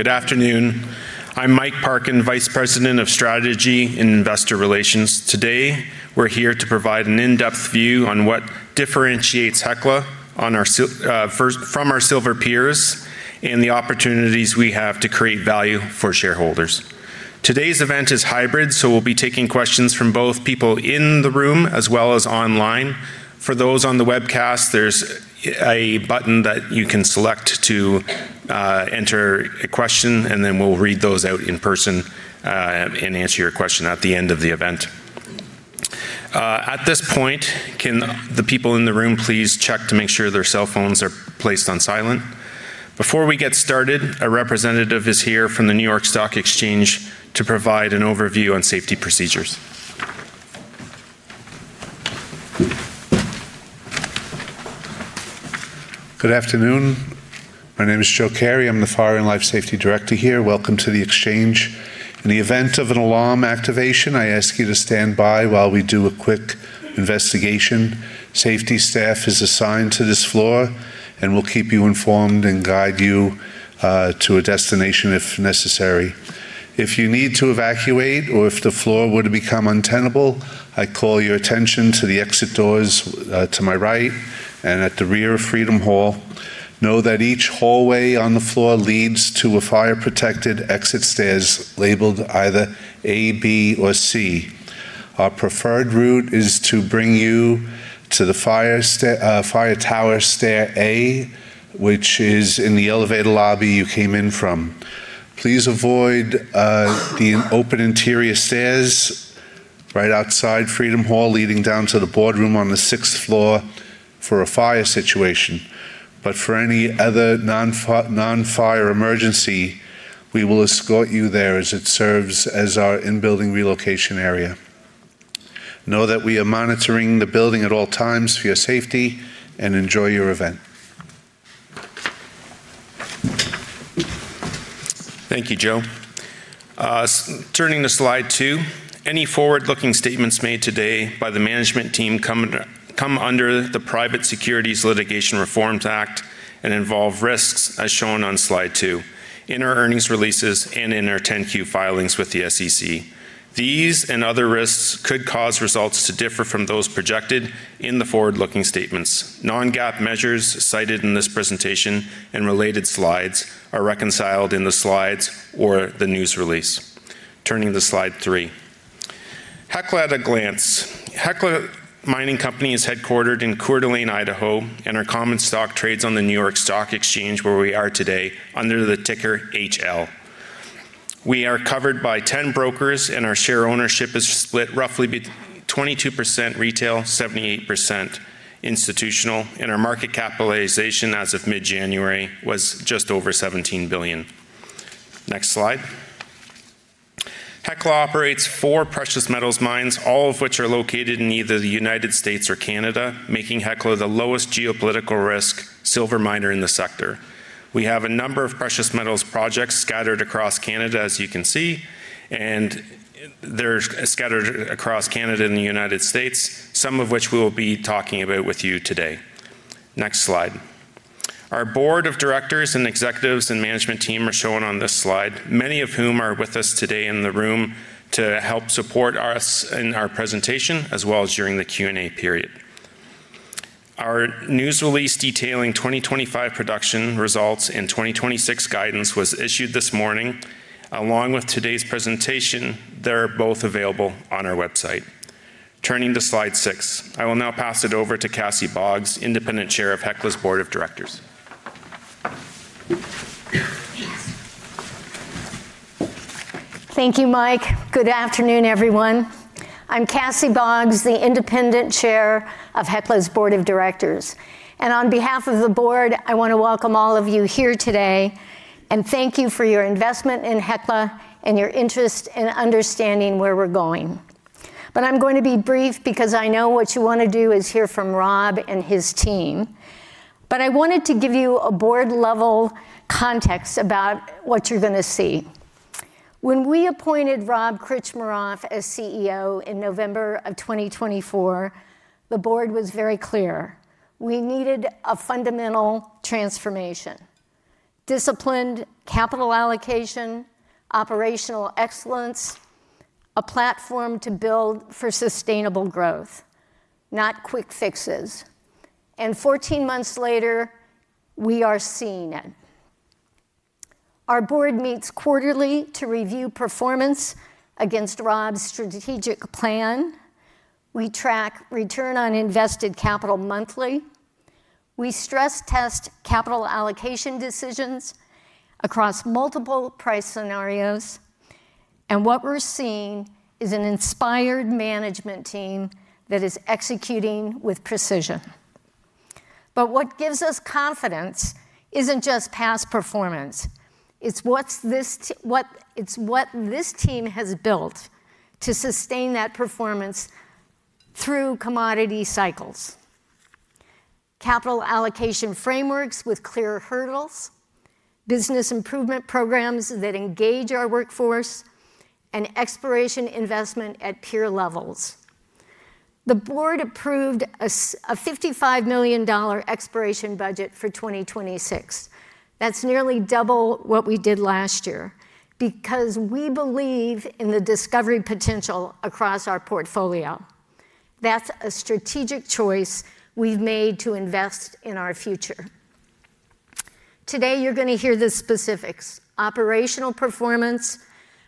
Good afternoon. I'm Mike Parkin, Vice President of Strategy and Investor Relations. Today, we're here to provide an in-depth view on what differentiates Hecla on our silver first from our silver peers, and the opportunities we have to create value for shareholders. Today's event is hybrid, so we'll be taking questions from both people in the room as well as online. For those on the webcast, there's a button that you can select to enter a question, and then we'll read those out in person and answer your question at the end of the event. At this point, can the people in the room please check to make sure their cell phones are placed on silent? Before we get started, a representative is here from the New York Stock Exchange to provide an overview on safety procedures. Good afternoon. My name is Joe Carey. I'm the Fire and Life Safety Director here. Welcome to the Exchange. In the event of an alarm activation, I ask you to stand by while we do a quick investigation. Safety staff is assigned to this floor, and we'll keep you informed and guide you to a destination if necessary. If you need to evacuate or if the floor were to become untenable, I call your attention to the exit doors to my right and at the rear of Freedom Hall. Know that each hallway on the floor leads to a fire-protected exit stairs labeled either A, B, or C. Our preferred route is to bring you to the fire stair fire tower stair A, which is in the elevator lobby you came in from. Please avoid the open interior stairs right outside Freedom Hall, leading down to the boardroom on the sixth floor for a fire situation. But for any other non-fire emergency, we will escort you there as it serves as our in-building relocation area. Know that we are monitoring the building at all times for your safety, and enjoy your event. Thank you, Joe. Turning to slide 2, any forward-looking statements made today by the management team come under, come under the Private Securities Litigation Reform Act and involve risks as shown on slide 2, in our earnings releases and in our 10-Q filings with the SEC. These and other risks could cause results to differ from those projected in the forward-looking statements. Non-GAAP measures cited in this presentation and related slides are reconciled in the slides or the news release. Turning to slide 3, Hecla at a glance. Hecla Mining Company is headquartered in Coeur d'Alene, Idaho, and our common stock trades on the New York Stock Exchange, where we are today under the ticker HL. We are covered by 10 brokers, and our share ownership is split roughly by 22% retail, 78% institutional, and our market capitalization as of mid-January was just over $17 billion. Next slide. Hecla operates 4 precious metals mines, all of which are located in either the United States or Canada, making Hecla the lowest geopolitical risk silver miner in the sector. We have a number of precious metals projects scattered across Canada, as you can see, and they're scattered across Canada and the United States, some of which we will be talking about with you today. Next slide. Our board of directors and executives and management team are shown on this slide, many of whom are with us today in the room to help support us in our presentation as well as during the Q&A period. Our news release detailing 2025 production results and 2026 guidance was issued this morning. Along with today's presentation, they're both available on our website. Turning to slide six, I will now pass it over to Cassie Boggs, Independent Chair of Hecla's Board of Directors. Thank you, Mike. Good afternoon, everyone. I'm Cassie Boggs, the Independent Chair of Hecla's Board of Directors, and on behalf of the board, I want to welcome all of you here today and thank you for your investment in Hecla and your interest in understanding where we're going. But I'm going to be brief because I know what you want to do is hear from Rob and his team, but I wanted to give you a board-level context about what you're gonna see. When we appointed Rob Krcmarov as CEO in November of 2024, the board was very clear: we needed a fundamental transformation, disciplined capital allocation, operational excellence, a platform to build for sustainable growth, not quick fixes. Fourteen months later, we are seeing it. Our board meets quarterly to review performance against Rob's strategic plan. We track return on invested capital monthly. We stress test capital allocation decisions across multiple price scenarios, and what we're seeing is an inspired management team that is executing with precision. But what gives us confidence isn't just past performance, it's what this team has built to sustain that performance through commodity cycles, capital allocation frameworks with clear hurdles, business improvement programs that engage our workforce, and exploration investment at peer levels. The board approved a $55 million exploration budget for 2026. That's nearly double what we did last year, because we believe in the discovery potential across our portfolio. That's a strategic choice we've made to invest in our future. Today, you're gonna hear the specifics: operational performance,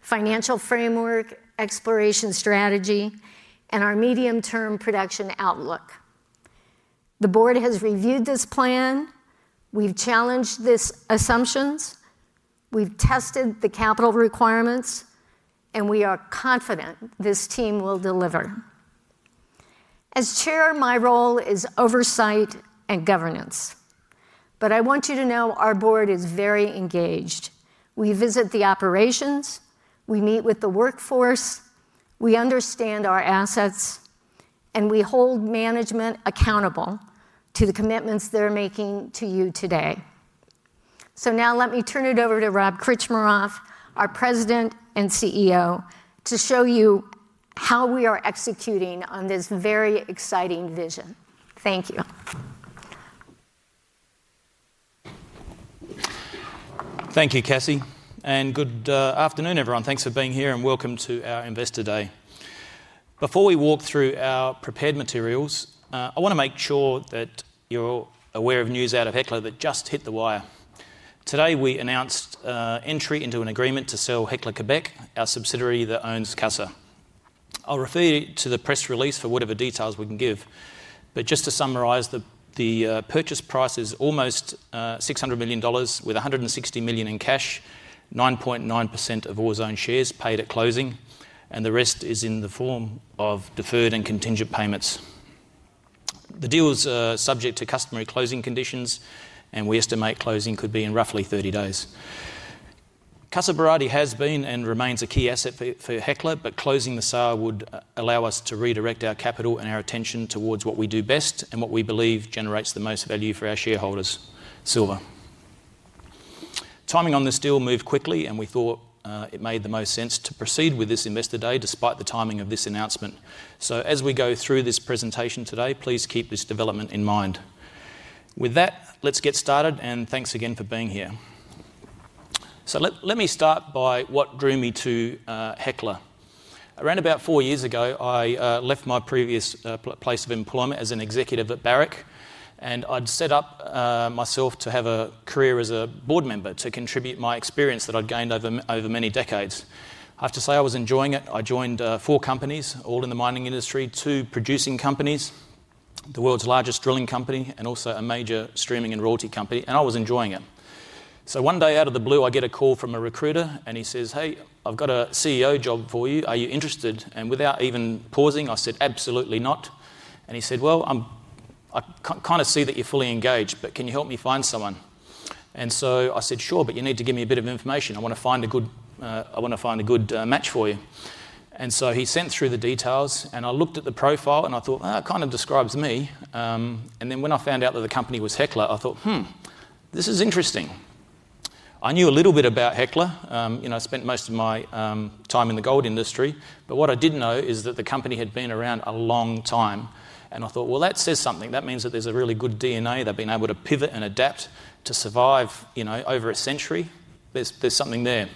financial framework, exploration strategy, and our medium-term production outlook. The board has reviewed this plan, we've challenged these assumptions, we've tested the capital requirements, and we are confident this team will deliver. As chair, my role is oversight and governance, but I want you to know our board is very engaged. We visit the operations, we meet with the workforce, we understand our assets, and we hold management accountable to the commitments they're making to you today. So now let me turn it over to Rob Krcmarov, our President and CEO, to show you how we are executing on this very exciting vision. Thank you. Thank you, Cassie, and good afternoon, everyone. Thanks for being here, and welcome to our Investor Day. Before we walk through our prepared materials, I wanna make sure that you're all aware of news out of Hecla that just hit the wire. Today, we announced entry into an agreement to sell Hecla Quebec, our subsidiary that owns Casa. I'll refer you to the press release for whatever details we can give. But just to summarize, the purchase price is almost $600 million, with $160 million in cash, 9.9% of Aurizon shares paid at closing, and the rest is in the form of deferred and contingent payments. The deal is subject to customary closing conditions, and we estimate closing could be in roughly 30 days. Casa Berardi has been and remains a key asset for Hecla, but closing the sale would allow us to redirect our capital and our attention towards what we do best and what we believe generates the most value for our shareholders: silver. Timing on this deal moved quickly, and we thought it made the most sense to proceed with this Investor Day, despite the timing of this announcement. So as we go through this presentation today, please keep this development in mind. With that, let's get started, and thanks again for being here. So let me start by what drew me to Hecla. Around about four years ago, I left my previous place of employment as an executive at Barrick, and I'd set up myself to have a career as a board member, to contribute my experience that I'd gained over many decades. I have to say, I was enjoying it. I joined four companies, all in the mining industry: two producing companies, the world's largest drilling company, and also a major streaming and royalty company, and I was enjoying it. So one day, out of the blue, I get a call from a recruiter, and he says, "Hey, I've got a CEO job for you. Are you interested?" And without even pausing, I said, "Absolutely not." And he said, "Well, I can kind of see that you're fully engaged, but can you help me find someone?" And so I said, "Sure, but you need to give me a bit of information. I wanna find a good match for you." And so he sent through the details, and I looked at the profile, and I thought, "Ah, it kind of describes me." And then when I found out that the company was Hecla, I thought, "Hmm, this is interesting." I knew a little bit about Hecla. You know, I spent most of my time in the gold industry, but what I did know is that the company had been around a long time, and I thought, "Well, that says something. That means that there's a really good DNA. They've been able to pivot and adapt to survive, you know, over a century. There's, there's something there.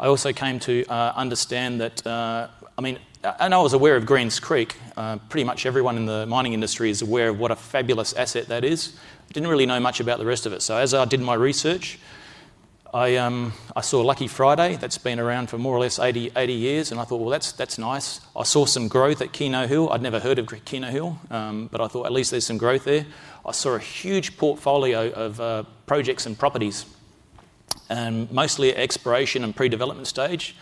I also came to understand that, I mean, and I was aware of Greens Creek. Pretty much everyone in the mining industry is aware of what a fabulous asset that is. Didn't really know much about the rest of it. So as I did my research, I saw Lucky Friday. That's been around for more or less 80 years, and I thought, "Well, that's, that's nice." I saw some growth at Keno Hill. I'd never heard of Keno Hill, but I thought, "At least there's some growth there." I saw a huge portfolio of projects and properties, mostly exploration and pre-development stage,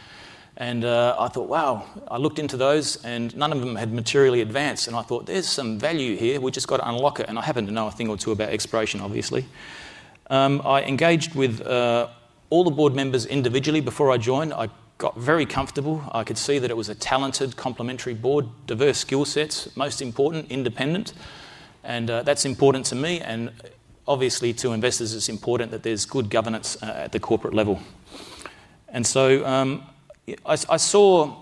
and I thought, "Wow!" I looked into those, and none of them had materially advanced, and I thought, "There's some value here. We've just got to unlock it," and I happen to know a thing or two about exploration, obviously. I engaged with all the board members individually before I joined. I got very comfortable. I could see that it was a talented, complementary board, diverse skill sets, most important, independent, and that's important to me, and obviously, to investors, it's important that there's good governance at the corporate level. So, yeah, I saw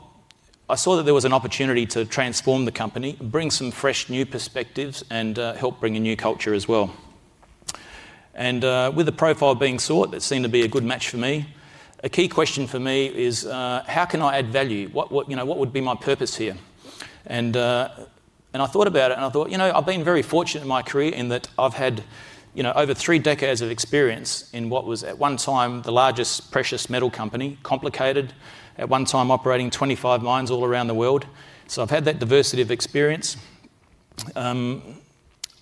that there was an opportunity to transform the company, bring some fresh, new perspectives, and help bring a new culture as well. With the profile being sought, that seemed to be a good match for me. A key question for me is, "How can I add value? What, you know, what would be my purpose here?" I thought about it, and I thought, "You know, I've been very fortunate in my career in that I've had, you know, over three decades of experience in what was at one time the largest precious metal company, complicated, at one time operating 25 mines all around the world." So I've had that diversity of experience.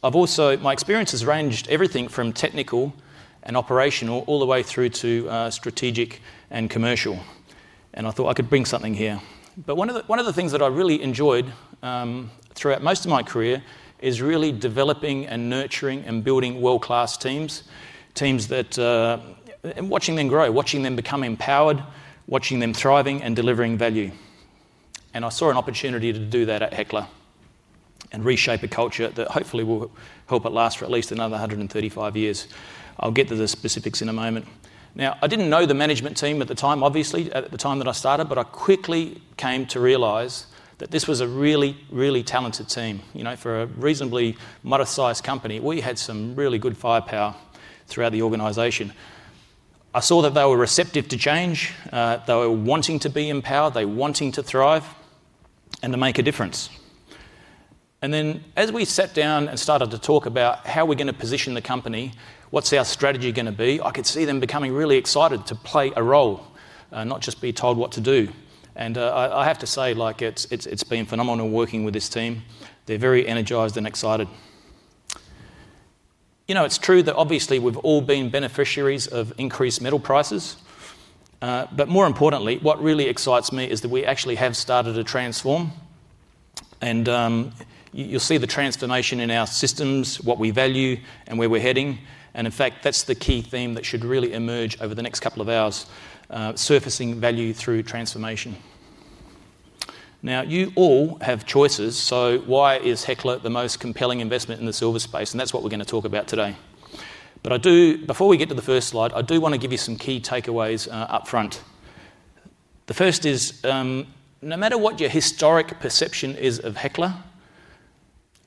I've also, my experience has ranged everything from technical and operational, all the way through to, strategic and commercial, and I thought I could bring something here. But one of the, one of the things that I really enjoyed, throughout most of my career is really developing and nurturing and building world-class teams, teams that, and watching them grow, watching them become empowered, watching them thriving and delivering value. And I saw an opportunity to do that at Hecla and reshape a culture that hopefully will help it last for at least another 135 years. I'll get to the specifics in a moment. Now, I didn't know the management team at the time, obviously, at the time that I started, but I quickly came to realize that this was a really, really talented team. You know, for a reasonably moderate-sized company, we had some really good firepower throughout the organization. I saw that they were receptive to change, they were wanting to be empowered, they wanting to thrive and to make a difference. And then, as we sat down and started to talk about how we're going to position the company, what's our strategy going to be? I could see them becoming really excited to play a role, not just be told what to do. And, I have to say, like, it's, it's, it's been phenomenal working with this team. They're very energized and excited. You know, it's true that obviously we've all been beneficiaries of increased metal prices, but more importantly, what really excites me is that we actually have started to transform, and you, you'll see the transformation in our systems, what we value, and where we're heading, and in fact, that's the key theme that should really emerge over the next couple of hours, surfacing value through transformation. Now, you all have choices, so why is Hecla the most compelling investment in the silver space? And that's what we're going to talk about today. But I do, before we get to the first slide, I do want to give you some key takeaways up front. The first is, no matter what your historic perception is of Hecla,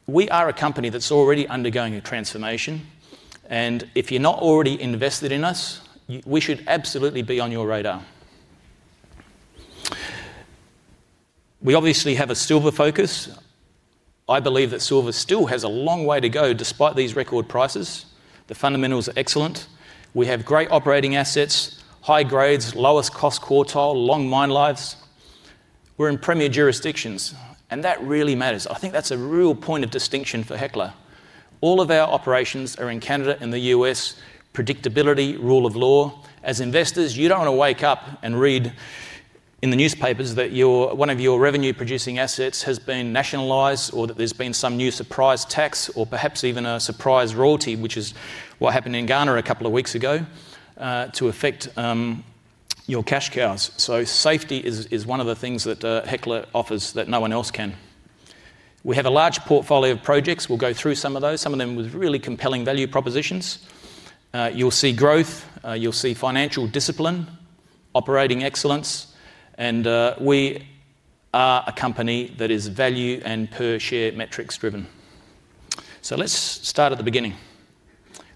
we are a company that's already undergoing a transformation, and if you're not already invested in us, we should absolutely be on your radar. We obviously have a silver focus. I believe that silver still has a long way to go, despite these record prices. The fundamentals are excellent. We have great operating assets, high grades, lowest cost quartile, long mine lives. We're in premier jurisdictions, and that really matters. I think that's a real point of distinction for Hecla. All of our operations are in Canada and the U.S., predictability, rule of law. As investors, you don't want to wake up and read in the newspapers that your, one of your revenue-producing assets has been nationalised, or that there's been some new surprise tax, or perhaps even a surprise royalty, which is what happened in Ghana a couple of weeks ago to affect your cash cows. So safety is one of the things that Hecla offers that no one else can. We have a large portfolio of projects. We'll go through some of those, some of them with really compelling value propositions. You'll see growth, you'll see financial discipline, operating excellence, and we are a company that is value and per-share metrics driven. So let's start at the beginning.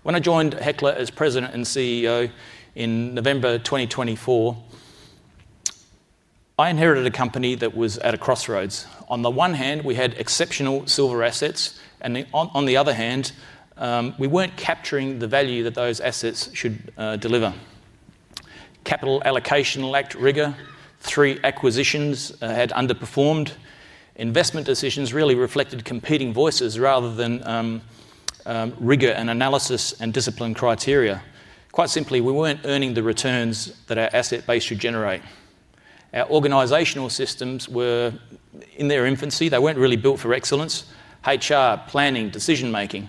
When I joined Hecla as President and CEO in November 2024, I inherited a company that was at a crossroads. On the one hand, we had exceptional silver assets, and on the other hand, we weren't capturing the value that those assets should deliver. Capital allocation lacked rigor. Three acquisitions had underperformed. Investment decisions really reflected competing voices rather than rigor and analysis and discipline criteria. Quite simply, we weren't earning the returns that our asset base should generate. Our organizational systems were in their infancy. They weren't really built for excellence. HR, planning, decision-making,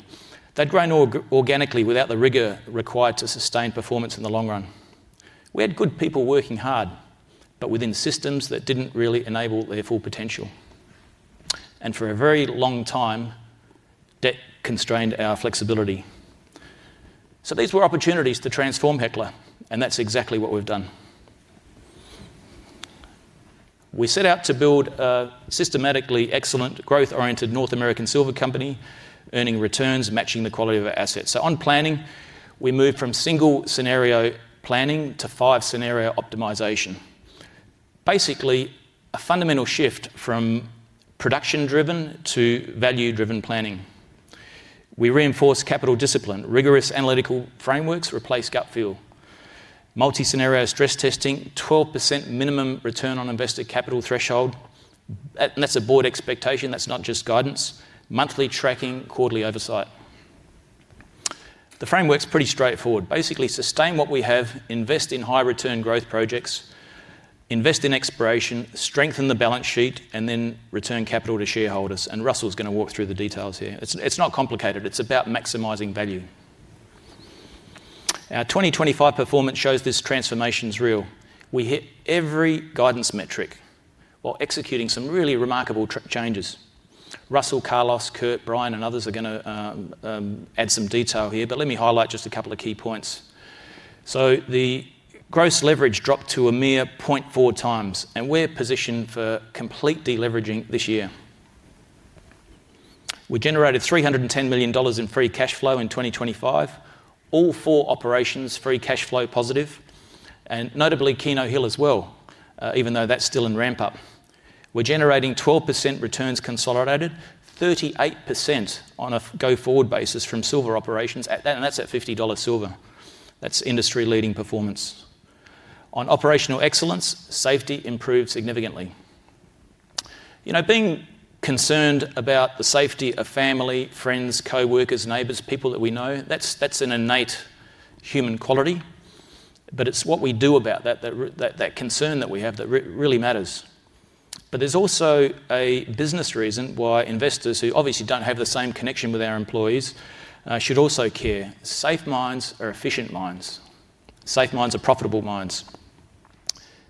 they'd grown organically without the rigor required to sustain performance in the long run. We had good people working hard, but within systems that didn't really enable their full potential. And for a very long time, debt constrained our flexibility. So these were opportunities to transform Hecla, and that's exactly what we've done. We set out to build a systematically excellent, growth-oriented North American silver company, earning returns matching the quality of our assets. So on planning, we moved from single scenario planning to five-scenario optimization. Basically, a fundamental shift from production-driven to value-driven planning. We reinforced capital discipline, rigorous analytical frameworks, replaced gut feel. Multi-scenario stress testing, 12% minimum return on invested capital threshold, at—and that's a board expectation, that's not just guidance, monthly tracking, quarterly oversight. The framework's pretty straightforward. Basically, sustain what we have, invest in high-return growth projects, invest in exploration, strengthen the balance sheet, and then return capital to shareholders, and Russell's going to walk through the details here. It's, it's not complicated, it's about maximizing value. Our 2025 performance shows this transformation is real. We hit every guidance metric while executing some really remarkable changes. Russell, Carlos, Kurt, Brian, and others are going to add some detail here, but let me highlight just a couple of key points. The gross leverage dropped to a mere 0.4x, and we're positioned for complete deleveraging this year. We generated $310 million in free cash flow in 2025. All four operations, free cash flow positive, and notably Keno Hill as well, even though that's still in ramp-up. We're generating 12% returns consolidated, 38% on a go-forward basis from silver operations at that, and that's at $50 silver. That's industry-leading performance. On operational excellence, safety improved significantly. You know, being concerned about the safety of family, friends, coworkers, neighbors, people that we know, that's an innate human quality, but it's what we do about that concern that we have that really matters. But there's also a business reason why investors who obviously don't have the same connection with our employees should also care. Safe mines are efficient mines. Safe mines are profitable mines.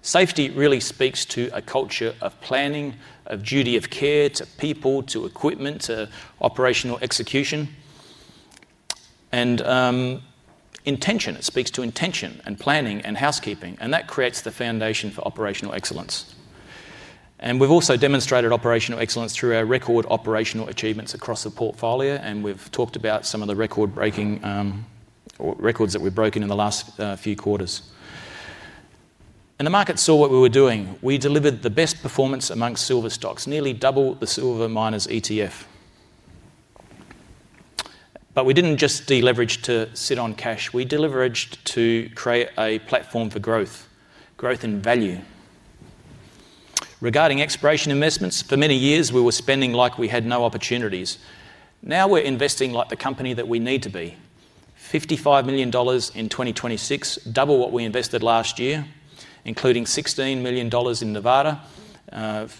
Safety really speaks to a culture of planning, of duty of care to people, to equipment, to operational execution, and intention. It speaks to intention and planning and housekeeping, and that creates the foundation for operational excellence. And we've also demonstrated operational excellence through our record operational achievements across the portfolio, and we've talked about some of the record-breaking or records that we've broken in the last few quarters. The market saw what we were doing. We delivered the best performance amongst silver stocks, nearly double the silver miners ETF. But we didn't just de-leverage to sit on cash. We de-leveraged to create a platform for growth, growth in value. Regarding exploration investments, for many years, we were spending like we had no opportunities. Now, we're investing like the company that we need to be. $55 million in 2026, double what we invested last year, including $16 million in Nevada,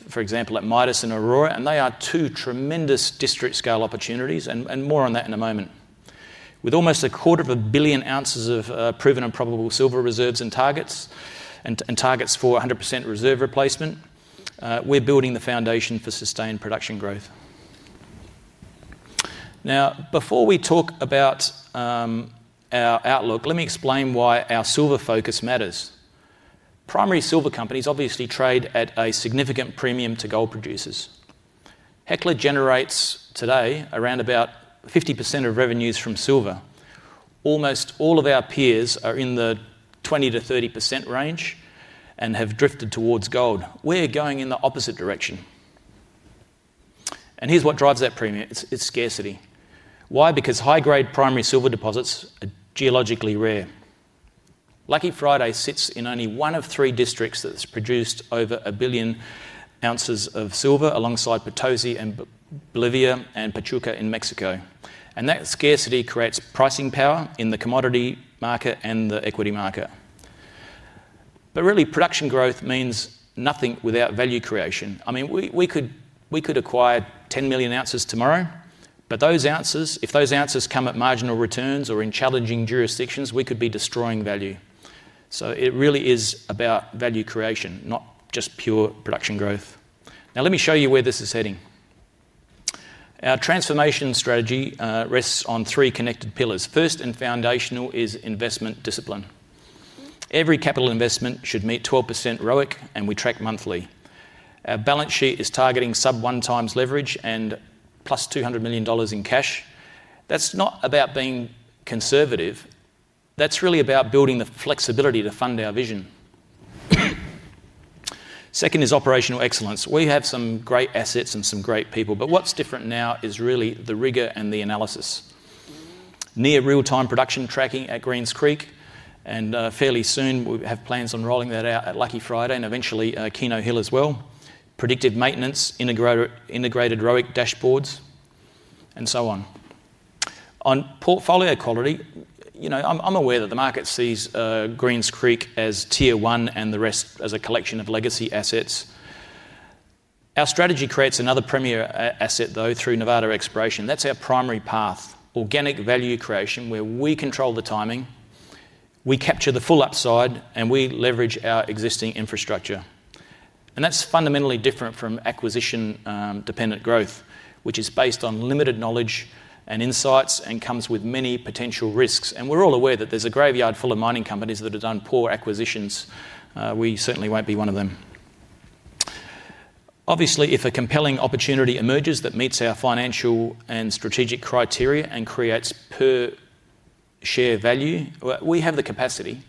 for example, at Midas and Aurora, and they are two tremendous district-scale opportunities, and more on that in a moment. With almost 250 million ounces of proven and probable silver reserves and targets, and targets for 100% reserve replacement, we're building the foundation for sustained production growth. Now, before we talk about our outlook, let me explain why our silver focus matters. Primary silver companies obviously trade at a significant premium to gold producers. Hecla generates today around about 50% of revenues from silver. Almost all of our peers are in the 20%-30% range and have drifted towards gold. We're going in the opposite direction. Here's what drives that premium: it's scarcity. Why? Because high-grade primary silver deposits are geologically rare. Lucky Friday sits in only one of three districts that's produced over 1 billion ounces of silver, alongside Potosí in Bolivia and Pachuca in Mexico. And that scarcity creates pricing power in the commodity market and the equity market. Really, production growth means nothing without value creation. I mean, we, we could, we could acquire 10 million ounces tomorrow, but those ounces, if those ounces come at marginal returns or in challenging jurisdictions, we could be destroying value. So it really is about value creation, not just pure production growth. Now, let me show you where this is heading. Our transformation strategy rests on three connected pillars. First, and foundational, is investment discipline. Every capital investment should meet 12% ROIC, and we track monthly. Our balance sheet is targeting sub 1 times leverage and +$200 million in cash. That's not about being conservative; that's really about building the flexibility to fund our vision. Second is operational excellence. We have some great assets and some great people, but what's different now is really the rigor and the analysis. Near real-time production tracking at Greens Creek, and fairly soon, we have plans on rolling that out at Lucky Friday and eventually Keno Hill as well. Predictive maintenance, integrated ROIC dashboards, and so on. On portfolio quality, you know, I'm aware that the market sees Greens Creek as Tier One and the rest as a collection of legacy assets. Our strategy creates another premier asset, though, through Nevada exploration. That's our primary path, organic value creation, where we control the timing, we capture the full upside, and we leverage our existing infrastructure. And that's fundamentally different from acquisition dependent growth, which is based on limited knowledge and insights and comes with many potential risks. And we're all aware that there's a graveyard full of mining companies that have done poor acquisitions. We certainly won't be one of them. Obviously, if a compelling opportunity emerges that meets our financial and strategic criteria and creates per share value, well, we have the capacity,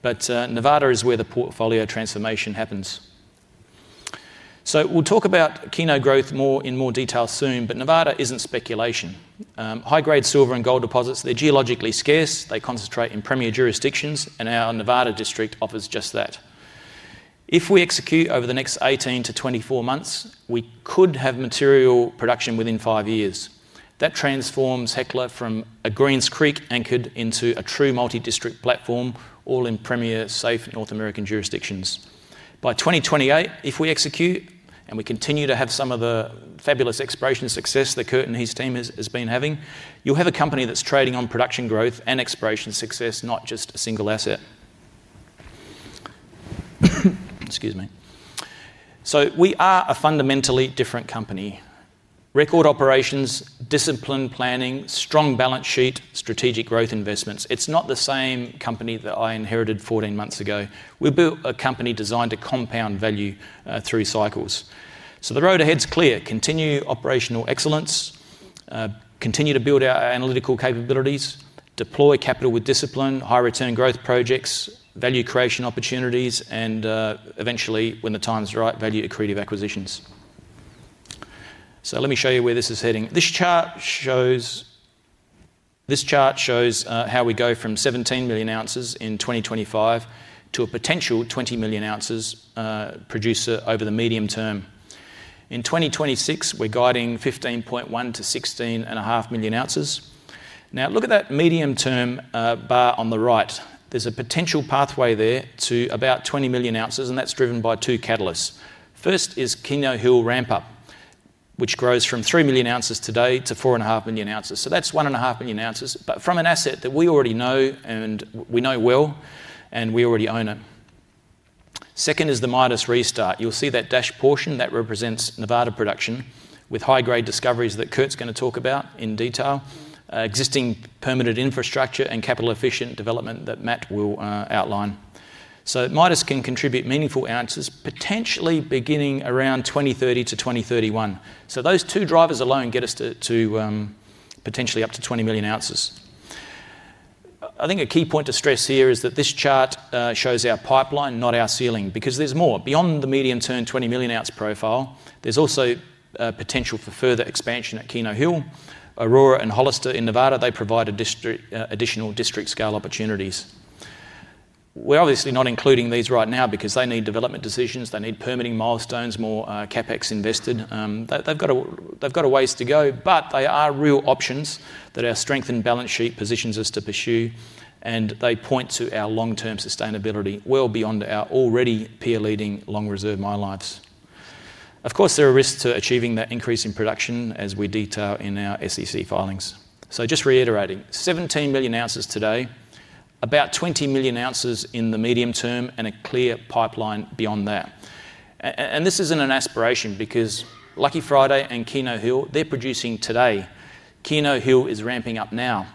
but Nevada is where the portfolio transformation happens. So we'll talk about Keno growth more in more detail soon, but Nevada isn't speculation. High-grade silver and gold deposits, they're geologically scarce, they concentrate in premier jurisdictions, and our Nevada district offers just that. If we execute over the next 18-24 months, we could have material production within 5 years. That transforms Hecla from a Greens Creek anchored into a true multi-district platform, all in premier, safe North American jurisdictions. By 2028, if we execute, and we continue to have some of the fabulous exploration success that Kurt and his team has, has been having, you'll have a company that's trading on production growth and exploration success, not just a single asset. Excuse me. So we are a fundamentally different company. Record operations, disciplined planning, strong balance sheet, strategic growth investments. It's not the same company that I inherited 14 months ago. We built a company designed to compound value through cycles. So the road ahead's clear: continue operational excellence, continue to build our analytical capabilities, deploy capital with discipline, high return growth projects, value creation opportunities, and eventually, when the time's right, value-accretive acquisitions. So let me show you where this is heading. This chart shows, this chart shows how we go from 17 million ounces in 2025 to a potential 20 million ounces producer over the medium term. In 2026, we're guiding 15.1-16.5 million ounces. Now, look at that medium-term bar on the right. There's a potential pathway there to about 20 million ounces, and that's driven by 2 catalysts. First is Keno Hill ramp-up, which grows from 3 million ounces today to 4.5 million ounces. So that's 1.5 million ounces, but from an asset that we already know, and we know well, and we already own it. Second is the Midas restart. You'll see that dashed portion, that represents Nevada production, with high-grade discoveries that Kurt's gonna talk about in detail, existing permitted infrastructure and capital-efficient development that Matt will outline. So Midas can contribute meaningful ounces, potentially beginning around 2030 to 2031. So those two drivers alone get us to potentially up to 20 million ounces. I think a key point to stress here is that this chart shows our pipeline, not our ceiling, because there's more. Beyond the medium-term 20 million-ounce profile, there's also potential for further expansion at Keno Hill. Aurora and Hollister in Nevada, they provide additional district-scale opportunities. We're obviously not including these right now because they need development decisions, they need permitting milestones, more CapEx invested. They've got a ways to go, but they are real options that our strengthened balance sheet positions us to pursue, and they point to our long-term sustainability, well beyond our already peer-leading long reserve mine lives. Of course, there are risks to achieving that increase in production, as we detail in our SEC filings. So just reiterating, 17 million ounces today, about 20 million ounces in the medium term, and a clear pipeline beyond that. And this isn't an aspiration, because Lucky Friday and Keno Hill, they're producing today. Keno Hill is ramping up now,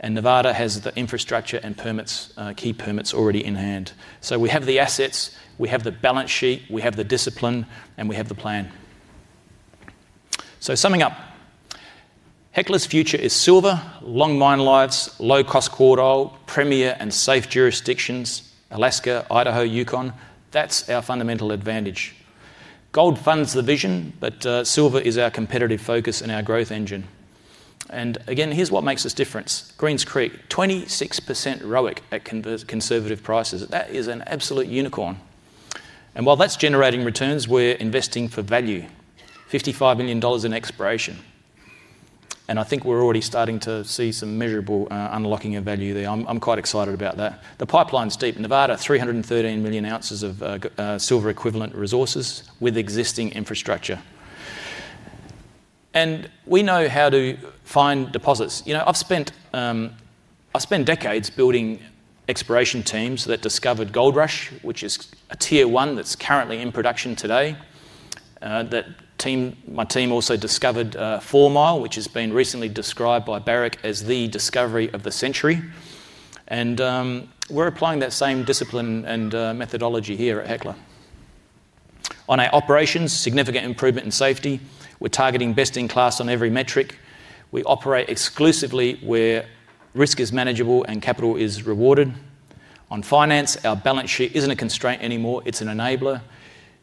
and Nevada has the infrastructure and permits, key permits already in hand. So we have the assets, we have the balance sheet, we have the discipline, and we have the plan. So summing up, Hecla's future is silver, long mine lives, low-cost quartile, premier and safe jurisdictions, Alaska, Idaho, Yukon. That's our fundamental advantage. Gold funds the vision, but, silver is our competitive focus and our growth engine. And again, here's what makes us different: Greens Creek, 26% ROIC at conservative prices. That is an absolute unicorn. And while that's generating returns, we're investing for value, $55 million in exploration, and I think we're already starting to see some measurable, unlocking of value there. I'm quite excited about that. The pipeline's deep. Nevada, 313 million ounces of silver-equivalent resources with existing infrastructure. We know how to find deposits. You know, I've spent decades building exploration teams that discovered Goldrush, which is a Tier One that's currently in production today. That team, my team also discovered Fourmile, which has been recently described by Barrick as the discovery of the century. We're applying that same discipline and methodology here at Hecla. On our operations, significant improvement in safety. We're targeting best-in-class on every metric. We operate exclusively where risk is manageable and capital is rewarded. On finance, our balance sheet isn't a constraint anymore, it's an enabler.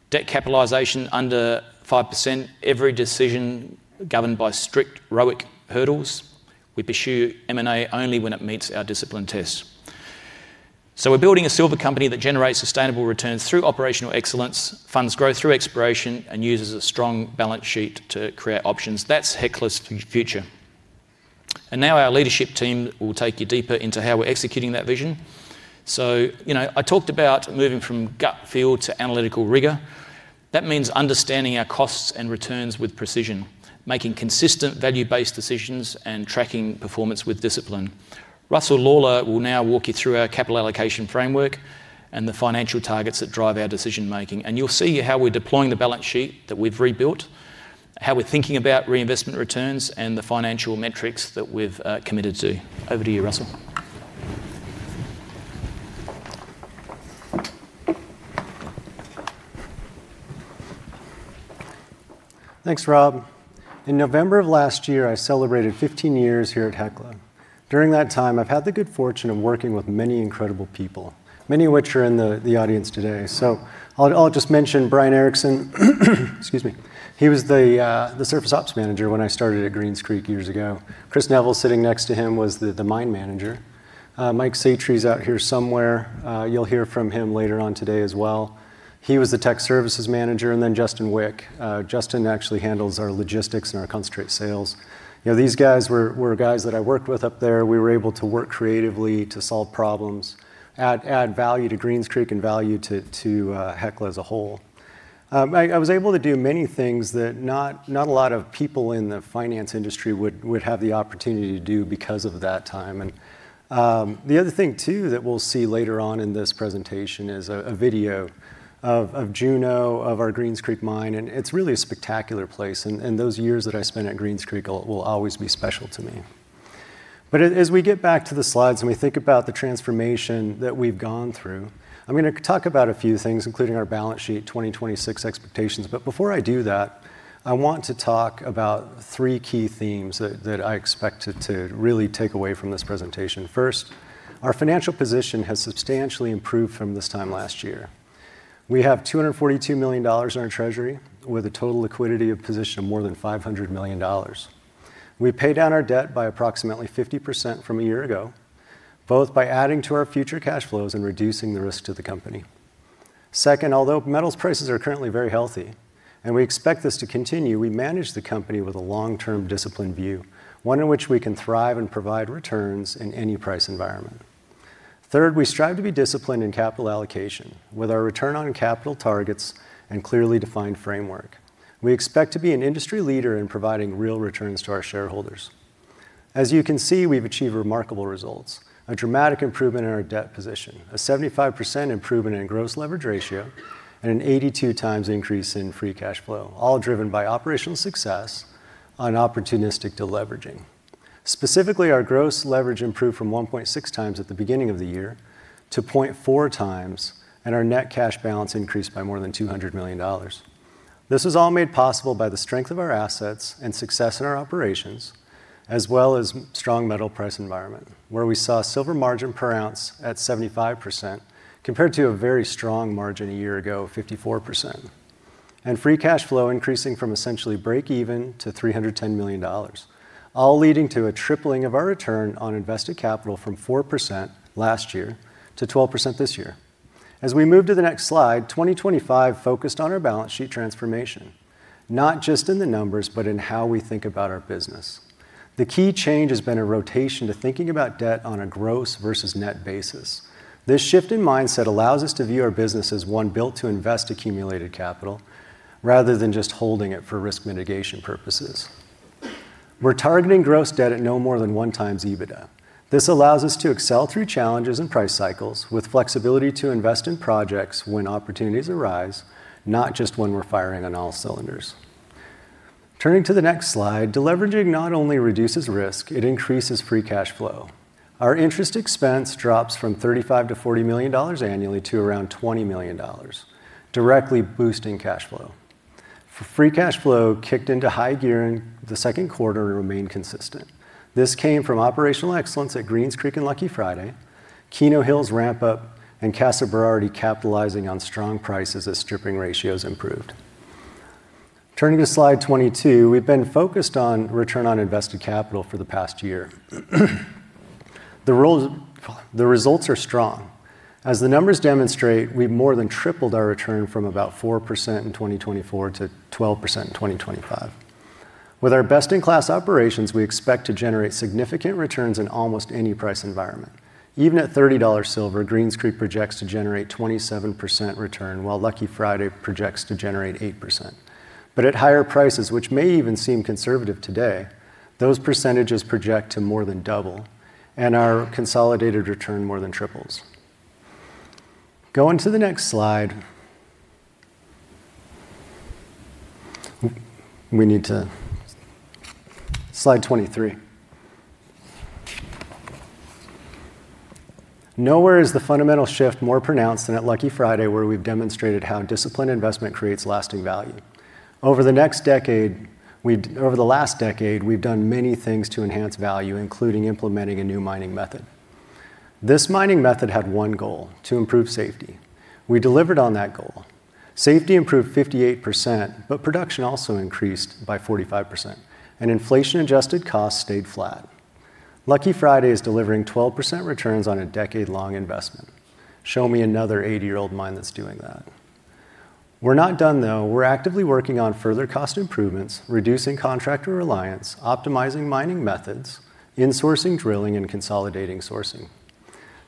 Debt capitalization under 5%, every decision governed by strict ROIC hurdles. We pursue M&A only when it meets our discipline tests. So we're building a silver company that generates sustainable returns through operational excellence, funds growth through exploration, and uses a strong balance sheet to create options. That's Hecla's future. And now our leadership team will take you deeper into how we're executing that vision. So, you know, I talked about moving from gut feel to analytical rigor. That means understanding our costs and returns with precision, making consistent value-based decisions, and tracking performance with discipline. Russell Lawlar will now walk you through our capital allocation framework and the financial targets that drive our decision-making. And you'll see how we're deploying the balance sheet that we've rebuilt, how we're thinking about reinvestment returns, and the financial metrics that we've committed to. Over to you, Russell. Thanks, Rob. In November of last year, I celebrated 15 years here at Hecla. During that time, I've had the good fortune of working with many incredible people, many of which are in the audience today. So I'll just mention Brian Erickson. Excuse me. He was the surface ops manager when I started at Greens Creek years ago. Chris Neville, sitting next to him, was the mine manager. Mike Satre is out here somewhere. You'll hear from him later on today as well. He was the tech services manager, and then Justin Wick. Justin actually handles our logistics and our concentrate sales. You know, these guys were guys that I worked with up there. We were able to work creatively to solve problems, add value to Greens Creek, and value to Hecla as a whole. I was able to do many things that not a lot of people in the finance industry would have the opportunity to do because of that time. And the other thing, too, that we'll see later on in this presentation is a video of Juneau, of our Greens Creek mine, and it's really a spectacular place, and those years that I spent at Greens Creek will always be special to me. But as we get back to the slides and we think about the transformation that we've gone through, I'm gonna talk about a few things, including our balance sheet, 2026 expectations. But before I do that, I want to talk about three key themes that I expect you to really take away from this presentation. First, our financial position has substantially improved from this time last year. We have $242 million in our treasury, with a total liquidity position of more than $500 million. We paid down our debt by approximately 50% from a year ago, both by adding to our future cash flows and reducing the risk to the company. Second, although metals prices are currently very healthy, and we expect this to continue, we manage the company with a long-term, disciplined view, one in which we can thrive and provide returns in any price environment. Third, we strive to be disciplined in capital allocation with our return on capital targets and clearly defined framework. We expect to be an industry leader in providing real returns to our shareholders. As you can see, we've achieved remarkable results, a dramatic improvement in our debt position, a 75% improvement in gross leverage ratio, and an 82x increase in free cash flow, all driven by operational success on opportunistic deleveraging. Specifically, our gross leverage improved from 1.6x at the beginning of the year to 0.4x, and our net cash balance increased by more than $200 million. This was all made possible by the strength of our assets and success in our operations, as well as strong metal price environment, where we saw silver margin per ounce at 75%, compared to a very strong margin a year ago, 54%. Free cash flow increasing from essentially break even to $310 million, all leading to a tripling of our return on invested capital from 4% last year to 12% this year. As we move to the next slide, 2025 focused on our balance sheet transformation, not just in the numbers, but in how we think about our business. The key change has been a rotation to thinking about debt on a gross versus net basis. This shift in mindset allows us to view our business as one built to invest accumulated capital rather than just holding it for risk mitigation purposes. We're targeting gross debt at no more than 1x EBITDA. This allows us to excel through challenges and price cycles with flexibility to invest in projects when opportunities arise, not just when we're firing on all cylinders. Turning to the next slide, deleveraging not only reduces risk, it increases free cash flow. Our interest expense drops from $35-$40 million annually to around $20 million, directly boosting cash flow. Free cash flow kicked into high gear in the second quarter and remained consistent. This came from operational excellence at Greens Creek and Lucky Friday, Keno Hill's ramp-up, and Casa Berardi capitalizing on strong prices as stripping ratios improved. Turning to slide 22, we've been focused on return on invested capital for the past year. The ROIC - the results are strong. As the numbers demonstrate, we've more than tripled our return from about 4% in 2024 to 12% in 2025. With our best-in-class operations, we expect to generate significant returns in almost any price environment. Even at $30 silver, Greens Creek projects to generate 27% return, while Lucky Friday projects to generate 8%. But at higher prices, which may even seem conservative today, those percentages project to more than double, and our consolidated return more than triples. Going to the next slide. Slide 23. Nowhere is the fundamental shift more pronounced than at Lucky Friday, where we've demonstrated how disciplined investment creates lasting value. Over the last decade, we've done many things to enhance value, including implementing a new mining method. This mining method had one goal: to improve safety. We delivered on that goal. Safety improved 58%, but production also increased by 45%, and inflation-adjusted costs stayed flat. Lucky Friday is delivering 12% returns on a decade-long investment. Show me another 80-year-old mine that's doing that. We're not done, though. We're actively working on further cost improvements, reducing contractor reliance, optimizing mining methods, insourcing drilling, and consolidating sourcing.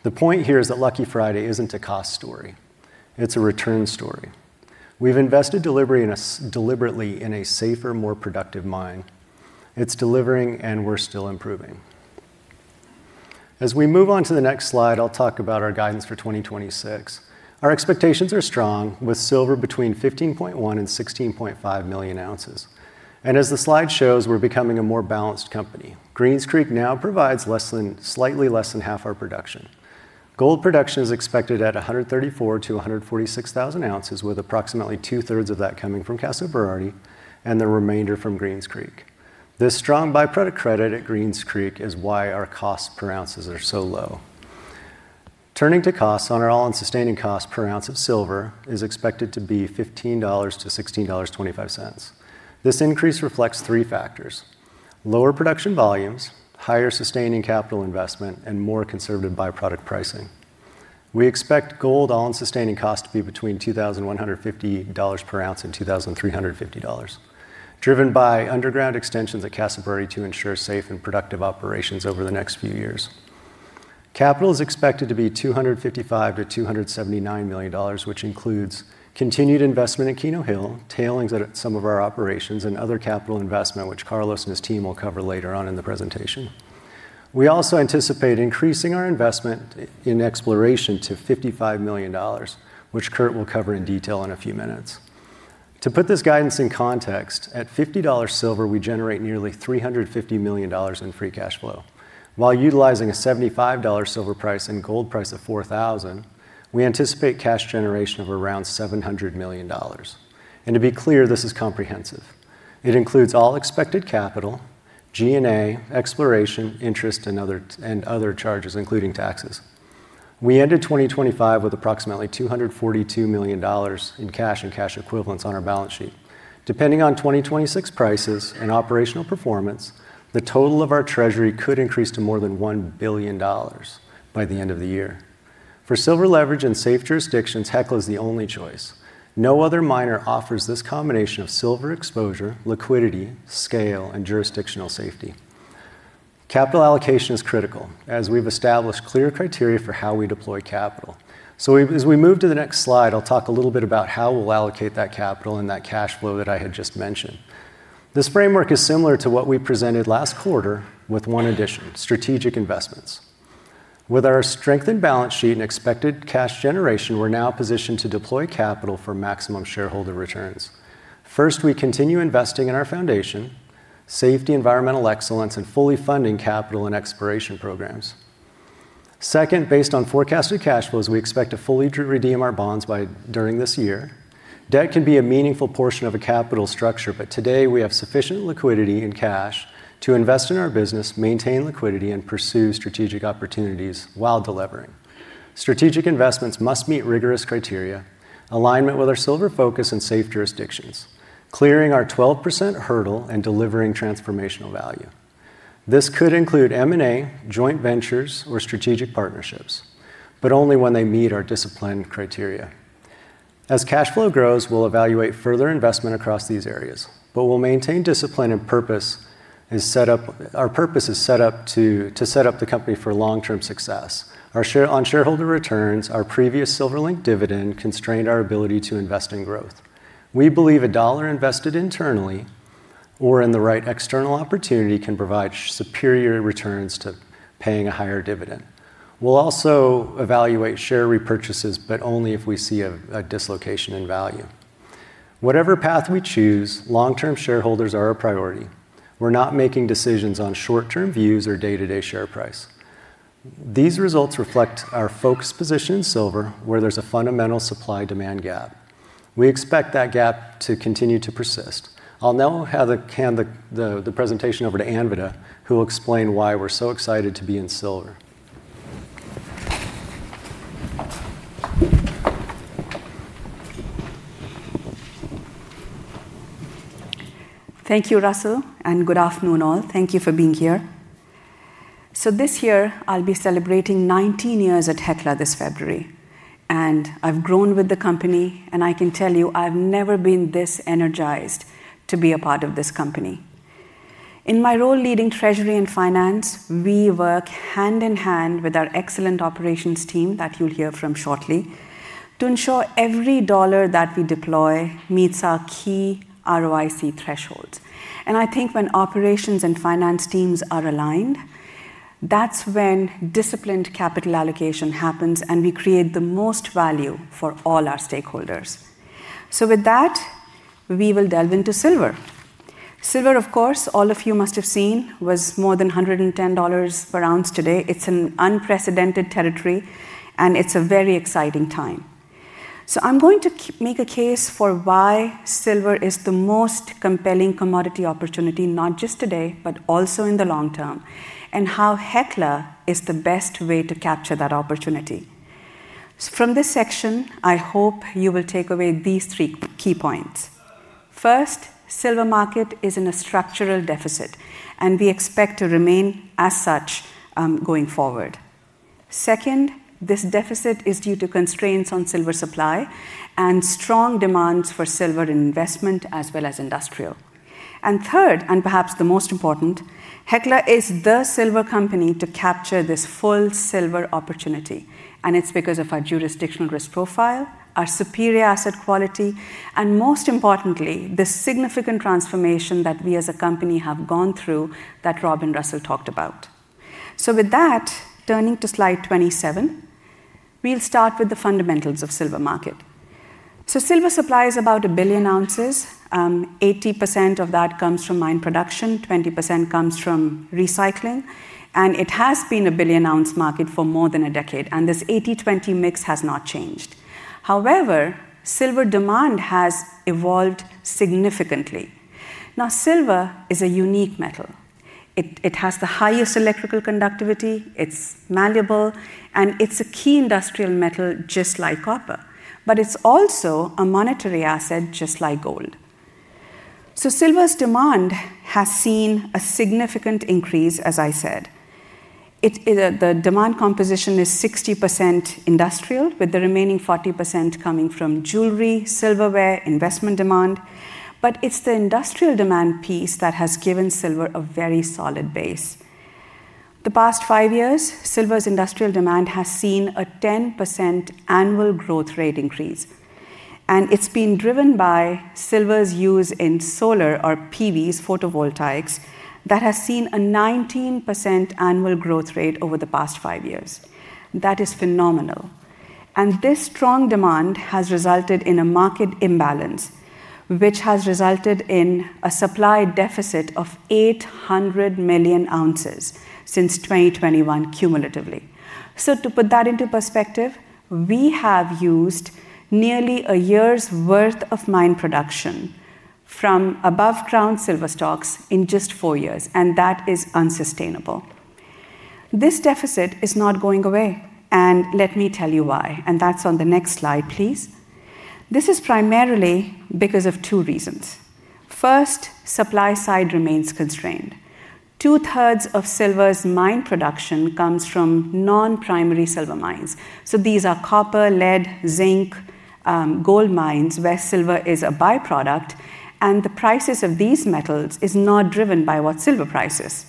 The point here is that Lucky Friday isn't a cost story, it's a return story. We've invested deliberately in a safer, more productive mine. It's delivering, and we're still improving. As we move on to the next slide, I'll talk about our guidance for 2026. Our expectations are strong, with silver between 15.1-16.5 million ounces. And as the slide shows, we're becoming a more balanced company. Greens Creek now provides slightly less than half our production. Gold production is expected at 134-146 thousand ounces, with approximately two-thirds of that coming from Casa Berardi and the remainder from Greens Creek. This strong by-product credit at Greens Creek is why our cost per ounces are so low. Turning to costs, our All-in Sustaining Cost per ounce of silver is expected to be $15-$16.25. This increase reflects three factors: lower production volumes, higher sustaining capital investment, and more conservative by-product pricing. We expect gold All-in Sustaining Cost to be between $2,150 per ounce and $2,350, driven by underground extensions at Casa Berardi to ensure safe and productive operations over the next few years. Capital is expected to be $255 million-$279 million, which includes continued investment in Keno Hill, tailings at some of our operations, and other capital investment, which Carlos and his team will cover later on in the presentation. We also anticipate increasing our investment in exploration to $55 million, which Kurt will cover in detail in a few minutes. To put this guidance in context, at $50 silver, we generate nearly $350 million in free cash flow. While utilizing a $75 silver price and gold price of $4,000, we anticipate cash generation of around $700 million. To be clear, this is comprehensive. It includes all expected capital, G&A, exploration, interest, and other, and other charges, including taxes. We ended 2025 with approximately $242 million in cash and cash equivalents on our balance sheet. Depending on 2026 prices and operational performance, the total of our treasury could increase to more than $1 billion by the end of the year. For silver leverage in safe jurisdictions, Hecla is the only choice. No other miner offers this combination of silver exposure, liquidity, scale, and jurisdictional safety. Capital allocation is critical, as we've established clear criteria for how we deploy capital. As we move to the next slide, I'll talk a little bit about how we'll allocate that capital and that cash flow that I had just mentioned. This framework is similar to what we presented last quarter, with one addition: strategic investments. With our strengthened balance sheet and expected cash generation, we're now positioned to deploy capital for maximum shareholder returns. First, we continue investing in our foundation, safety, environmental excellence, and fully funding capital and exploration programs. Second, based on forecasted cash flows, we expect to fully redeem our bonds by during this year. Debt can be a meaningful portion of a capital structure, but today we have sufficient liquidity and cash to invest in our business, maintain liquidity, and pursue strategic opportunities while delivering. Strategic investments must meet rigorous criteria, alignment with our silver focus and safe jurisdictions, clearing our 12% hurdle and delivering transformational value. This could include M&A, joint ventures or strategic partnerships, but only when they meet our disciplined criteria. As cash flow grows, we'll evaluate further investment across these areas, but we'll maintain discipline, and our purpose is set up to set up the company for long-term success. Our shareholder returns, our previous silver-linked dividend constrained our ability to invest in growth. We believe a dollar invested internally or in the right external opportunity can provide superior returns to paying a higher dividend. We'll also evaluate share repurchases, but only if we see a dislocation in value. Whatever path we choose, long-term shareholders are our priority. We're not making decisions on short-term views or day-to-day share price. These results reflect our focused position in silver, where there's a fundamental supply-demand gap. We expect that gap to continue to persist. I'll now hand the presentation over to Anvita, who will explain why we're so excited to be in silver. Thank you, Russell, and good afternoon all. Thank you for being here. This year I'll be celebrating 19 years at Hecla this February, and I've grown with the company, and I can tell you I've never been this energized to be a part of this company. In my role leading treasury and finance, we work hand in hand with our excellent operations team, that you'll hear from shortly, to ensure every dollar that we deploy meets our key ROIC thresholds. I think when operations and finance teams are aligned, that's when disciplined capital allocation happens, and we create the most value for all our stakeholders. With that, we will delve into silver. Silver, of course, all of you must have seen, was more than $110 per ounce today. It's an unprecedented territory, and it's a very exciting time. So I'm going to make a case for why silver is the most compelling commodity opportunity, not just today, but also in the long term, and how Hecla is the best way to capture that opportunity. From this section, I hope you will take away these three key points. First, silver market is in a structural deficit, and we expect to remain as such, going forward. Second, this deficit is due to constraints on silver supply and strong demands for silver investment, as well as industrial. Third, and perhaps the most important, Hecla is the silver company to capture this full silver opportunity, and it's because of our jurisdictional risk profile, our superior asset quality, and most importantly, the significant transformation that we as a company have gone through that Rob and Russell talked about. So with that, turning to slide 27, we'll start with the fundamentals of silver market. So silver supply is about a billion ounces. 80% of that comes from mine production, 20% comes from recycling, and it has been a billion-ounce market for more than a decade, and this 80-20 mix has not changed. However, silver demand has evolved significantly. Now, silver is a unique metal. It, it has the highest electrical conductivity, it's malleable, and it's a key industrial metal, just like copper, but it's also a monetary asset, just like gold. So silver's demand has seen a significant increase, as I said. It's either the demand composition is 60% industrial, with the remaining 40% coming from jewelry, silverware, investment demand, but it's the industrial demand piece that has given silver a very solid base. The past five years, silver's industrial demand has seen a 10% annual growth rate increase, and it's been driven by silver's use in solar or PVs, photovoltaics, that has seen a 19% annual growth rate over the past five years. That is phenomenal. This strong demand has resulted in a market imbalance, which has resulted in a supply deficit of 800 million ounces since 2021 cumulatively. To put that into perspective, we have used nearly a year's worth of mine production from above-ground silver stocks in just four years, and that is unsustainable. This deficit is not going away, and let me tell you why, and that's on the next slide, please. This is primarily because of two reasons. First, supply side remains constrained. Two-thirds of silver's mine production comes from non-primary silver mines. So these are copper, lead, zinc, gold mines, where silver is a by-product, and the prices of these metals is not driven by what silver price is.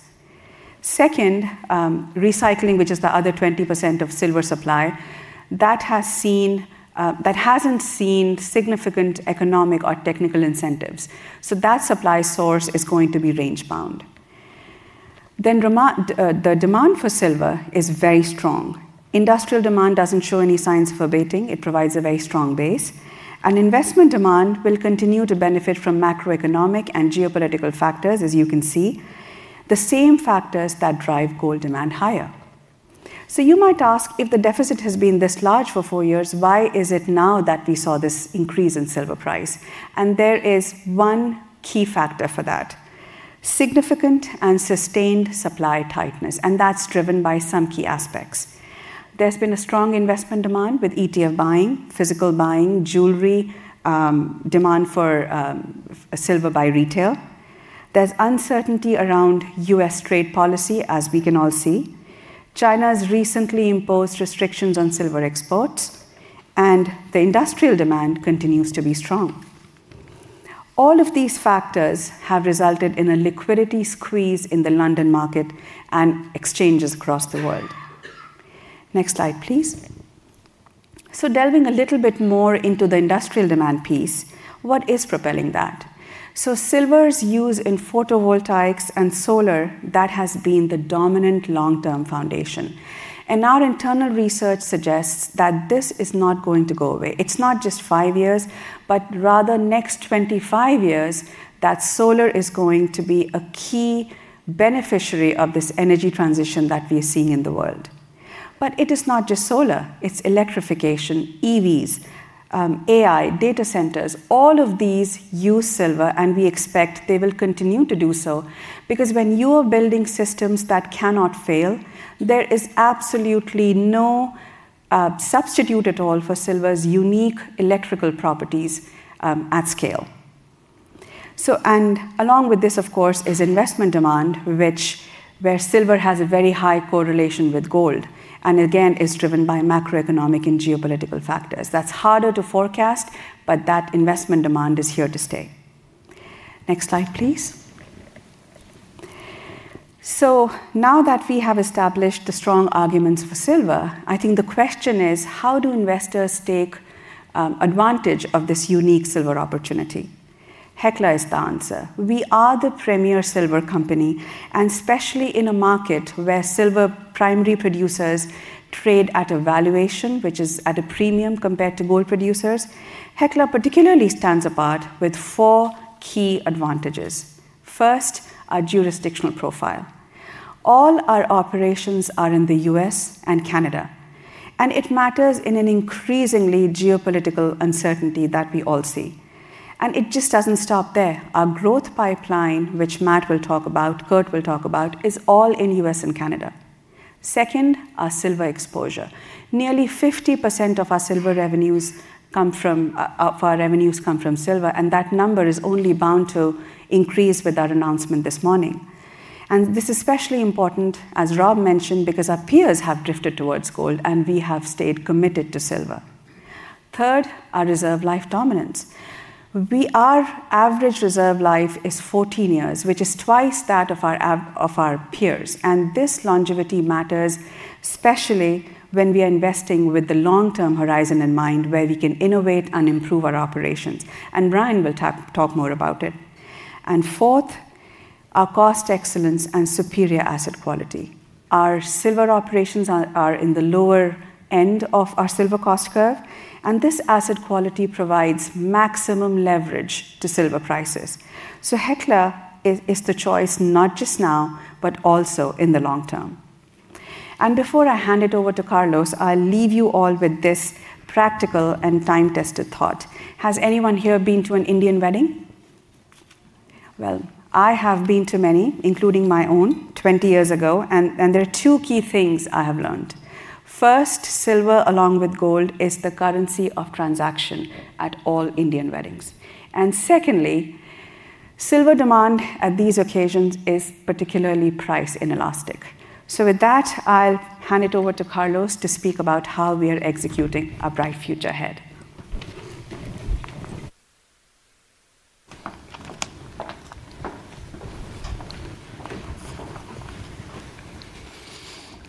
Second, recycling, which is the other 20% of silver supply, that has seen, that hasn't seen significant economic or technical incentives, so that supply source is going to be range bound. Then the demand for silver is very strong. Industrial demand doesn't show any signs of abating. It provides a very strong base, and investment demand will continue to benefit from macroeconomic and geopolitical factors, as you can see, the same factors that drive gold demand higher. So you might ask, if the deficit has been this large for four years, why is it now that we saw this increase in silver price? There is one key factor for that: significant and sustained supply tightness, and that's driven by some key aspects. There's been a strong investment demand with ETF buying, physical buying, jewelry, demand for silver by retail. There's uncertainty around U.S. trade policy, as we can all see. China's recently imposed restrictions on silver exports, and the industrial demand continues to be strong. All of these factors have resulted in a liquidity squeeze in the London market and exchanges across the world. Next slide, please. Delving a little bit more into the industrial demand piece, what is propelling that? Silver's use in photovoltaics and solar, that has been the dominant long-term foundation, and our internal research suggests that this is not going to go away. It's not just 5 years, but rather next 25 years, that solar is going to be a key beneficiary of this energy transition that we are seeing in the world. But it is not just solar, it's electrification, EVs, AI, data centers, all of these use silver, and we expect they will continue to do so. Because when you are building systems that cannot fail, there is absolutely no, substitute at all for silver's unique electrical properties, at scale. So, and along with this, of course, is investment demand, which where silver has a very high correlation with gold, and again, is driven by macroeconomic and geopolitical factors. That's harder to forecast, but that investment demand is here to stay. Next slide, please. So now that we have established the strong arguments for silver, I think the question is: how do investors take advantage of this unique silver opportunity? Hecla is the answer. We are the premier silver company, and especially in a market where silver primary producers trade at a valuation, which is at a premium compared to gold producers, Hecla particularly stands apart with four key advantages. First, our jurisdictional profile. All our operations are in the U.S. and Canada, and it matters in an increasingly geopolitical uncertainty that we all see. And it just doesn't stop there. Our growth pipeline, which Matt will talk about, Kurt will talk about, is all in U.S. and Canada. Second, our silver exposure. Nearly 50% of our silver revenues come from of our revenues come from silver, and that number is only bound to increase with our announcement this morning. And this is especially important, as Rob mentioned, because our peers have drifted towards gold, and we have stayed committed to silver. Third, our reserve life dominance. Our average reserve life is 14 years, which is twice that of our peers, and this longevity matters, especially when we are investing with the long-term horizon in mind, where we can innovate and improve our operations, and Brian will talk more about it. And fourth, our cost excellence and superior asset quality. Our silver operations are in the lower end of our silver cost curve, and this asset quality provides maximum leverage to silver prices. So Hecla is the choice not just now, but also in the long term. And before I hand it over to Carlos, I'll leave you all with this practical and time-tested thought: Has anyone here been to an Indian wedding? Well, I have been to many, including my own 20 years ago, and there are two key things I have learned. First, silver, along with gold, is the currency of transaction at all Indian weddings. And secondly, silver demand at these occasions is particularly price inelastic. So with that, I'll hand it over to Carlos to speak about how we are executing our bright future ahead. Thank you,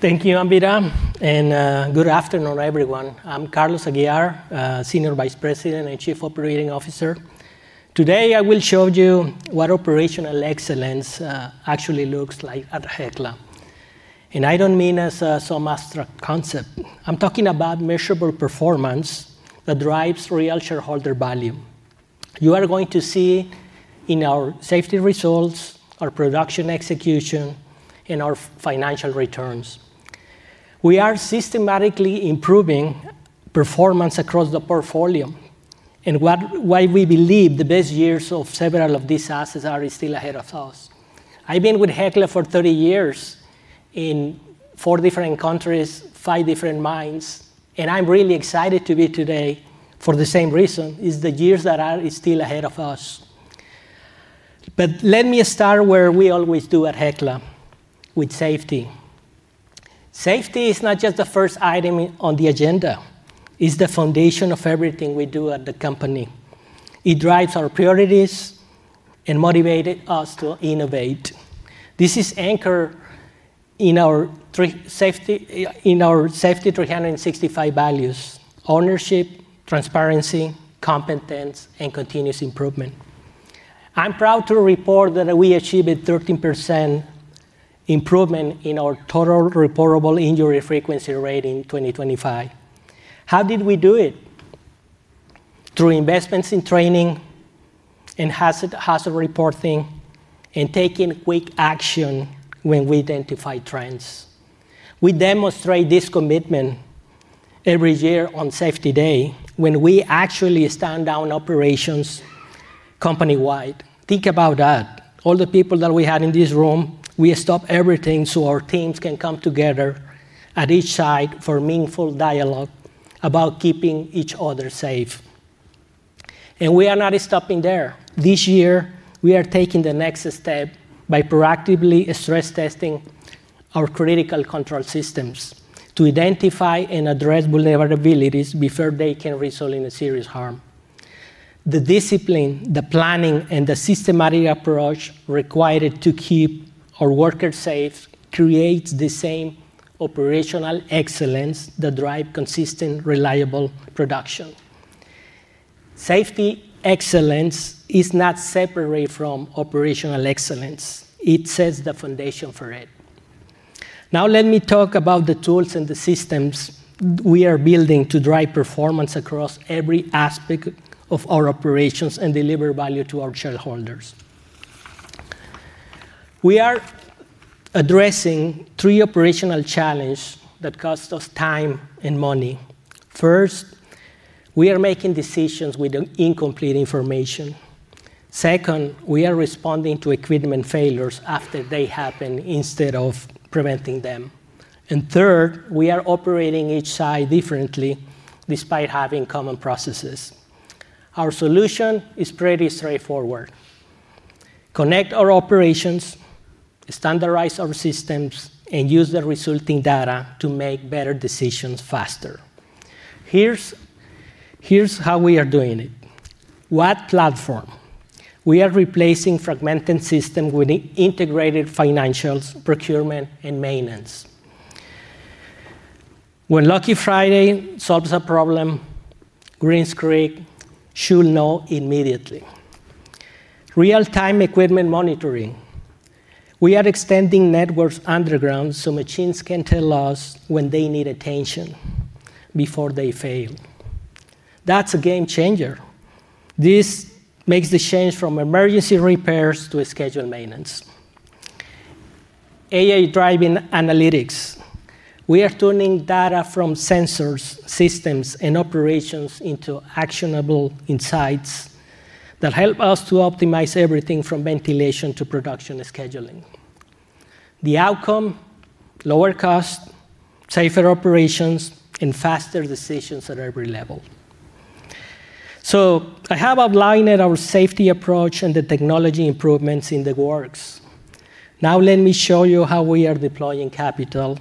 Anvita, and, good afternoon, everyone. I'm Carlos Aguiar, Senior Vice President and Chief Operating Officer. Today, I will show you what operational excellence, actually looks like at Hecla, and I don't mean as, some abstract concept. I'm talking about measurable performance that drives real shareholder value. You are going to see in our safety results, our production execution, and our financial returns. We are systematically improving performance across the portfolio and why we believe the best years of several of these assets are still ahead of us. I've been with Hecla for 30 years in 4 different countries, 5 different mines, and I'm really excited to be here today for the same reason, is the years that are still ahead of us. But let me start where we always do at Hecla, with safety. Safety is not just the first item on the agenda, it's the foundation of everything we do at the company. It drives our priorities and motivated us to innovate. This is anchored in our Safety 365 values: ownership, transparency, competence, and continuous improvement. I'm proud to report that we achieved a 13% improvement in our total reportable injury frequency rate in 2025. How did we do it? Through investments in training, in hazard reporting, and taking quick action when we identify trends. We demonstrate this commitment every year on Safety Day, when we actually stand down operations company-wide. Think about that. All the people that we have in this room, we stop everything so our teams can come together at each site for meaningful dialogue about keeping each other safe. And we are not stopping there. This year, we are taking the next step by proactively stress-testing our critical control systems to identify and address vulnerabilities before they can result in a serious harm. The discipline, the planning, and the systematic approach required to keep our workers safe creates the same operational excellence that drive consistent, reliable production. Safety excellence is not separate from operational excellence. It sets the foundation for it. Now, let me talk about the tools and the systems we are building to drive performance across every aspect of our operations and deliver value to our shareholders. We are addressing three operational challenge that cost us time and money. First, we are making decisions with incomplete information. Second, we are responding to equipment failures after they happen instead of preventing them. And third, we are operating each site differently despite having common processes. Our solution is pretty straightforward: connect our operations, standardize our systems, and use the resulting data to make better decisions faster. Here's how we are doing it. One Platform. We are replacing fragmented system with integrated financials, procurement, and maintenance. When Lucky Friday solves a problem, Greens Creek should know immediately. Real-time equipment monitoring. We are extending networks underground so machines can tell us when they need attention before they fail. That's a game changer. This makes the change from emergency repairs to a scheduled maintenance. AI-driven analytics. We are turning data from sensors, systems, and operations into actionable insights that help us to optimize everything from ventilation to production scheduling. The outcome: lower cost, safer operations, and faster decisions at every level. So I have outlined our safety approach and the technology improvements in the works. Now, let me show you how we are deploying capital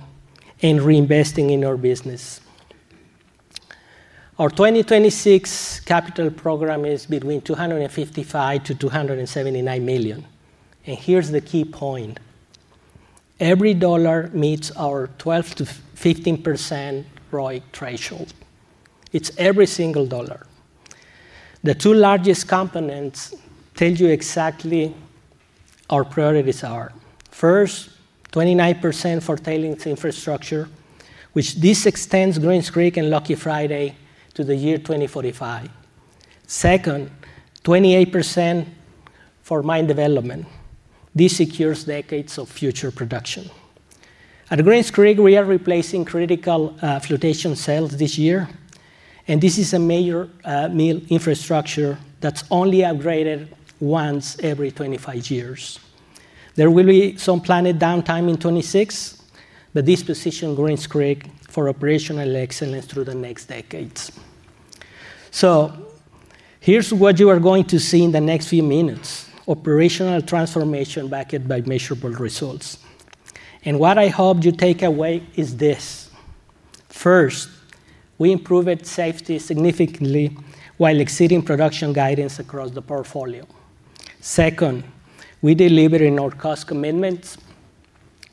and reinvesting in our business. Our 2026 capital program is between $255 million-$279 million, and here's the key point: every dollar meets our 12%-15% ROI threshold. It's every single dollar. The two largest components tell you exactly our priorities are. First, 29% for tailings infrastructure, which this extends Greens Creek and Lucky Friday to the year 2045. Second, 28% for mine development. This secures decades of future production. At Greens Creek, we are replacing critical flotation cells this year, and this is a major mill infrastructure that's only upgraded once every 25 years. There will be some planned downtime in 2026, but this positions Greens Creek for operational excellence through the next decades. So here's what you are going to see in the next few minutes, operational transformation backed by measurable results. And what I hope you take away is this: First, we improved safety significantly while exceeding production guidance across the portfolio. Second, we delivered in our cost commitments.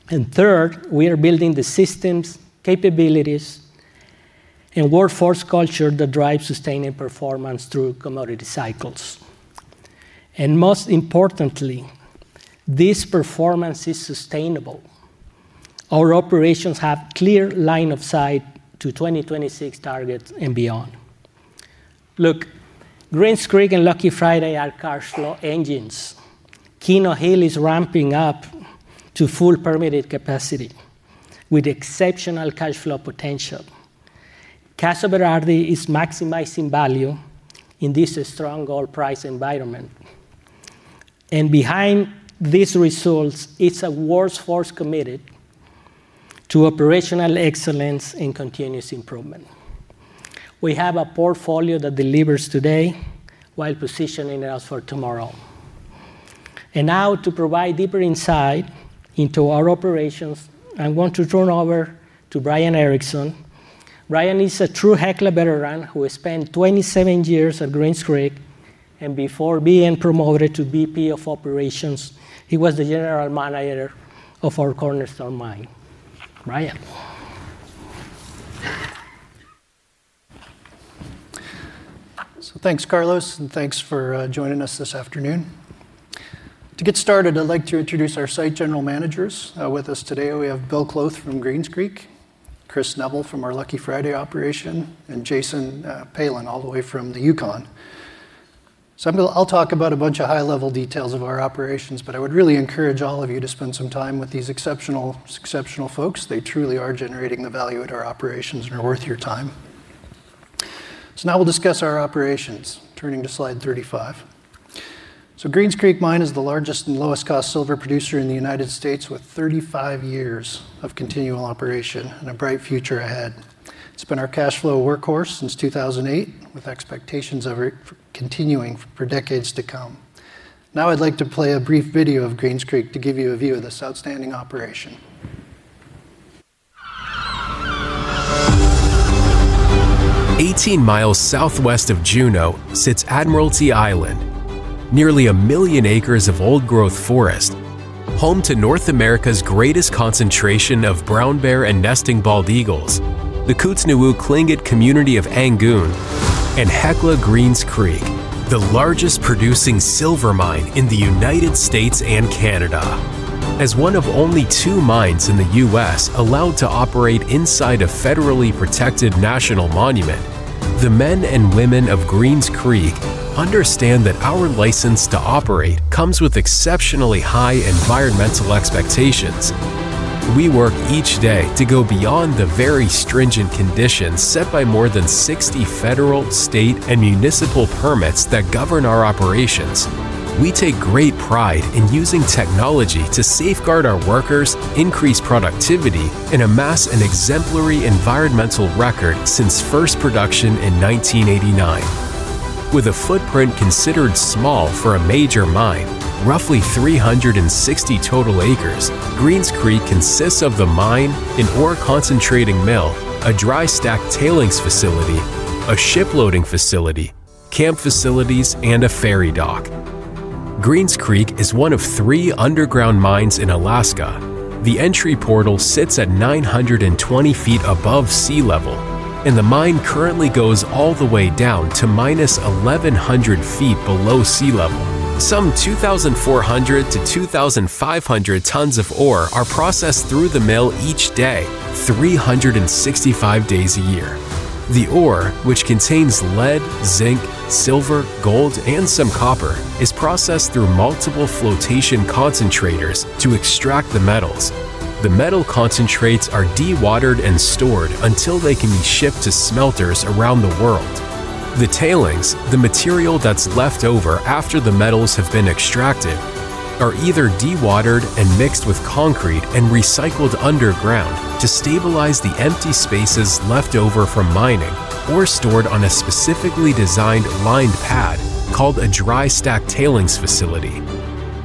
And third, we are building the systems, capabilities, and workforce culture that drives sustainable performance through commodity cycles. And most importantly, this performance is sustainable. Our operations have clear line of sight to 2026 targets and beyond. Look, Greens Creek and Lucky Friday are cash flow engines. Keno Hill is ramping up to full permitted capacity with exceptional cash flow potential. Casa Berardi is maximizing value in this strong gold price environment. And behind these results, it's a workforce committed to operational excellence and continuous improvement. We have a portfolio that delivers today while positioning us for tomorrow. And now, to provide deeper insight into our operations, I'm going to turn over to Brian Erickson. Brian is a true Hecla veteran, who has spent 27 years at Greens Creek, and before being promoted to VP of Operations, he was the general manager of our Greens Creek mine. Brian? So thanks, Carlos, and thanks for joining us this afternoon. To get started, I'd like to introduce our site general managers. With us today, we have Bill Kloth from Greens Creek, Chris Neville from our Lucky Friday operation, and Jason Palin, all the way from the Yukon. I'll talk about a bunch of high-level details of our operations, but I would really encourage all of you to spend some time with these exceptional, exceptional folks. They truly are generating the value at our operations and are worth your time. Now we'll discuss our operations, turning to slide 35. Greens Creek Mine is the largest and lowest cost silver producer in the United States, with 35 years of continual operation and a bright future ahead. It's been our cash flow workhorse since 2008, with expectations of it continuing for decades to come. Now, I'd like to play a brief video of Greens Creek to give you a view of this outstanding operation. 18 miles southwest of Juneau sits Admiralty Island, nearly 1 million acres of old-growth forest, home to North America's greatest concentration of brown bear and nesting bald eagles, the Kootznoowoo Tlingit Community of Angoon, and Hecla Greens Creek, the largest producing silver mine in the United States and Canada. As one of only two mines in the U.S. allowed to operate inside a federally protected national monument, the men and women of Greens Creek understand that our license to operate comes with exceptionally high environmental expectations. We work each day to go beyond the very stringent conditions set by more than 60 federal, state, and municipal permits that govern our operations. We take great pride in using technology to safeguard our workers, increase productivity, and amass an exemplary environmental record since first production in 1989. With a footprint considered small for a major mine, roughly 360 total acres, Greens Creek consists of the mine, an ore concentrating mill, a dry stack tailings facility, a ship loading facility, camp facilities, and a ferry dock. Greens Creek is one of three underground mines in Alaska. The entry portal sits at 920 feet above sea level, and the mine currently goes all the way down to -1,100 feet below sea level. Some 2,400-2,500 tons of ore are processed through the mill each day, 365 days a year. The ore, which contains lead, zinc, silver, gold, and some copper, is processed through multiple flotation concentrators to extract the metals. The metal concentrates are dewatered and stored until they can be shipped to smelters around the world. The tailings, the material that's left over after the metals have been extracted, are either dewatered and mixed with concrete and recycled underground to stabilize the empty spaces left over from mining, or stored on a specifically designed lined pad called a dry stack tailings facility.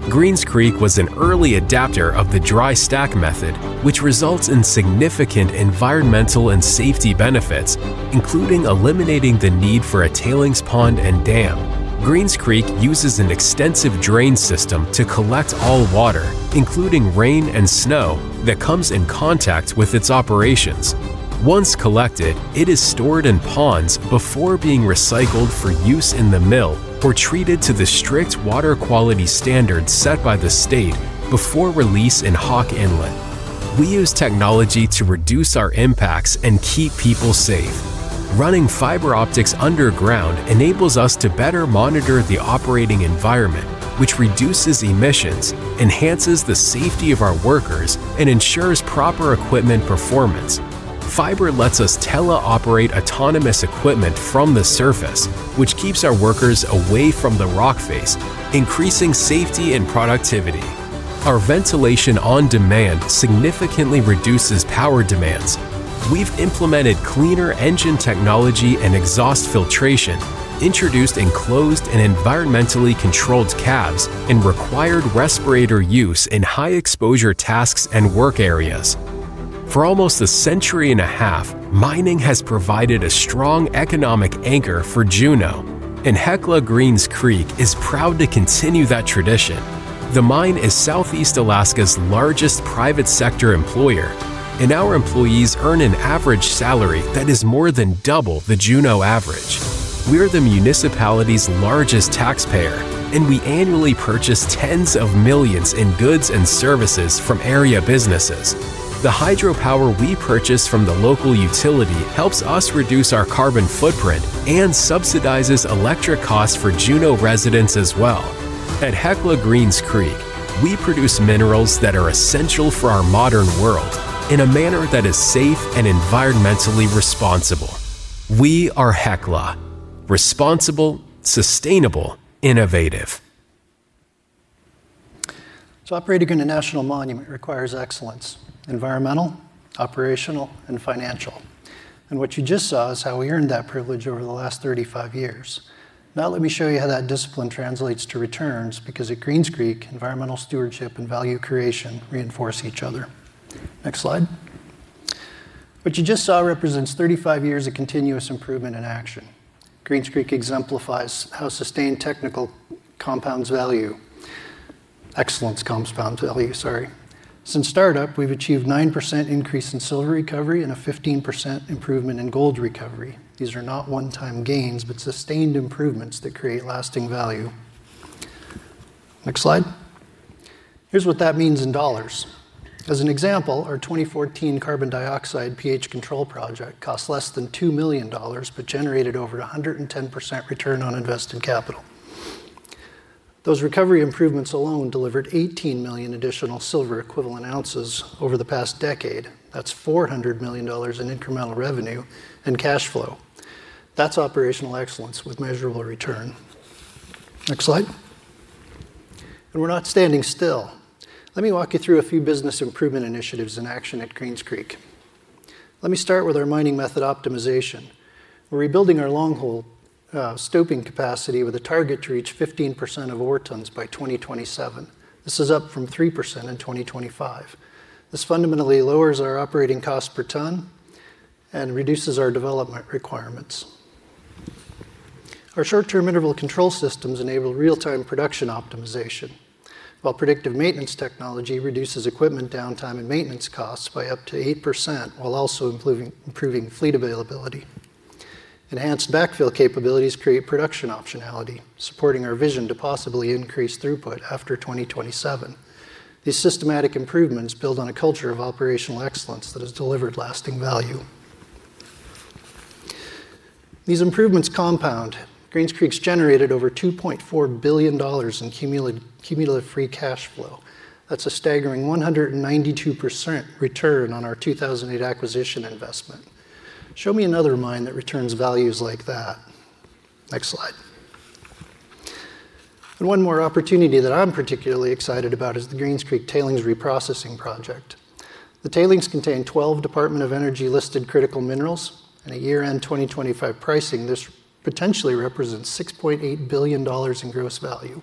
Greens Creek was an early adopter of the dry stack method, which results in significant environmental and safety benefits, including eliminating the need for a tailings pond and dam. Greens Creek uses an extensive drain system to collect all water, including rain and snow, that comes in contact with its operations. Once collected, it is stored in ponds before being recycled for use in the mill or treated to the strict water quality standards set by the state before release in Hawk Inlet. We use technology to reduce our impacts and keep people safe. Running fiber optics underground enables us to better monitor the operating environment, which reduces emissions, enhances the safety of our workers, and ensures proper equipment performance. Fiber lets us teleoperate autonomous equipment from the surface, which keeps our workers away from the rock face, increasing safety and productivity. Our ventilation on demand significantly reduces power demands. We've implemented cleaner engine technology and exhaust filtration, introduced enclosed and environmentally controlled cabs, and required respirator use in high-exposure tasks and work areas. For almost a century and a half, mining has provided a strong economic anchor for Juneau, and Hecla Greens Creek is proud to continue that tradition. The mine is Southeast Alaska's largest private sector employer, and our employees earn an average salary that is more than double the Juneau average. We're the municipality's largest taxpayer, and we annually purchase $tens of millions in goods and services from area businesses. The hydropower we purchase from the local utility helps us reduce our carbon footprint and subsidizes electric costs for Juneau residents as well. At Hecla Greens Creek, we produce minerals that are essential for our modern world in a manner that is safe and environmentally responsible. We are Hecla: responsible, sustainable, innovative. So operating in a national monument requires excellence: environmental, operational, and financial. And what you just saw is how we earned that privilege over the last 35 years. Now let me show you how that discipline translates to returns, because at Greens Creek, environmental stewardship and value creation reinforce each other. Next slide. What you just saw represents 35 years of continuous improvement in action. Greens Creek exemplifies how sustained technical compounds value- excellence compounds value, sorry. Since startup, we've achieved 9% increase in silver recovery and a 15% improvement in gold recovery. These are not one-time gains, but sustained improvements that create lasting value. Next slide. Here's what that means in dollars. As an example, our 2014 carbon dioxide pH control project cost less than $2 million, but generated over 110% return on invested capital. Those recovery improvements alone delivered 18 million additional silver equivalent ounces over the past decade. That's $400 million in incremental revenue and cash flow. That's operational excellence with measurable return. Next slide. And we're not standing still. Let me walk you through a few business improvement initiatives in action at Greens Creek. Let me start with our mining method optimization. We're rebuilding our long-hole stoping capacity with a target to reach 15% of ore tons by 2027. This is up from 3% in 2025. This fundamentally lowers our operating cost per ton and reduces our development requirements. Our short-term interval control systems enable real-time production optimization, while predictive maintenance technology reduces equipment downtime and maintenance costs by up to 8%, while also improving fleet availability. Enhanced backfill capabilities create production optionality, supporting our vision to possibly increase throughput after 2027. These systematic improvements build on a culture of operational excellence that has delivered lasting value. These improvements compound. Greens Creek's generated over $2.4 billion in cumulative free cash flow. That's a staggering 192% return on our 2008 acquisition investment. Show me another mine that returns values like that. Next slide. One more opportunity that I'm particularly excited about is the Greens Creek Tailings Reprocessing Project. The tailings contain 12 Department of Energy-listed critical minerals. In a year-end 2025 pricing, this potentially represents $6.8 billion in gross value.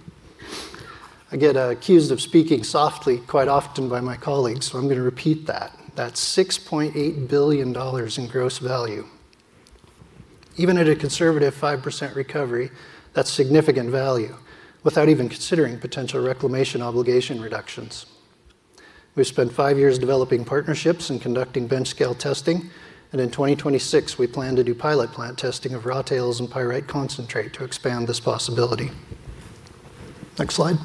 I get accused of speaking softly quite often by my colleagues, so I'm gonna repeat that. That's $6.8 billion in gross value. Even at a conservative 5% recovery, that's significant value, without even considering potential reclamation obligation reductions. We've spent five years developing partnerships and conducting bench scale testing, and in 2026, we plan to do pilot plant testing of raw tails and pyrite concentrate to expand this possibility. Next slide.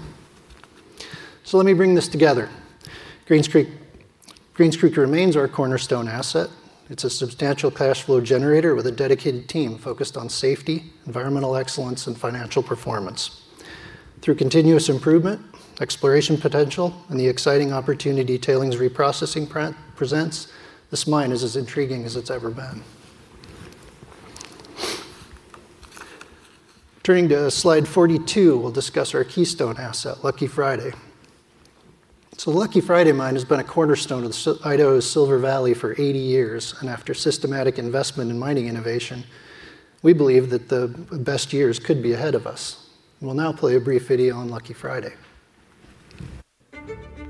So let me bring this together. Greens Creek remains our cornerstone asset. It's a substantial cash flow generator with a dedicated team focused on safety, environmental excellence, and financial performance. Through continuous improvement, exploration potential, and the exciting opportunity tailings reprocessing presents, this mine is as intriguing as it's ever been. Turning to slide 42, we'll discuss our keystone asset, Lucky Friday. So the Lucky Friday mine has been a cornerstone of Idaho's Silver Valley for 80 years, and after systematic investment in mining innovation, we believe that the best years could be ahead of us. We'll now play a brief video on Lucky Friday.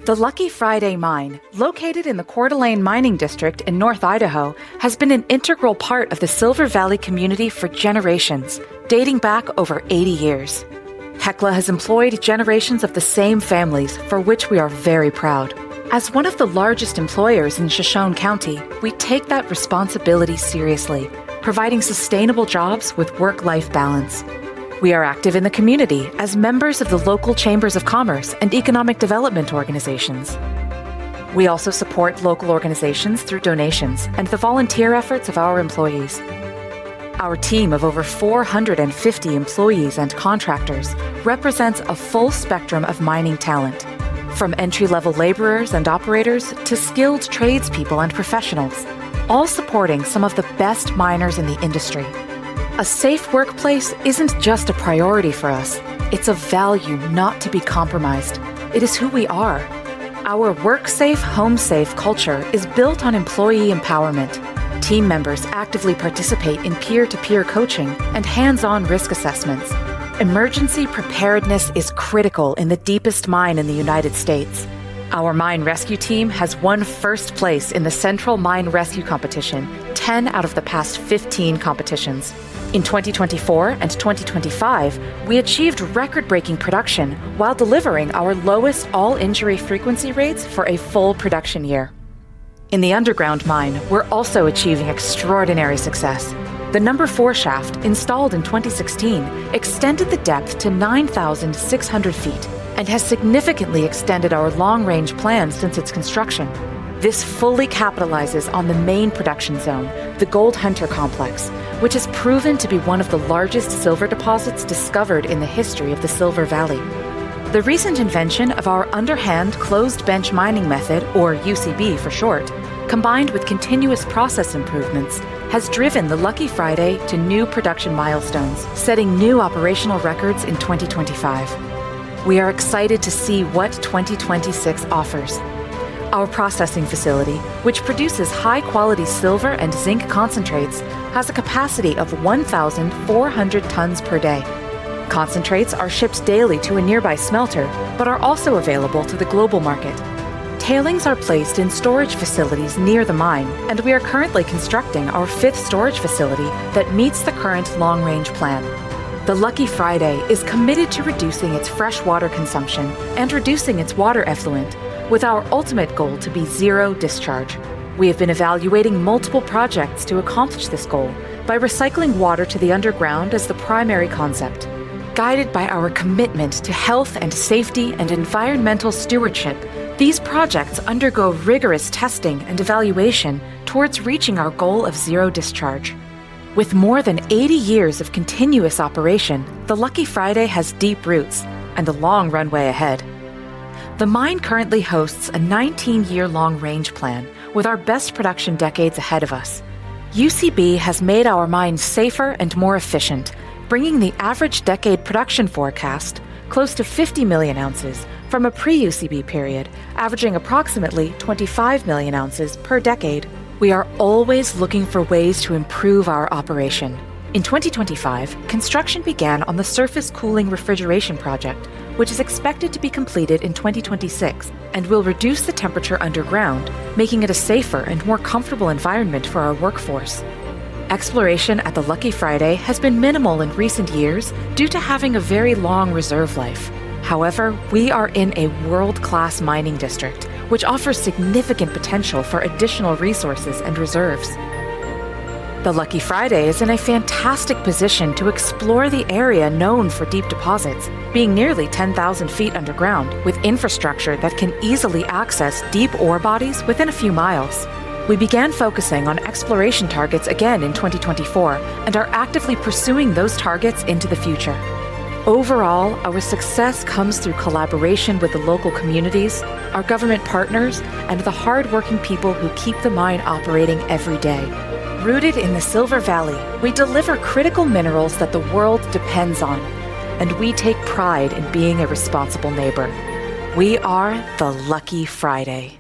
The Lucky Friday Mine, located in the Coeur d'Alene mining district in North Idaho, has been an integral part of the Silver Valley community for generations, dating back over 80 years. Hecla has employed generations of the same families, for which we are very proud. As one of the largest employers in Shoshone County, we take that responsibility seriously, providing sustainable jobs with work-life balance. We are active in the community as members of the local chambers of commerce and economic development organizations. We also support local organizations through donations and the volunteer efforts of our employees. Our team of over 450 employees and contractors represents a full spectrum of mining talent, from entry-level laborers and operators to skilled tradespeople and professionals, all supporting some of the best miners in the industry. A safe workplace isn't just a priority for us, it's a value not to be compromised. It is who we are. Our work-safe, home-safe culture is built on employee empowerment. Team members actively participate in peer-to-peer coaching and hands-on risk assessments. Emergency preparedness is critical in the deepest mine in the United States. Our mine rescue team has won first place in the Central Mine Rescue Competition 10 out of the past 15 competitions. In 2024 and 2025, we achieved record-breaking production while delivering our lowest all-injury frequency rates for a full production year. In the underground mine, we're also achieving extraordinary success. The number 4 shaft, installed in 2016, extended the depth to 9,600 feet and has significantly extended our long-range plan since its construction. This fully capitalizes on the main production zone, the Gold Hunter Complex, which has proven to be one of the largest silver deposits discovered in the history of the Silver Valley. The recent invention of our Underhand Closed Bench mining method, or UCB for short, combined with continuous process improvements, has driven the Lucky Friday to new production milestones, setting new operational records in 2025. We are excited to see what 2026 offers. Our processing facility, which produces high-quality silver and zinc concentrates, has a capacity of 1,400 tons per day. Concentrates are shipped daily to a nearby smelter, but are also available to the global market. Tailings are placed in storage facilities near the mine, and we are currently constructing our fifth storage facility that meets the current long-range plan. The Lucky Friday is committed to reducing its fresh water consumption and reducing its water effluent, with our ultimate goal to be zero discharge. We have been evaluating multiple projects to accomplish this goal by recycling water to the underground as the primary concept. Guided by our commitment to health and safety and environmental stewardship, these projects undergo rigorous testing and evaluation towards reaching our goal of zero discharge. With more than 80 years of continuous operation, the Lucky Friday has deep roots and a long runway ahead. The mine currently hosts a 19-year long range plan, with our best production decades ahead of us. UCB has made our mine safer and more efficient, bringing the average decade production forecast close to 50 million ounces from a pre-UCB period, averaging approximately 25 million ounces per decade. We are always looking for ways to improve our operation. In 2025, construction began on the surface cooling refrigeration project, which is expected to be completed in 2026 and will reduce the temperature underground, making it a safer and more comfortable environment for our workforce. Exploration at the Lucky Friday has been minimal in recent years due to having a very long reserve life. However, we are in a world-class mining district, which offers significant potential for additional resources and reserves. The Lucky Friday is in a fantastic position to explore the area known for deep deposits, being nearly 10,000 feet underground, with infrastructure that can easily access deep ore bodies within a few miles. We began focusing on exploration targets again in 2024 and are actively pursuing those targets into the future. Overall, our success comes through collaboration with the local communities, our government partners, and the hardworking people who keep the mine operating every day. Rooted in the Silver Valley, we deliver critical minerals that the world depends on, and we take pride in being a responsible neighbor. We are the Lucky Friday.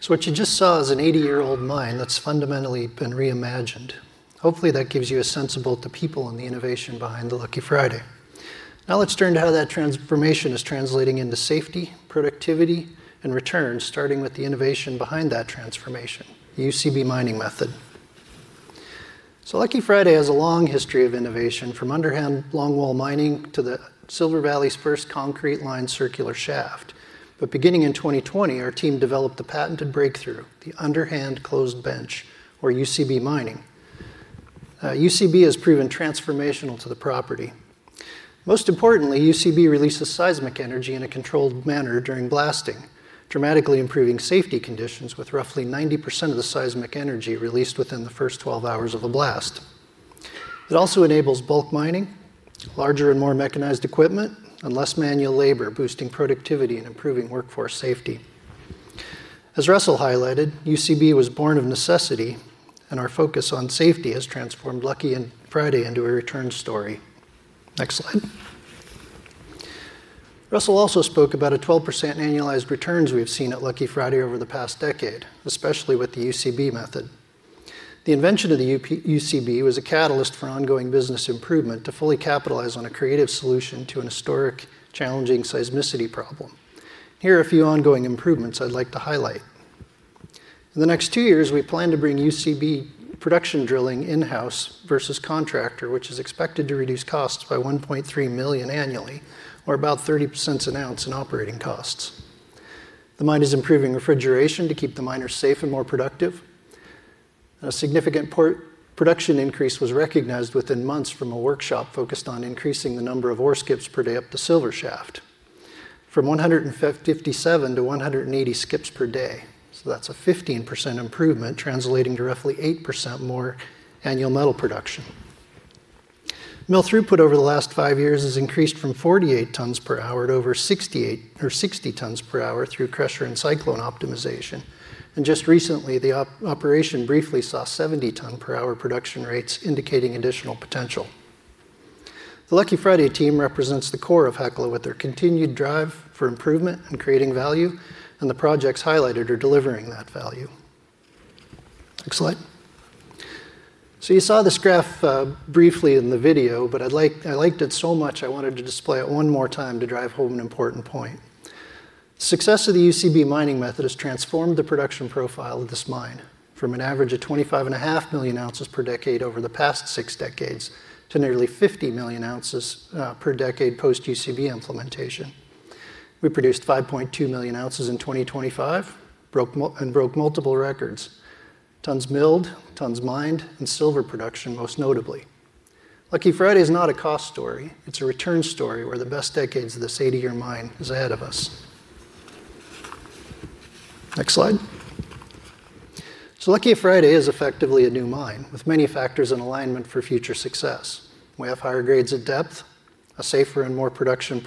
So what you just saw is a 80-year-old mine that's fundamentally been reimagined. Hopefully, that gives you a sense of both the people and the innovation behind the Lucky Friday. Now let's turn to how that transformation is translating into safety, productivity, and returns, starting with the innovation behind that transformation, the UCB mining method. Lucky Friday has a long history of innovation, from underhand longwall mining to the Silver Valley's first concrete line circular shaft. But beginning in 2020, our team developed a patented breakthrough, the underhand closed bench, or UCB mining. UCB has proven transformational to the property. Most importantly, UCB releases seismic energy in a controlled manner during blasting, dramatically improving safety conditions with roughly 90% of the seismic energy released within the first 12 hours of the blast. It also enables bulk mining, larger and more mechanized equipment, and less manual labor, boosting productivity and improving workforce safety. As Russell highlighted, UCB was born of necessity, and our focus on safety has transformed Lucky Friday into a return story. Next slide. Russell also spoke about a 12% annualized returns we've seen at Lucky Friday over the past decade, especially with the UCB method. The invention of the UCB was a catalyst for ongoing business improvement to fully capitalize on a creative solution to an historic, challenging seismicity problem. Here are a few ongoing improvements I'd like to highlight. In the next 2 years, we plan to bring UCB production drilling in-house versus contractor, which is expected to reduce costs by $1.3 million annually, or about $0.30 an ounce in operating costs. The mine is improving refrigeration to keep the miners safe and more productive. A significant production increase was recognized within months from a workshop focused on increasing the number of ore skips per day up the silver shaft, from 157 to 180 skips per day. So that's a 15% improvement, translating to roughly 8% more annual metal production. Mill throughput over the last 5 years has increased from 48 tons per hour to over 68 or 60 tons per hour through crusher and cyclone optimization. And just recently, the operation briefly saw 70 tons per hour production rates, indicating additional potential. The Lucky Friday team represents the core of Hecla, with their continued drive for improvement and creating value, and the projects highlighted are delivering that value. Next slide. So you saw this graph, briefly in the video, but I'd like—I liked it so much, I wanted to display it one more time to drive home an important point. Success of the UCB mining method has transformed the production profile of this mine from an average of 25.5 million ounces per decade over the past six decades to nearly 50 million ounces per decade post-UCB implementation. We produced 5.2 million ounces in 2025, broke multiple records: tons milled, tons mined, and silver production, most notably. Lucky Friday is not a cost story. It's a return story where the best decades of this 80-year mine is ahead of us. Next slide. So Lucky Friday is effectively a new mine, with many factors in alignment for future success. We have higher grades of depth, a safer and more production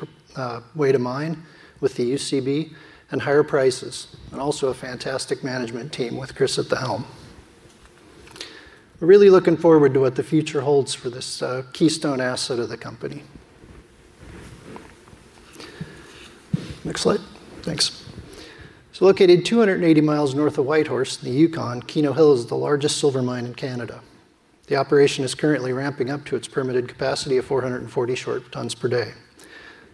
way to mine with the UCB, and higher prices, and also a fantastic management team with Chris at the helm. We're really looking forward to what the future holds for this, keystone asset of the company. Next slide. Thanks. So located 280 miles north of Whitehorse in the Yukon, Keno Hill is the largest silver mine in Canada. The operation is currently ramping up to its permitted capacity of 440 short tons per day.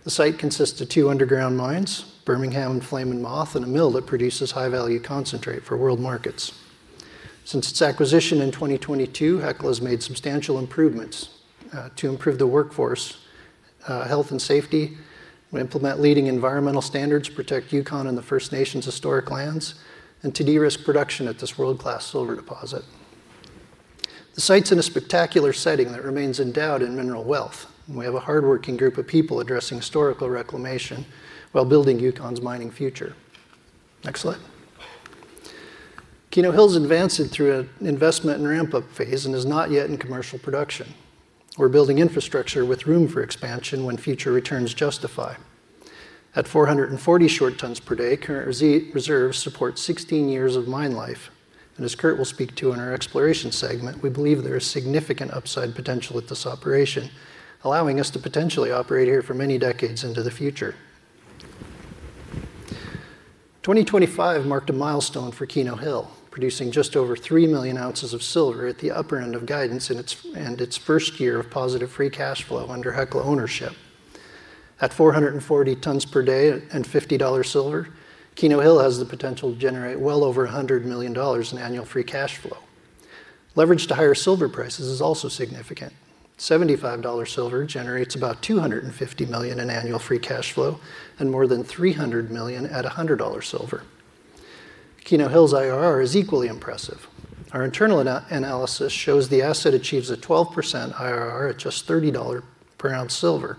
The site consists of two underground mines, Bermingham and Flame & Moth, and a mill that produces high-value concentrate for world markets. Since its acquisition in 2022, Hecla has made substantial improvements to improve the workforce health and safety, we implement leading environmental standards, protect Yukon and the First Nations' historic lands, and to de-risk production at this world-class silver deposit. The site's in a spectacular setting that remains endowed in mineral wealth, and we have a hardworking group of people addressing historical reclamation while building Yukon's mining future. Next slide. Keno Hill's advancing through an investment and ramp-up phase and is not yet in commercial production. We're building infrastructure with room for expansion when future returns justify. At 440 short tons per day, current reserves support 16 years of mine life. As Kurt will speak to in our exploration segment, we believe there is significant upside potential with this operation, allowing us to potentially operate here for many decades into the future. 2025 marked a milestone for Keno Hill, producing just over 3 million ounces of silver at the upper end of guidance in its first year of positive free cash flow under Hecla ownership. At 440 tons per day and $50 silver, Keno Hill has the potential to generate well over $100 million in annual free cash flow. Leverage to higher silver prices is also significant. $75 silver generates about $250 million in annual free cash flow and more than $300 million at $100 silver. Keno Hill's IRR is equally impressive. Our internal analysis shows the asset achieves a 12% IRR at just $30 per ounce silver,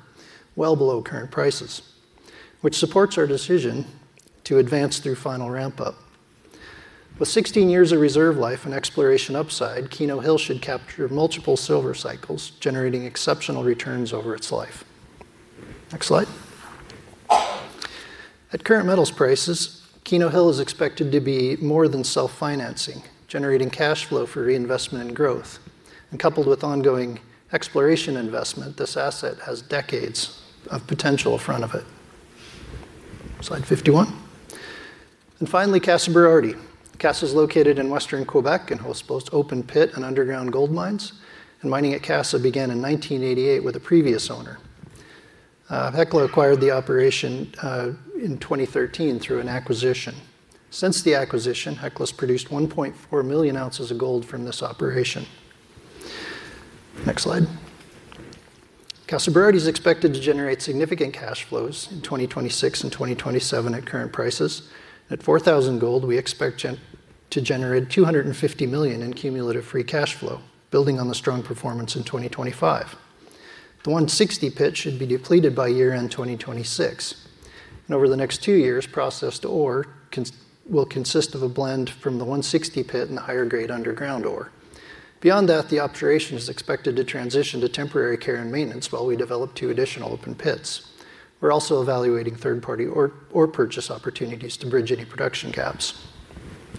well below current prices, which supports our decision to advance through final ramp-up. With 16 years of reserve life and exploration upside, Keno Hill should capture multiple silver cycles, generating exceptional returns over its life. Next slide. At current metals prices, Keno Hill is expected to be more than self-financing, generating cash flow for reinvestment and growth, and coupled with ongoing exploration investment, this asset has decades of potential in front of it. Slide 51. And finally, Casa Berardi. Casa is located in western Quebec and hosts both open pit and underground gold mines, and mining at Casa began in 1988 with a previous owner. Hecla acquired the operation in 2013 through an acquisition. Since the acquisition, Hecla has produced 1.4 million ounces of gold from this operation. Next slide. Casa Berardi is expected to generate significant cash flows in 2026 and 2027 at current prices. At $4,000 gold, we expect to generate $250 million in cumulative free cash flow, building on the strong performance in 2025. The 160 Pit should be depleted by year-end 2026, and over the next two years, processed ore will consist of a blend from the 160 Pit and the higher grade underground ore. Beyond that, the operation is expected to transition to temporary care and maintenance while we develop two additional open pits. We're also evaluating third-party ore purchase opportunities to bridge any production gaps.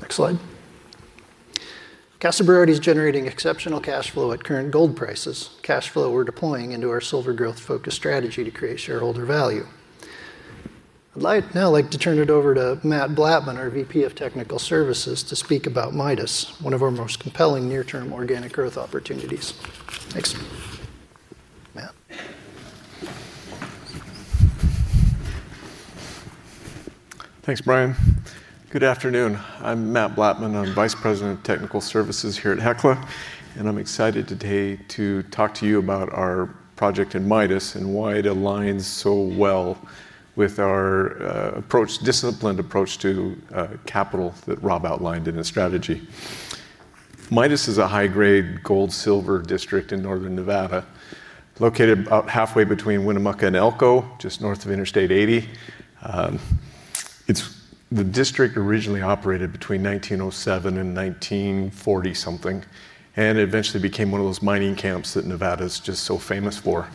Next slide. Casa Berardi is generating exceptional cash flow at current gold prices. [That] cash flow we're deploying into our silver growth-focused strategy to create shareholder value. I'd like now to turn it over to Matt Blattman, our VP of Technical Services, to speak about Midas, one of our most compelling near-term organic growth opportunities. Thanks. Matt? Thanks, Brian. Good afternoon. I'm Matt Blattman. I'm Vice President of Technical Services here at Hecla, and I'm excited today to talk to you about our project in Midas and why it aligns so well with our approach, disciplined approach to capital that Rob outlined in his strategy. Midas is a high-grade gold, silver district in northern Nevada, located about halfway between Winnemucca and Elko, just north of Interstate 80. It's the district originally operated between 1907 and 1940-something, and it eventually became one of those mining camps that Nevada's just so famous for.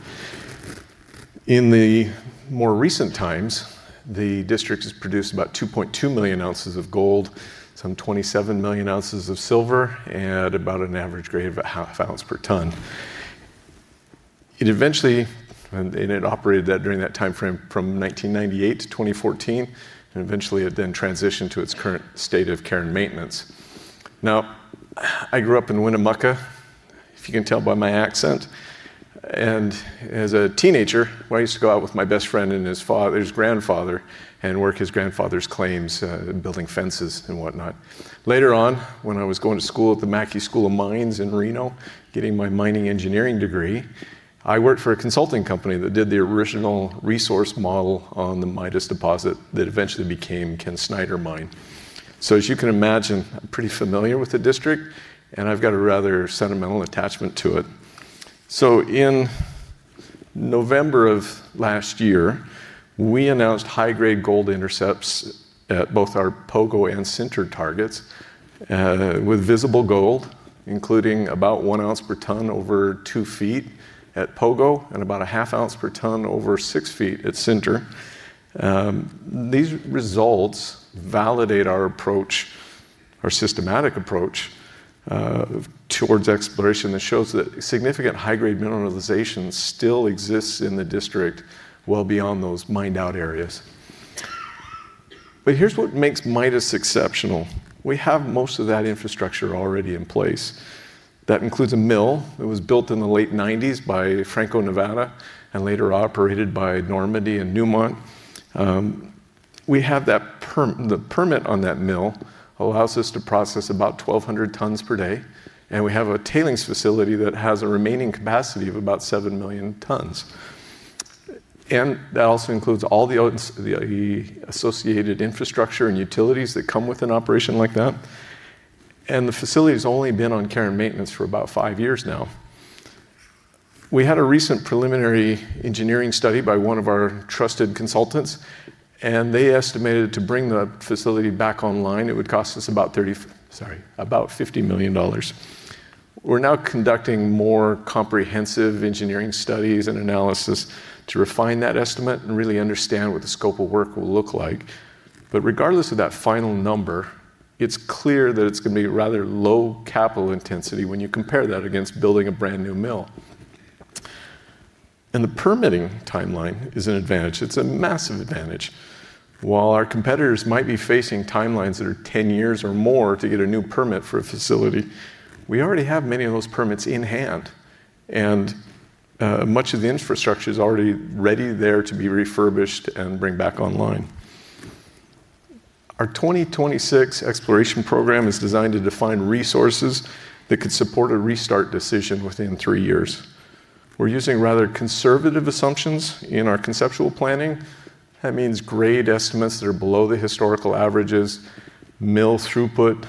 In the more recent times, the district has produced about 2.2 million ounces of gold, some 27 million ounces of silver, and about an average grade of half ounce per ton. It eventually, and it operated that during that time frame from 1998 to 2014, and eventually, it then transitioned to its current state of care and maintenance. Now, I grew up in Winnemucca, if you can tell by my accent, and as a teenager, I used to go out with my best friend and his father—his grandfather, and work his grandfather's claims, building fences and whatnot. Later on, when I was going to school at the Mackay School of Mines in Reno, getting my mining engineering degree, I worked for a consulting company that did the original resource model on the Midas deposit that eventually became Ken Snyder Mine. So as you can imagine, I'm pretty familiar with the district, and I've got a rather sentimental attachment to it. So in November of last year, we announced high-grade gold intercepts at both our Pogo and Center targets, with visible gold, including about 1 ounce per ton over 2 feet at Pogo, and about 0.5 ounce per ton over 6 feet at Center. These results validate our approach, our systematic approach, towards exploration that shows that significant high-grade mineralization still exists in the district well beyond those mined-out areas. But here's what makes Midas exceptional: We have most of that infrastructure already in place. That includes a mill that was built in the late 1990s by Franco-Nevada and later operated by Normandy and Newmont. We have that the permit on that mill allows us to process about 1,200 tons per day, and we have a tailings facility that has a remaining capacity of about 7 million tons. And that also includes all the odds, the associated infrastructure and utilities that come with an operation like that, and the facility has only been on care and maintenance for about five years now. We had a recent preliminary engineering study by one of our trusted consultants, and they estimated to bring the facility back online, it would cost us about 30, Sorry, about $50 million. We're now conducting more comprehensive engineering studies and analysis to refine that estimate and really understand what the scope of work will look like. But regardless of that final number, it's clear that it's going to be rather low capital intensity when you compare that against building a brand-new mill. And the permitting timeline is an advantage. It's a massive advantage. While our competitors might be facing timelines that are 10 years or more to get a new permit for a facility, we already have many of those permits in hand, and, much of the infrastructure is already ready there to be refurbished and bring back online. Our 2026 exploration program is designed to define resources that could support a restart decision within 3 years. We're using rather conservative assumptions in our conceptual planning. That means grade estimates that are below the historical averages, mill throughput,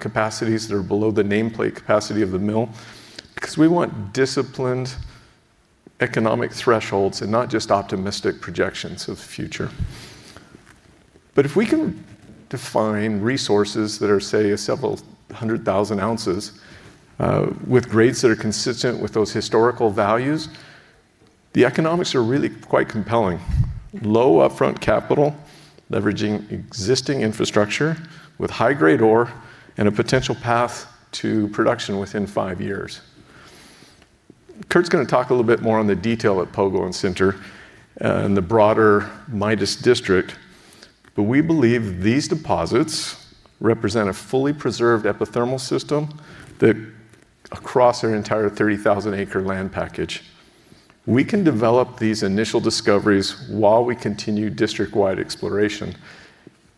capacities that are below the nameplate capacity of the mill, because we want disciplined economic thresholds and not just optimistic projections of the future. But if we can define resources that are, say, several hundred thousand ounces, with grades that are consistent with those historical values, the economics are really quite compelling. Low upfront capital, leveraging existing infrastructure with high-grade ore and a potential path to production within five years. Kurt's going to talk a little bit more on the detail at Pogo and Center, and the broader Midas District, but we believe these deposits represent a fully preserved epithermal system that across our entire 30,000-acre land package, we can develop these initial discoveries while we continue district-wide exploration,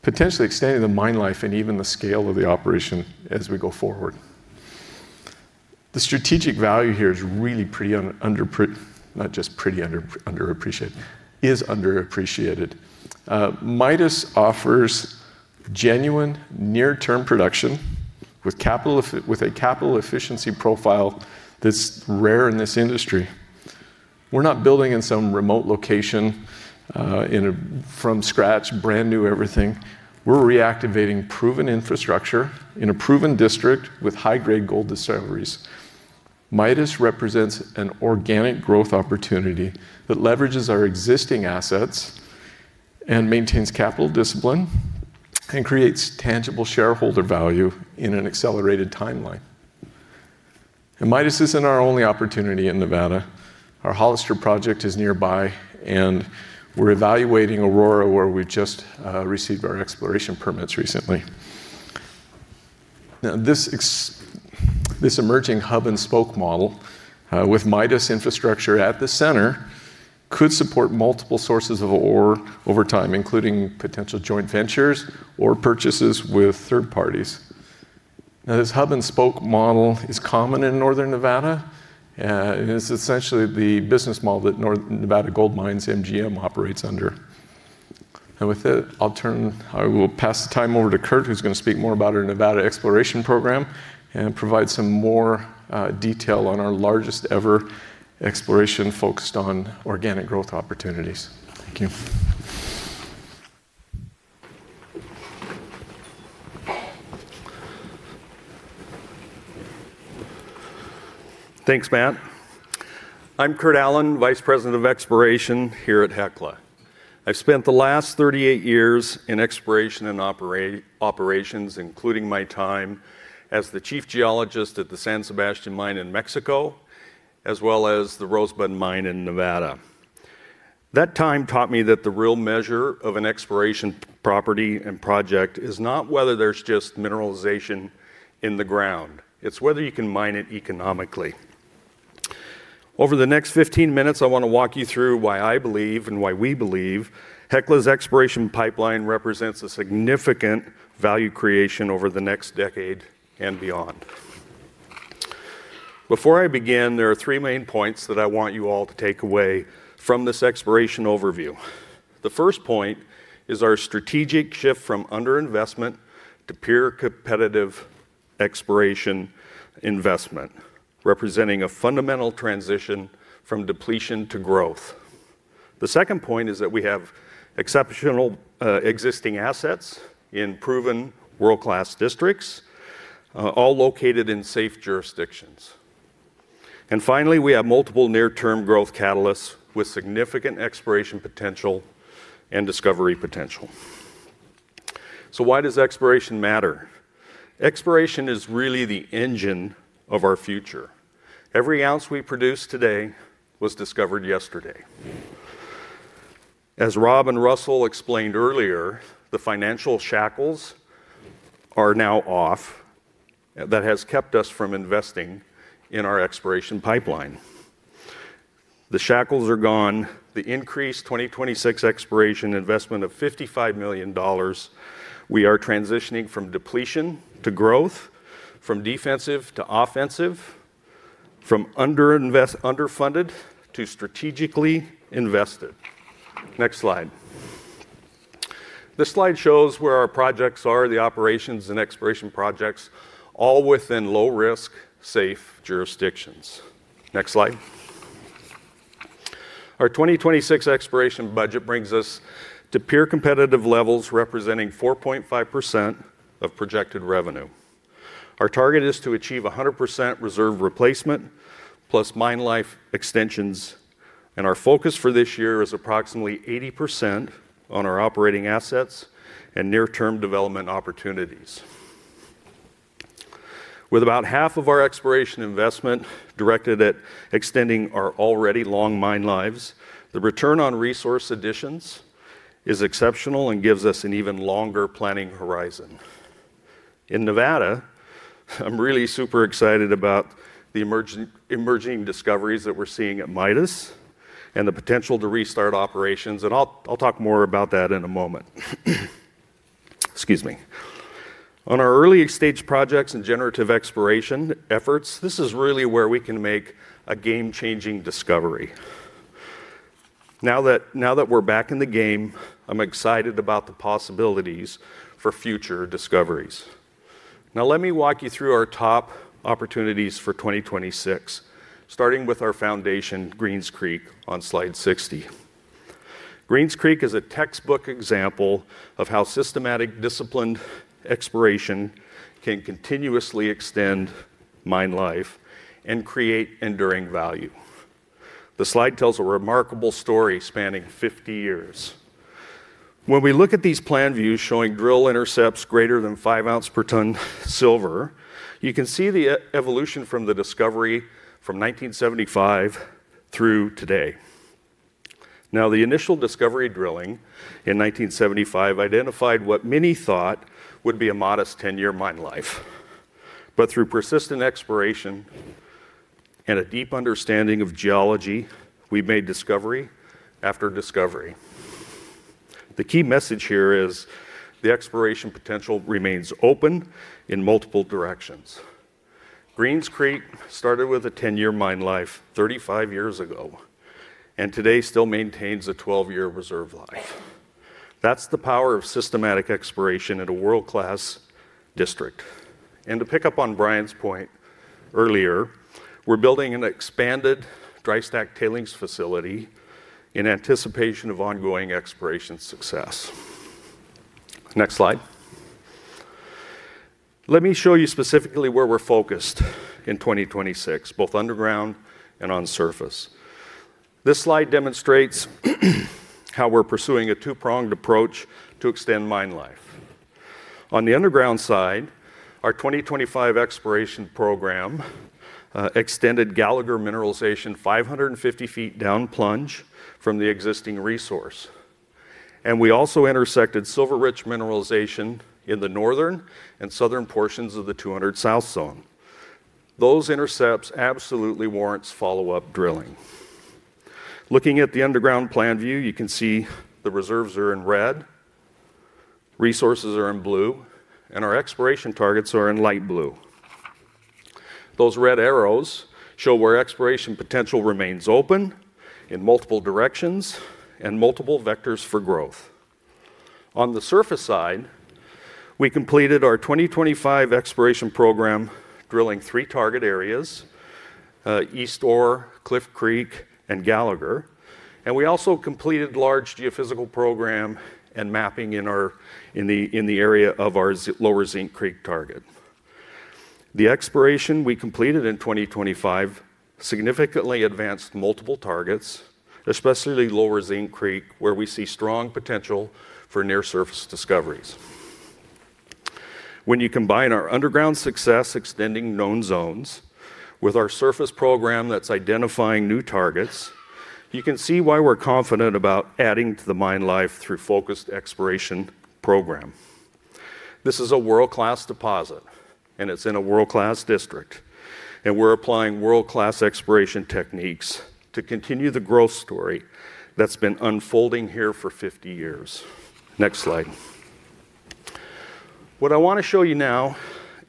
potentially extending the mine life and even the scale of the operation as we go forward. The strategic value here is really pretty underappreciated. Midas offers genuine near-term production with a capital efficiency profile that's rare in this industry. We're not building in some remote location, in a from-scratch, brand-new everything. We're reactivating proven infrastructure in a proven district with high-grade gold discoveries. Midas represents an organic growth opportunity that leverages our existing assets and maintains capital discipline and creates tangible shareholder value in an accelerated timeline. Midas isn't our only opportunity in Nevada. Our Hollister project is nearby, and we're evaluating Aurora, where we just received our exploration permits recently. Now, this emerging hub-and-spoke model with Midas infrastructure at the center could support multiple sources of ore over time, including potential joint ventures or purchases with third parties. Now, this hub-and-spoke model is common in Northern Nevada, and it's essentially the business model that Nevada Gold Mines, NGM, operates under. And with it, I will pass the time over to Kurt, who's going to speak more about our Nevada exploration program and provide some more detail on our largest ever exploration focused on organic growth opportunities. Thank you. Thanks, Matt. I'm Kurt Allen, Vice President of Exploration here at Hecla. I've spent the last 38 years in exploration and operations, including my time as the Chief Geologist at the San Sebastian mine in Mexico, as well as the Rosebud mine in Nevada. That time taught me that the real measure of an exploration property and project is not whether there's just mineralization in the ground, it's whether you can mine it economically. Over the next 15 minutes, I want to walk you through why I believe and why we believe Hecla's exploration pipeline represents a significant value creation over the next decade and beyond. Before I begin, there are three main points that I want you all to take away from this exploration overview. The first point is our strategic shift from underinvestment to peer competitive exploration investment, representing a fundamental transition from depletion to growth. The second point is that we have exceptional, existing assets in proven world-class districts, all located in safe jurisdictions. And finally, we have multiple near-term growth catalysts with significant exploration potential and discovery potential. So why does exploration matter? Exploration is really the engine of our future. Every ounce we produce today was discovered yesterday. As Rob and Russell explained earlier, the financial shackles are now off that has kept us from investing in our exploration pipeline. The shackles are gone, the increased 2026 exploration investment of $55 million, we are transitioning from depletion to growth, from defensive to offensive, from underfunded to strategically invested. Next slide. This slide shows where our projects are, the operations and exploration projects, all within low-risk, safe jurisdictions. Next slide. Our 2026 exploration budget brings us to peer competitive levels, representing 4.5% of projected revenue. Our target is to achieve 100% reserve replacement, plus mine life extensions, and our focus for this year is approximately 80% on our operating assets and near-term development opportunities. With about half of our exploration investment directed at extending our already long mine lives, the return on resource additions is exceptional and gives us an even longer planning horizon. In Nevada, I'm really super excited about the emerging discoveries that we're seeing at Midas and the potential to restart operations, and I'll talk more about that in a moment. Excuse me. On our early-stage projects and generative exploration efforts, this is really where we can make a game-changing discovery. Now that we're back in the game, I'm excited about the possibilities for future discoveries. Now, let me walk you through our top opportunities for 2026, starting with our foundation, Greens Creek, on slide 60. Greens Creek is a textbook example of how systematic, disciplined exploration can continuously extend mine life and create enduring value. The slide tells a remarkable story spanning 50 years. When we look at these plan views showing drill intercepts greater than 5 ounce per ton silver, you can see the evolution from the discovery from 1975 through today. Now, the initial discovery drilling in 1975 identified what many thought would be a modest 10-year mine life. But through persistent exploration and a deep understanding of geology, we've made discovery after discovery. The key message here is the exploration potential remains open in multiple directions. Greens Creek started with a 10-year mine life 35 years ago, and today still maintains a 12-year reserve life. That's the power of systematic exploration in a world-class district. To pick up on Brian's point earlier, we're building an expanded dry stack tailings facility in anticipation of ongoing exploration success. Next slide. Let me show you specifically where we're focused in 2026, both underground and on surface. This slide demonstrates how we're pursuing a two-pronged approach to extend mine life. On the underground side, our 2025 exploration program extended Gallagher mineralization 550 feet down plunge from the existing resource. And we also intersected silver-rich mineralization in the northern and southern portions of the 200 South Zone. Those intercepts absolutely warrants follow-up drilling. Looking at the underground plan view, you can see the reserves are in red, resources are in blue, and our exploration targets are in light blue. Those red arrows show where exploration potential remains open in multiple directions and multiple vectors for growth. On the surface side, we completed our 2025 exploration program, drilling three target areas, East Ore, Cliff Creek, and Gallagher. And we also completed large geophysical program and mapping in the area of our Lower Zinc Creek target. The exploration we completed in 2025 significantly advanced multiple targets, especially Lower Zinc Creek, where we see strong potential for near-surface discoveries. When you combine our underground success extending known zones with our surface program that's identifying new targets, you can see why we're confident about adding to the mine life through focused exploration program. This is a world-class deposit, and it's in a world-class district, and we're applying world-class exploration techniques to continue the growth story that's been unfolding here for 50 years. Next slide. What I want to show you now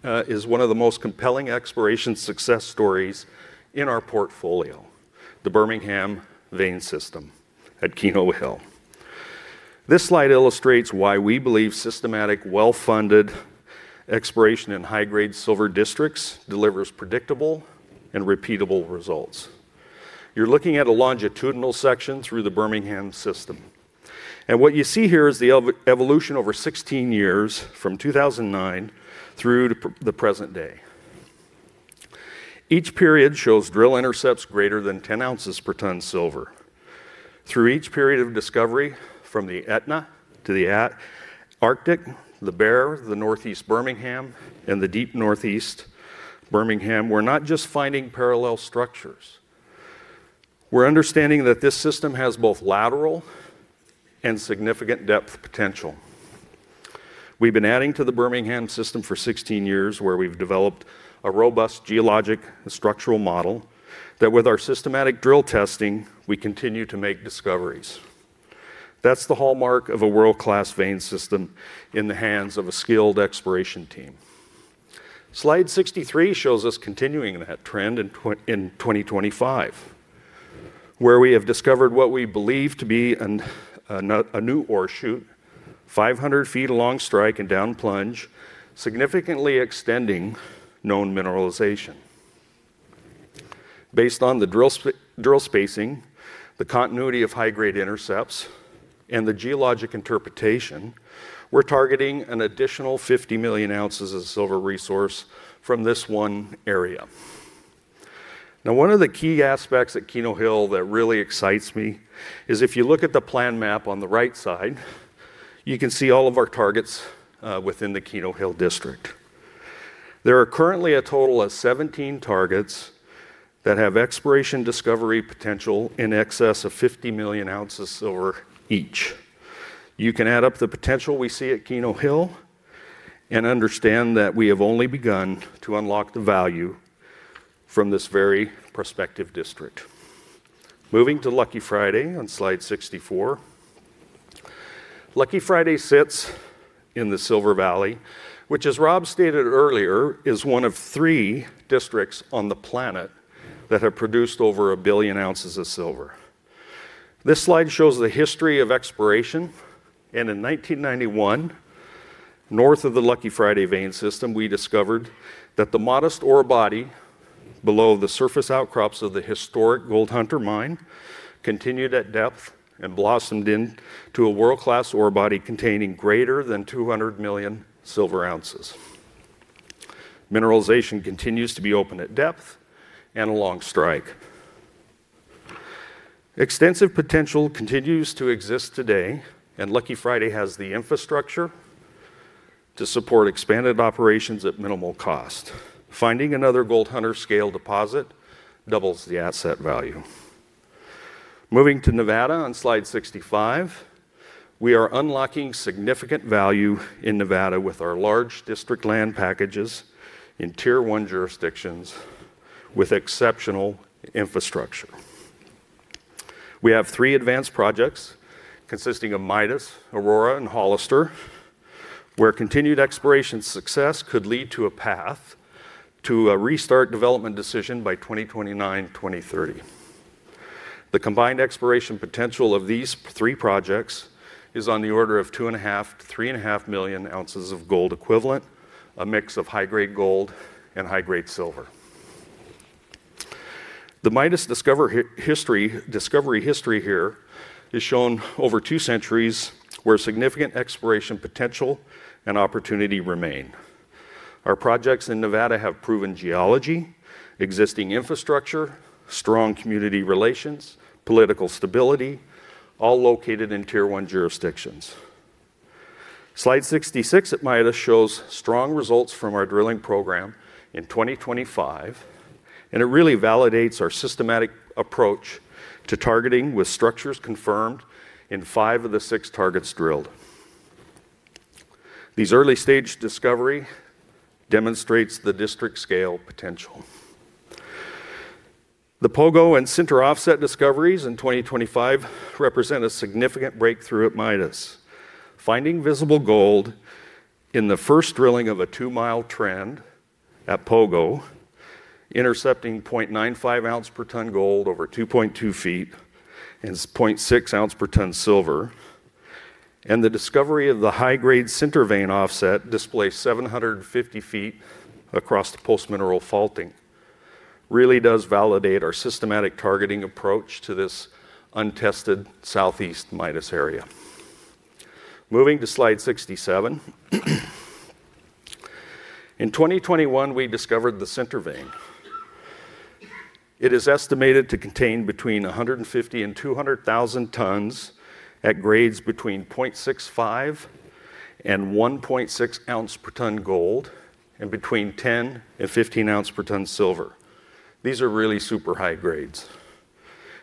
is one of the most compelling exploration success stories in our portfolio, the Bermingham Vein System at Keno Hill. This slide illustrates why we believe systematic, well-funded exploration in high-grade silver districts delivers predictable and repeatable results. You're looking at a longitudinal section through the Bermingham system, and what you see here is the evolution over 16 years, from 2009 through to the present day. Each period shows drill intercepts greater than 10 ounces per tonne silver. Through each period of discovery, from the Etna to the Arctic, the Bear, the Northeast Bermingham, and the Deep Northeast Bermingham, we're not just finding parallel structures, we're understanding that this system has both lateral and significant depth potential. We've been adding to the Bermingham system for 16 years, where we've developed a robust geologic and structural model, that with our systematic drill testing, we continue to make discoveries. That's the hallmark of a world-class vein system in the hands of a skilled exploration team. Slide 63 shows us continuing that trend in 2025, where we have discovered what we believe to be a new ore shoot, 500 feet along strike and down plunge, significantly extending known mineralization. Based on the drill spacing, the continuity of high-grade intercepts, and the geologic interpretation, we're targeting an additional 50 million ounces of silver resource from this one area. Now, one of the key aspects at Keno Hill that really excites me is if you look at the plan map on the right side, you can see all of our targets within the Keno Hill District. There are currently a total of 17 targets that have exploration discovery potential in excess of 50 million ounces silver each. You can add up the potential we see at Keno Hill and understand that we have only begun to unlock the value from this very prospective district. Moving to Lucky Friday on slide 64. Lucky Friday sits in the Silver Valley, which, as Rob stated earlier, is one of three districts on the planet that have produced over 1 billion ounces of silver. This slide shows the history of exploration, and in 1991, north of the Lucky Friday vein system, we discovered that the modest ore body below the surface outcrops of the historic Gold Hunter Mine continued at depth and blossomed into a world-class ore body containing greater than 200 million silver ounces. Mineralization continues to be open at depth and along strike. Extensive potential continues to exist today, and Lucky Friday has the infrastructure to support expanded operations at minimal cost. Finding another Gold Hunter scale deposit doubles the asset value. Moving to Nevada on slide 65, we are unlocking significant value in Nevada with our large district land packages in Tier One jurisdictions with exceptional infrastructure. We have three advanced projects consisting of Midas, Aurora, and Hollister, where continued exploration success could lead to a path to a restart development decision by 2029, 2030. The combined exploration potential of these three projects is on the order of 2.5-3.5 million ounces of gold equivalent, a mix of high-grade gold and high-grade silver. The Midas discovery history here is shown over two centuries, where significant exploration potential and opportunity remain. Our projects in Nevada have proven geology, existing infrastructure, strong community relations, political stability, all located in Tier One jurisdictions. Slide 66 at Midas shows strong results from our drilling program in 2025, and it really validates our systematic approach to targeting, with structures confirmed in 5 of the 6 targets drilled. These early-stage discoveries demonstrate the district-scale potential. The Pogo and Sinter Offset discoveries in 2025 represent a significant breakthrough at Midas. Finding visible gold in the first drilling of a 2-mile trend at Pogo, intercepting 0.95 ounce per tonne gold over 2.2 feet and 0.6 ounce per tonne silver, and the discovery of the high-grade Sinter Vein Offset displaced 750 feet across the post-mineral faulting, really does validate our systematic targeting approach to this untested southeast Midas area. Moving to slide 67. In 2021, we discovered the Sinter Vein. It is estimated to contain between 150 and 200,000 tonnes at grades between 0.65 and 1.6 ounce per tonne gold and between 10 and 15 ounce per tonne silver. These are really super high grades.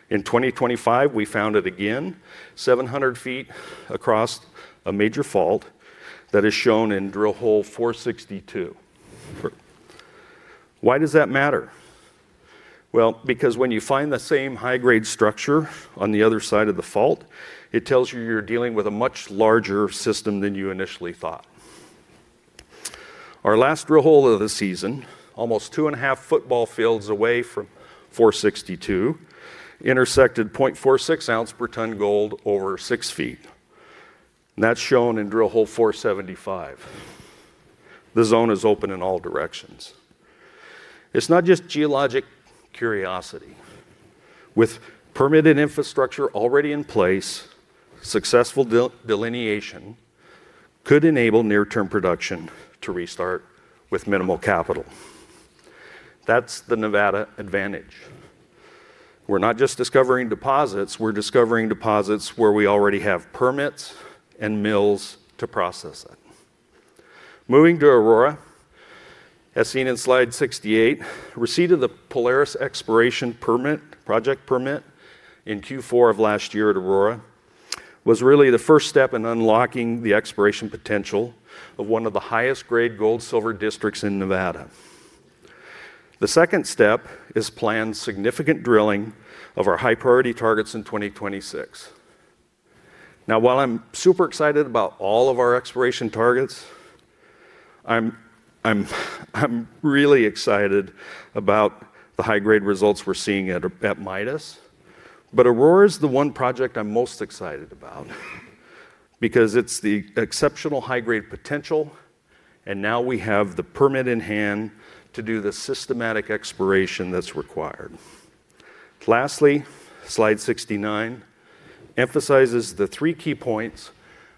In 2025, we found it again, 700 feet across a major fault that is shown in drill hole 462. Why does that matter? Well, because when you find the same high-grade structure on the other side of the fault, it tells you you're dealing with a much larger system than you initially thought. Our last drill hole of the season, almost 2.5 football fields away from 462, intersected 0.46 ounce per tonne gold over 6 feet, and that's shown in drill hole 475. The zone is open in all directions. It's not just geologic curiosity. With permitted infrastructure already in place, successful delineation could enable near-term production to restart with minimal capital. That's the Nevada advantage. We're not just discovering deposits, we're discovering deposits where we already have permits and mills to process it. Moving to Aurora, as seen in slide 68, receipt of the Polaris exploration permit, project permit, in Q4 of last year at Aurora was really the first step in unlocking the exploration potential of one of the highest grade gold-silver districts in Nevada. The second step is planned significant drilling of our high-priority targets in 2026. Now, while I'm super excited about all of our exploration targets, I'm really excited about the high-grade results we're seeing at Midas. But Aurora is the one project I'm most excited about because it's the exceptional high-grade potential, and now we have the permit in hand to do the systematic exploration that's required. Lastly, slide 69 emphasizes the three key points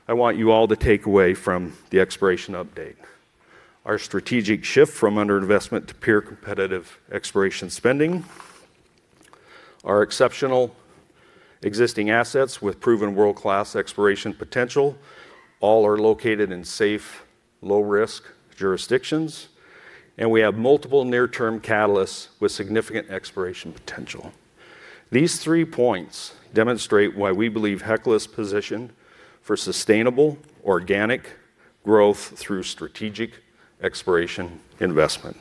I want you all to take away from the exploration update: our strategic shift from underinvestment to peer competitive exploration spending, our exceptional existing assets with proven world-class exploration potential, all are located in safe, low-risk jurisdictions, and we have multiple near-term catalysts with significant exploration potential. These three points demonstrate why we believe Hecla's positioned for sustainable, organic growth through strategic exploration investment.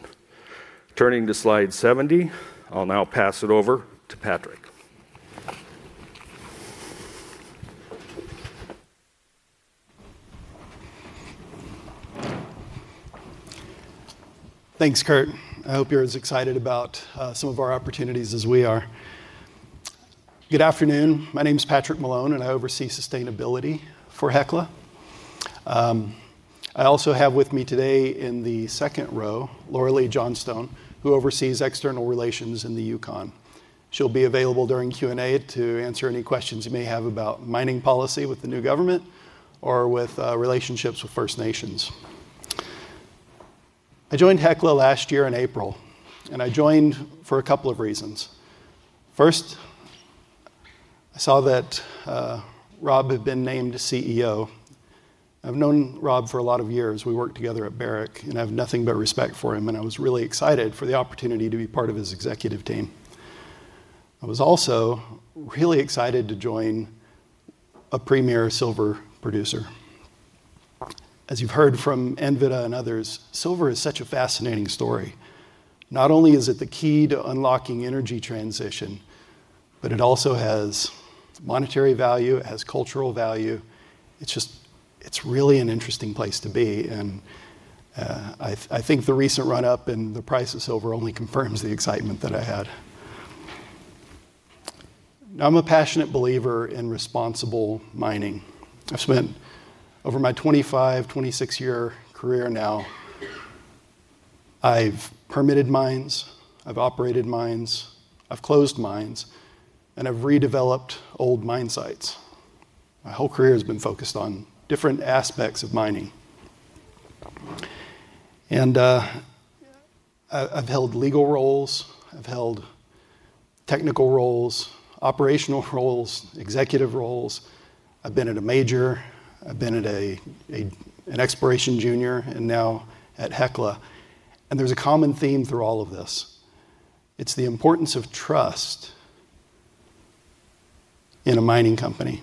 Turning to slide 70, I'll now pass it over to Patrick. Thanks, Kurt. I hope you're as excited about some of our opportunities as we are. Good afternoon. My name is Patrick Malone, and I oversee sustainability for Hecla. I also have with me today in the second row, Loralee Johnstone, who oversees external relations in the Yukon. She'll be available during Q&A to answer any questions you may have about mining policy with the new government or with relationships with First Nations. I joined Hecla last year in April, and I joined for a couple of reasons. First, I saw that Rob had been named CEO. I've known Rob for a lot of years. We worked together at Barrick, and I have nothing but respect for him, and I was really excited for the opportunity to be part of his executive team. I was also really excited to join a premier silver producer. As you've heard from Anvita and others, silver is such a fascinating story. Not only is it the key to unlocking energy transition, but it also has monetary value; it has cultural value. It's just, it's really an interesting place to be, and I think the recent run-up in the price of silver only confirms the excitement that I had. I'm a passionate believer in responsible mining. I've spent over my 25, 26-year career now; I've permitted mines, I've operated mines, I've closed mines, and I've redeveloped old mine sites. My whole career has been focused on different aspects of mining. I've held legal roles, I've held technical roles, operational roles, executive roles. I've been at a major; I've been at a, an exploration junior, and now at Hecla, and there's a common theme through all of this. It's the importance of trust in a mining company.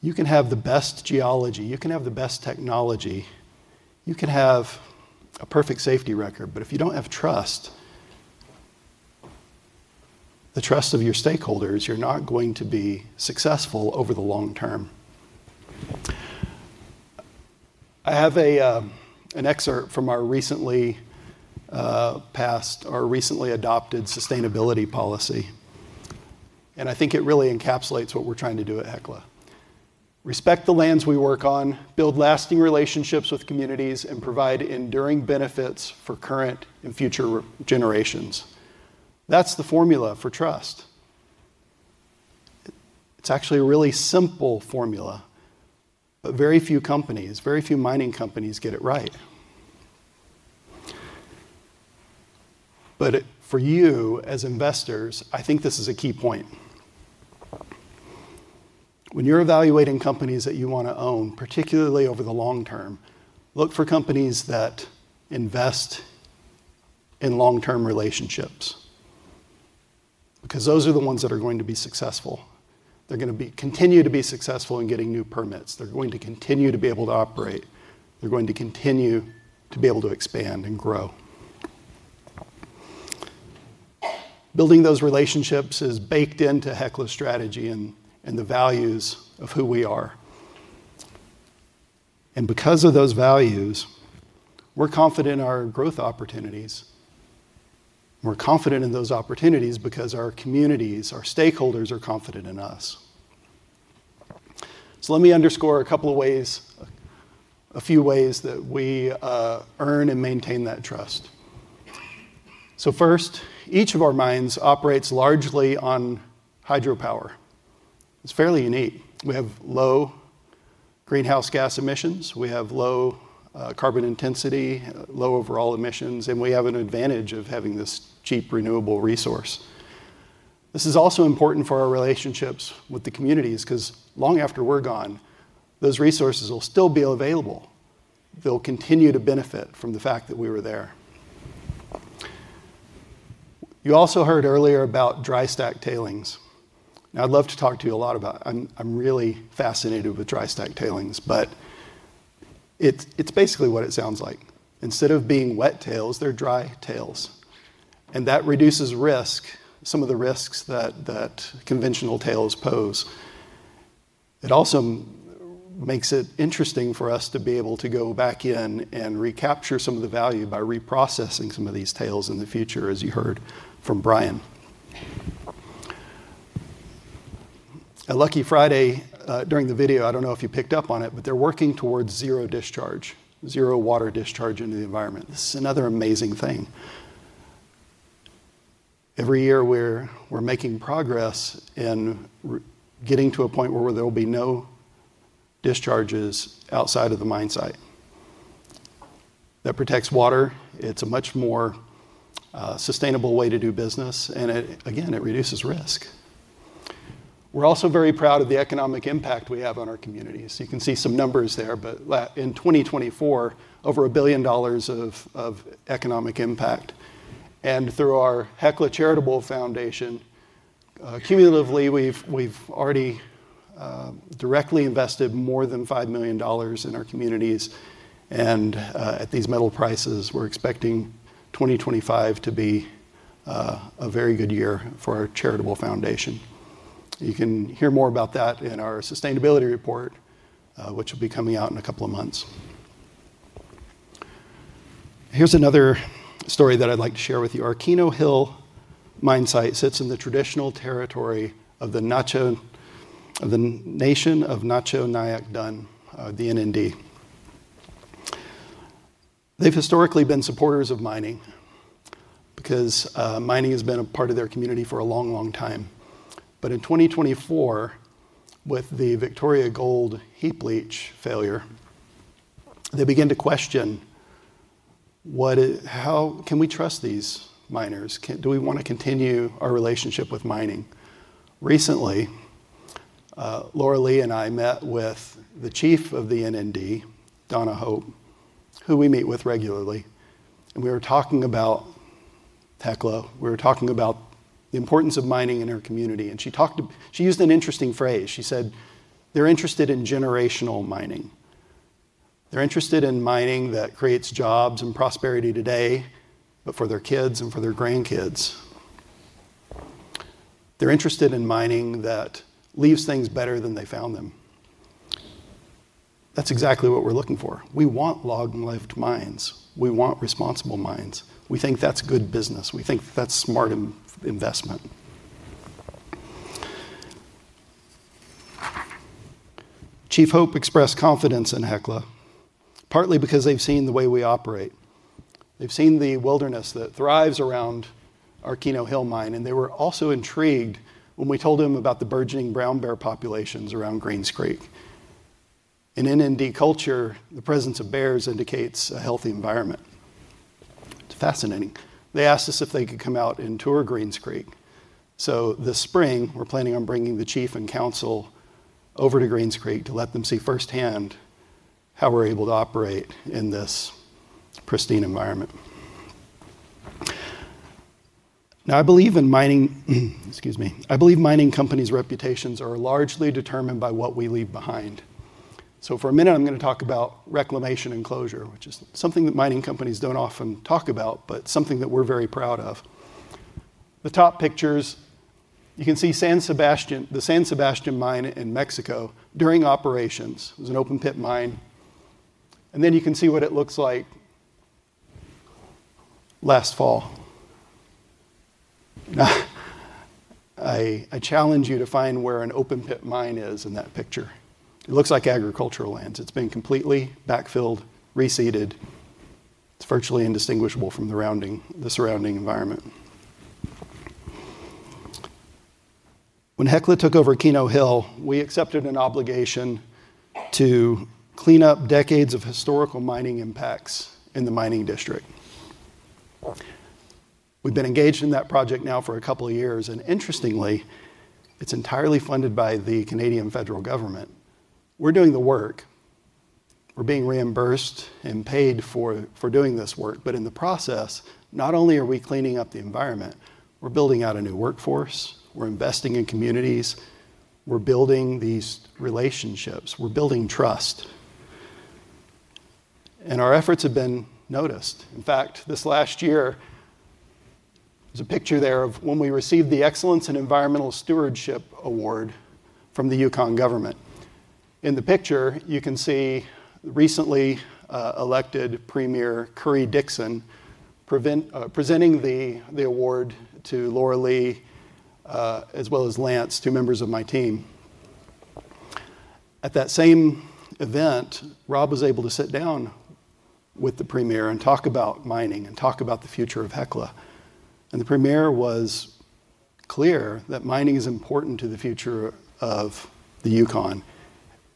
You can have the best geology, you can have the best technology, you can have a perfect safety record, but if you don't have trust, the trust of your stakeholders, you're not going to be successful over the long term. I have an excerpt from our recently passed or recently adopted sustainability policy, and I think it really encapsulates what we're trying to do at Hecla. "Respect the lands we work on, build lasting relationships with communities, and provide enduring benefits for current and future generations." That's the formula for trust. It's actually a really simple formula, but very few companies, very few mining companies get it right. But for you as investors, I think this is a key point. When you're evaluating companies that you wanna own, particularly over the long term, look for companies that invest in long-term relationships, because those are the ones that are going to be successful. They're gonna be, continue to be successful in getting new permits. They're going to continue to be able to operate. They're going to continue to be able to expand and grow. Building those relationships is baked into Hecla's strategy and, and the values of who we are. And because of those values, we're confident in our growth opportunities. We're confident in those opportunities because our communities, our stakeholders, are confident in us. So let me underscore a couple of ways, a few ways that we earn and maintain that trust. So first, each of our mines operates largely on hydropower. It's fairly unique. We have low greenhouse gas emissions, we have low, carbon intensity, low overall emissions, and we have an advantage of having this cheap, renewable resource. This is also important for our relationships with the communities, 'cause long after we're gone, those resources will still be available. They'll continue to benefit from the fact that we were there. You also heard earlier about dry stack tailings. I'd love to talk to you a lot about. I'm really fascinated with dry stack tailings, but it's basically what it sounds like. Instead of being wet tails, they're dry tails, and that reduces risk, some of the risks that conventional tails pose. It also makes it interesting for us to be able to go back in and recapture some of the value by reprocessing some of these tails in the future, as you heard from Brian. At Lucky Friday, during the video, I don't know if you picked up on it, but they're working towards zero discharge, zero water discharge into the environment. This is another amazing thing. Every year, we're making progress in getting to a point where there will be no discharges outside of the mine site. That protects water. It's a much more sustainable way to do business, and it, again, it reduces risk. We're also very proud of the economic impact we have on our communities. You can see some numbers there, but in 2024, over $1 billion of economic impact. And through our Hecla Charitable Foundation, cumulatively, we've already directly invested more than $5 million in our communities. And at these metal prices, we're expecting 2025 to be a very good year for our charitable foundation. You can hear more about that in our sustainability report, which will be coming out in a couple of months. Here's another story that I'd like to share with you. Our Keno Hill mine site sits in the traditional territory of the Na-Cho Nyäk Dun, of the Nation of Na-Cho Nyäk Dun, the NND. They've historically been supporters of mining because mining has been a part of their community for a long, long time. But in 2024, with the Victoria Gold heap leach failure, they began to question: What is, how can we trust these miners? Do we want to continue our relationship with mining? Recently, Loralee and I met with the chief of the NND, Dawna Hope, who we meet with regularly, and we were talking about Hecla. We were talking about the importance of mining in her community, and she talked, she used an interesting phrase. She said, "They're interested in generational mining. They're interested in mining that creates jobs and prosperity today, but for their kids and for their grandkids. They're interested in mining that leaves things better than they found them." That's exactly what we're looking for. We want long-lived mines. We want responsible mines. We think that's good business. We think that's smart investment. Chief Hope expressed confidence in Hecla, partly because they've seen the way we operate. They've seen the wilderness that thrives around our Keno Hill mine, and they were also intrigued when we told them about the burgeoning brown bear populations around Greens Creek. In NND culture, the presence of bears indicates a healthy environment. It's fascinating. They asked us if they could come out and tour Greens Creek, so this spring, we're planning on bringing the chief and council over to Greens Creek to let them see firsthand how we're able to operate in this pristine environment. Now, I believe in mining—excuse me. I believe mining companies' reputations are largely determined by what we leave behind. So for a minute, I'm gonna talk about reclamation and closure, which is something that mining companies don't often talk about, but something that we're very proud of. The top pictures, you can see San Sebastian, the San Sebastian mine in Mexico during operations. It was an open-pit mine. And then you can see what it looks like last fall. I, I challenge you to find where an open-pit mine is in that picture. It looks like agricultural lands. It's been completely backfilled, reseeded. It's virtually indistinguishable from the rounding, the surrounding environment. When Hecla took over Keno Hill, we accepted an obligation to clean up decades of historical mining impacts in the mining district. We've been engaged in that project now for a couple of years, and interestingly, it's entirely funded by the Canadian federal government. We're doing the work. We're being reimbursed and paid for, for doing this work, but in the process, not only are we cleaning up the environment, we're building out a new workforce, we're investing in communities, we're building these relationships, we're building trust and our efforts have been noticed. In fact, this last year, there's a picture there of when we received the Excellence in Environmental Stewardship Award from the Yukon government. In the picture, you can see recently elected Premier Currie Dixon presenting the award to Loralee, as well as Lance, two members of my team. At that same event, Rob was able to sit down with the Premier and talk about mining and talk about the future of Hecla. The Premier was clear that mining is important to the future of the Yukon,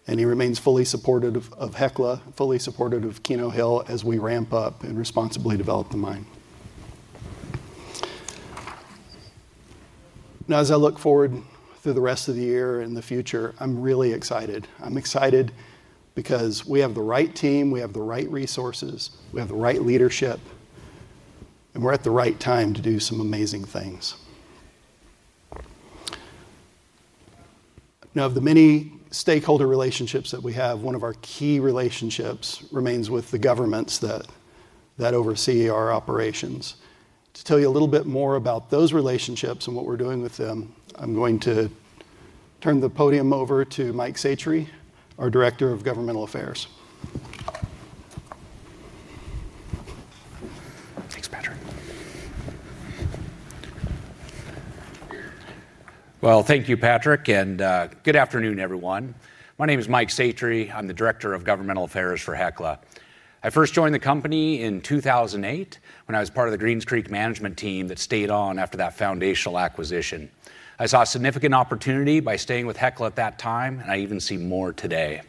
and he remains fully supportive of Hecla, fully supportive of Keno Hill as we ramp up and responsibly develop the mine. Now, as I look forward through the rest of the year and the future, I'm really excited. I'm excited because we have the right team, we have the right resources, we have the right leadership, and we're at the right time to do some amazing things. Now, of the many stakeholder relationships that we have, one of our key relationships remains with the governments that oversee our operations. To tell you a little bit more about those relationships and what we're doing with them, I'm going to turn the podium over to Mike Satre, our Director of Government Affairs. Thanks, Patrick. Well, thank you, Patrick, and, good afternoon, everyone. My name is Mike Satre. I'm the Director of Government Affairs for Hecla. I first joined the company in 2008 when I was part of the Greens Creek management team that stayed on after that foundational acquisition. I saw a significant opportunity by staying with Hecla at that time, and I even see more today.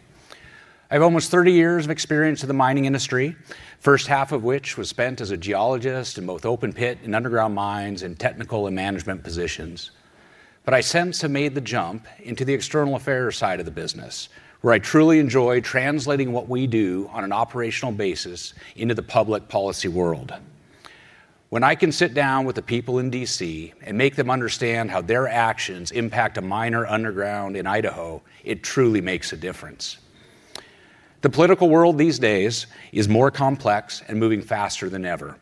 I have almost 30 years of experience in the mining industry, first half of which was spent as a geologist in both open pit and underground mines in technical and management positions. But I since have made the jump into the external affairs side of the business, where I truly enjoy translating what we do on an operational basis into the public policy world. When I can sit down with the people in D.C. and make them understand how their actions impact a miner underground in Idaho, it truly makes a difference. The political world these days is more complex and moving faster than ever,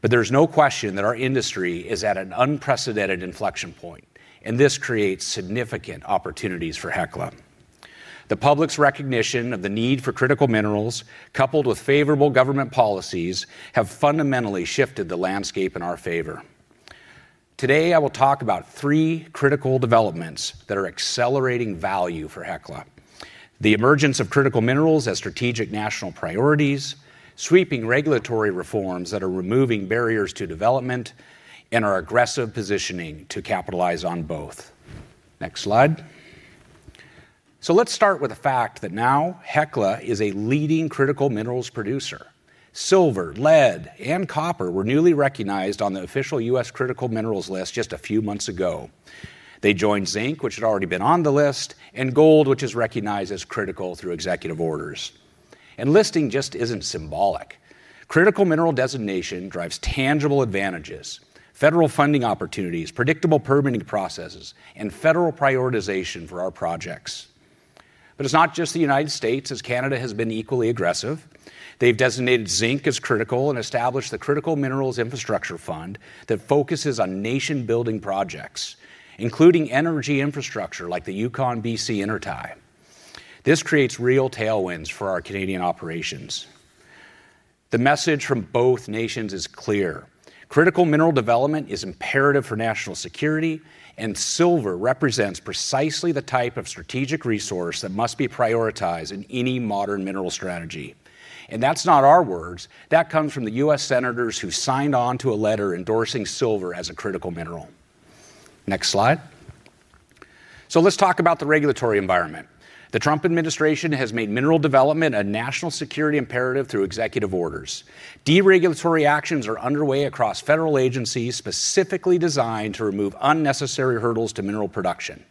but there's no question that our industry is at an unprecedented inflection point, and this creates significant opportunities for Hecla. The public's recognition of the need for critical minerals, coupled with favorable government policies, have fundamentally shifted the landscape in our favor. Today, I will talk about three critical developments that are accelerating value for Hecla: the emergence of critical minerals as strategic national priorities, sweeping regulatory reforms that are removing barriers to development, and our aggressive positioning to capitalize on both. Next slide. Let's start with the fact that now Hecla is a leading critical minerals producer. Silver, lead, and copper were newly recognized on the official U.S. Critical Minerals List just a few months ago. They joined zinc, which had already been on the list, and gold, which is recognized as critical through executive orders. And listing just isn't symbolic. Critical mineral designation drives tangible advantages, federal funding opportunities, predictable permitting processes, and federal prioritization for our projects. But it's not just the United States, as Canada has been equally aggressive. They've designated zinc as critical and established the Critical Minerals Infrastructure Fund that focuses on nation-building projects, including energy infrastructure like the Yukon-B.C. Intertie. This creates real tailwinds for our Canadian operations. The message from both nations is clear: critical mineral development is imperative for national security, and silver represents precisely the type of strategic resource that must be prioritized in any modern mineral strategy. And that's not our words. That comes from the U.S. senators who signed on to a letter endorsing silver as a critical mineral. Next slide. So let's talk about the regulatory environment. The Trump administration has made mineral development a national security imperative through executive orders. Deregulatory actions are underway across federal agencies, specifically designed to remove unnecessary hurdles to mineral production.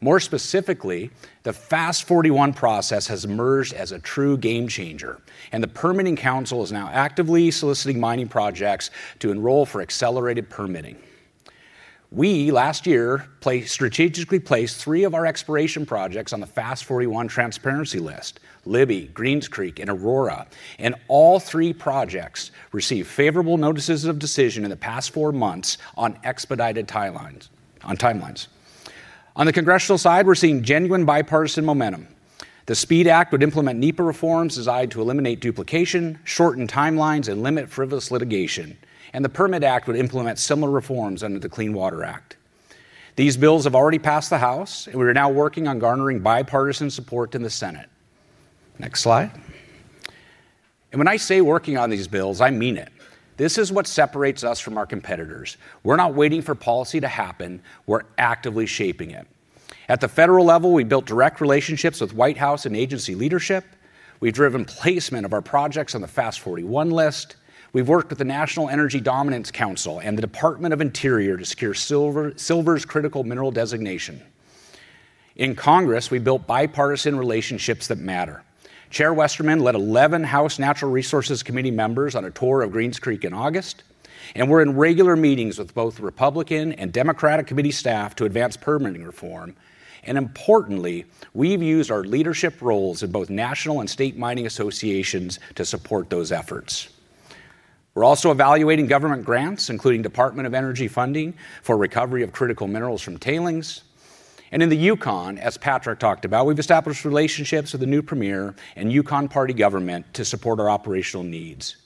More specifically, the FAST-41 process has emerged as a true game changer, and the Permitting Council is now actively soliciting mining projects to enroll for accelerated permitting. We, last year, strategically placed three of our exploration projects on the FAST-41 transparency list: Libby, Greens Creek, and Aurora. And all three projects received favorable notices of decision in the past four months on expedited timelines. On the congressional side, we're seeing genuine bipartisan momentum. The SPEED Act would implement NEPA reforms designed to eliminate duplication, shorten timelines, and limit frivolous litigation, and the PERMIT Act would implement similar reforms under the Clean Water Act. These bills have already passed the House, and we are now working on garnering bipartisan support in the Senate. Next slide. When I say working on these bills, I mean it. This is what separates us from our competitors. We're not waiting for policy to happen, we're actively shaping it. At the federal level, we built direct relationships with White House and agency leadership. We've driven placement of our projects on the FAST-41 list. We've worked with the National Energy Dominance Council and the Department of the Interior to secure silver, silver's critical mineral designation. In Congress, we built bipartisan relationships that matter. Chair Westerman led 11 House Natural Resources Committee members on a tour of Greens Creek in August. We're in regular meetings with both Republican and Democratic committee staff to advance permitting reform, and importantly, we've used our leadership roles in both national and state mining associations to support those efforts. We're also evaluating government grants, including Department of Energy funding, for recovery of critical minerals from tailings. In the Yukon, as Patrick talked about, we've established relationships with the new premier and Yukon Party government to support our operational needs.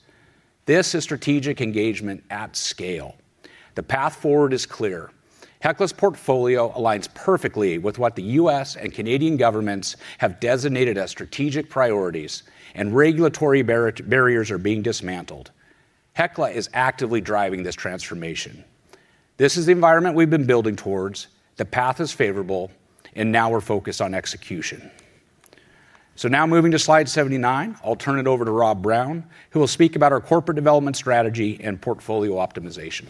This is strategic engagement at scale. The path forward is clear. Hecla's portfolio aligns perfectly with what the U.S. and Canadian governments have designated as strategic priorities, and regulatory barriers are being dismantled. Hecla is actively driving this transformation. This is the environment we've been building towards, the path is favorable, and now we're focused on execution. Now moving to Slide 79, I'll turn it over to Rob Brown, who will speak about our corporate development strategy and portfolio optimization.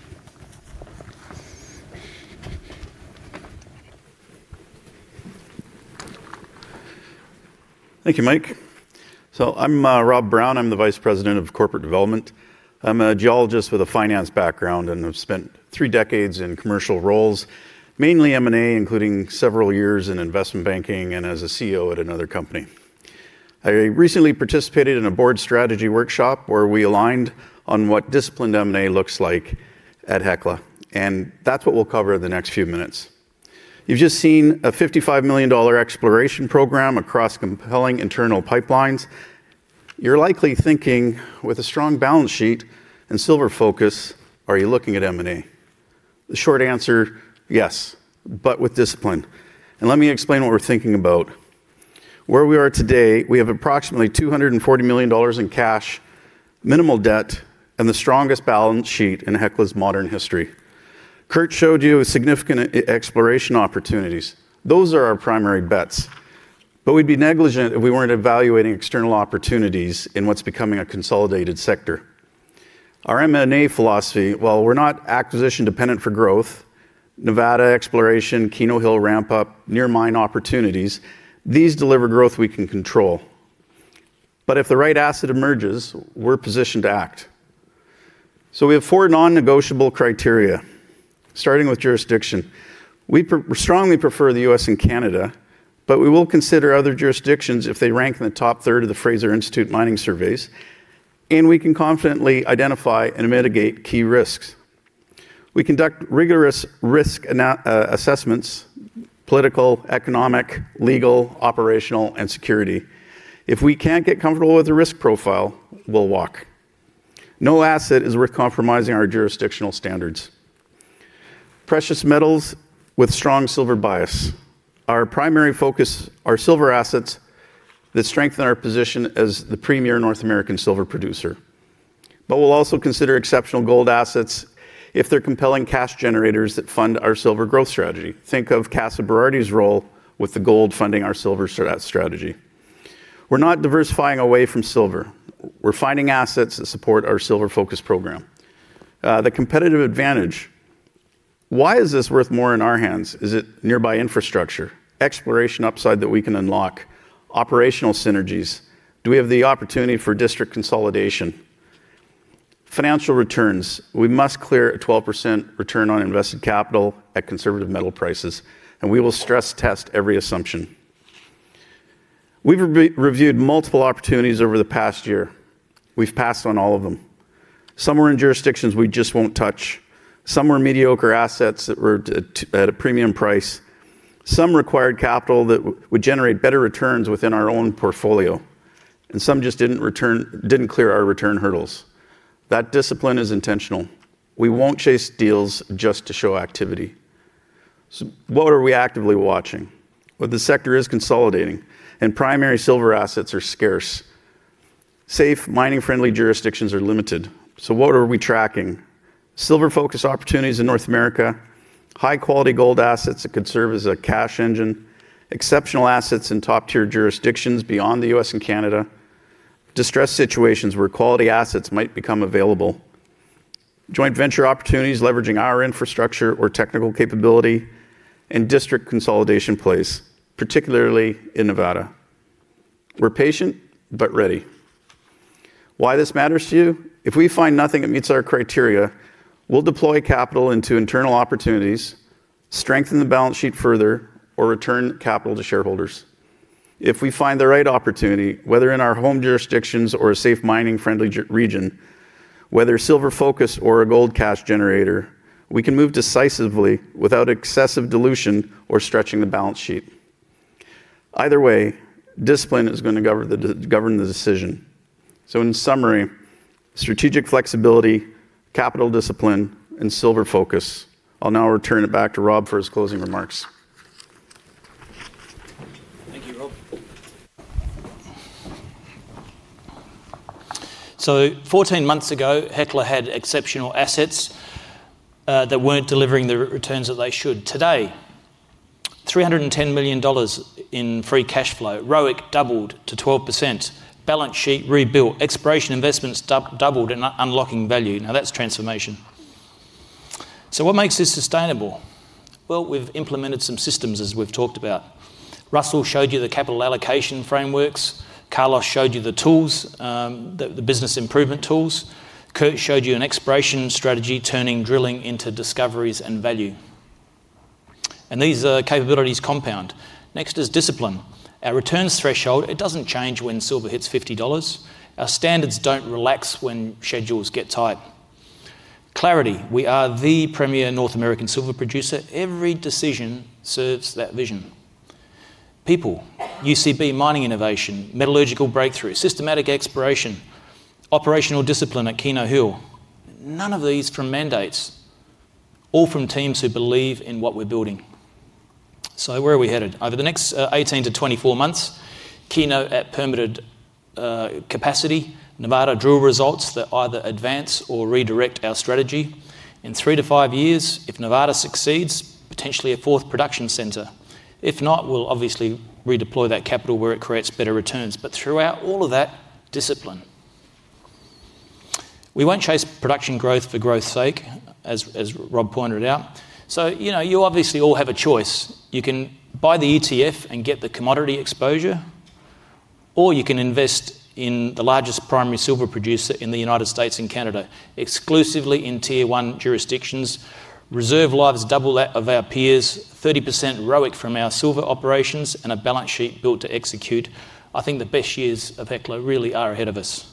Thank you, Mike. So I'm Rob Brown. I'm the Vice President of Corporate Development. I'm a geologist with a finance background, and I've spent three decades in commercial roles, mainly M&A, including several years in investment banking and as a CEO at another company. I recently participated in a board strategy workshop, where we aligned on what disciplined M&A looks like at Hecla, and that's what we'll cover in the next few minutes. You've just seen a $55 million exploration program across compelling internal pipelines. You're likely thinking, with a strong balance sheet and silver focus, are you looking at M&A? The short answer, yes, but with discipline, and let me explain what we're thinking about. Where we are today, we have approximately $240 million in cash, minimal debt, and the strongest balance sheet in Hecla's modern history. Kurt showed you significant exploration opportunities. Those are our primary bets, but we'd be negligent if we weren't evaluating external opportunities in what's becoming a consolidated sector. Our M&A philosophy, while we're not acquisition-dependent for growth, Nevada exploration, Keno Hill ramp-up, near mine opportunities, these deliver growth we can control. But if the right asset emerges, we're positioned to act. So we have four non-negotiable criteria, starting with jurisdiction. We strongly prefer the U.S. and Canada, but we will consider other jurisdictions if they rank in the top third of the Fraser Institute mining surveys, and we can confidently identify and mitigate key risks. We conduct rigorous risk assessments, political, economic, legal, operational, and security. If we can't get comfortable with the risk profile, we'll walk. No asset is worth compromising our jurisdictional standards. Precious metals with strong silver bias. Our primary focus are silver assets that strengthen our position as the premier North American silver producer. But we'll also consider exceptional gold assets if they're compelling cash generators that fund our silver growth strategy. Think of Casa Berardi's role with the gold funding our silver strategy. We're not diversifying away from silver. We're finding assets that support our silver focus program. The competitive advantage: why is this worth more in our hands? Is it nearby infrastructure, exploration upside that we can unlock, operational synergies? Do we have the opportunity for district consolidation? Financial returns: we must clear a 12% return on invested capital at conservative metal prices, and we will stress test every assumption. We've reviewed multiple opportunities over the past year. We've passed on all of them. Some were in jurisdictions we just won't touch. Some were mediocre assets that were at a premium price. Some required capital that would generate better returns within our own portfolio, and some just didn't clear our return hurdles. That discipline is intentional. We won't chase deals just to show activity. So what are we actively watching? Well, the sector is consolidating, and primary silver assets are scarce. Safe, mining-friendly jurisdictions are limited, so what are we tracking? Silver focus opportunities in North America, high-quality gold assets that could serve as a cash engine, exceptional assets in top-tier jurisdictions beyond the U.S. and Canada, distressed situations where quality assets might become available, joint venture opportunities leveraging our infrastructure or technical capability, and district consolidation plays, particularly in Nevada. We're patient but ready. Why this matters to you? If we find nothing that meets our criteria, we'll deploy capital into internal opportunities, strengthen the balance sheet further, or return capital to shareholders. If we find the right opportunity, whether in our home jurisdictions or a safe mining-friendly jurisdiction, whether silver focus or a gold cash generator, we can move decisively without excessive dilution or stretching the balance sheet. Either way, discipline is gonna govern the decision. So in summary, strategic flexibility, capital discipline, and silver focus. I'll now return it back to Rob for his closing remarks. Thank you, Rob. Fourteen months ago, Hecla had exceptional assets that weren't delivering the returns that they should. Today, $310 million in free cash flow, ROIC doubled to 12%, balance sheet rebuilt, exploration investments doubled and unlocking value. Now, that's transformation. So what makes this sustainable? Well, we've implemented some systems, as we've talked about. Russell showed you the capital allocation frameworks, Carlos showed you the tools, the business improvement tools, Kurt showed you an exploration strategy, turning drilling into discoveries and value. And these capabilities compound. Next is discipline. Our returns threshold, it doesn't change when silver hits $50. Our standards don't relax when schedules get tight. Clarity: we are the premier North American silver producer. Every decision serves that vision. People, UCB mining innovation, metallurgical breakthrough, systematic exploration, operational discipline at Keno Hill, none of these from mandates, all from teams who believe in what we're building. So where are we headed? Over the next 18-24 months, Keno at permitted capacity, Nevada drill results that either advance or redirect our strategy. In 3-5 years, if Nevada succeeds, potentially a fourth production center. If not, we'll obviously redeploy that capital where it creates better returns, but throughout all of that, discipline. We won't chase production growth for growth's sake, as Rob pointed out. So, you know, you obviously all have a choice. You can buy the ETF and get the commodity exposure, or you can invest in the largest primary silver producer in the United States and Canada, exclusively in Tier 1 jurisdictions, reserve lives double that of our peers, 30% ROIC from our silver operations, and a balance sheet built to execute. I think the best years of Hecla really are ahead of us.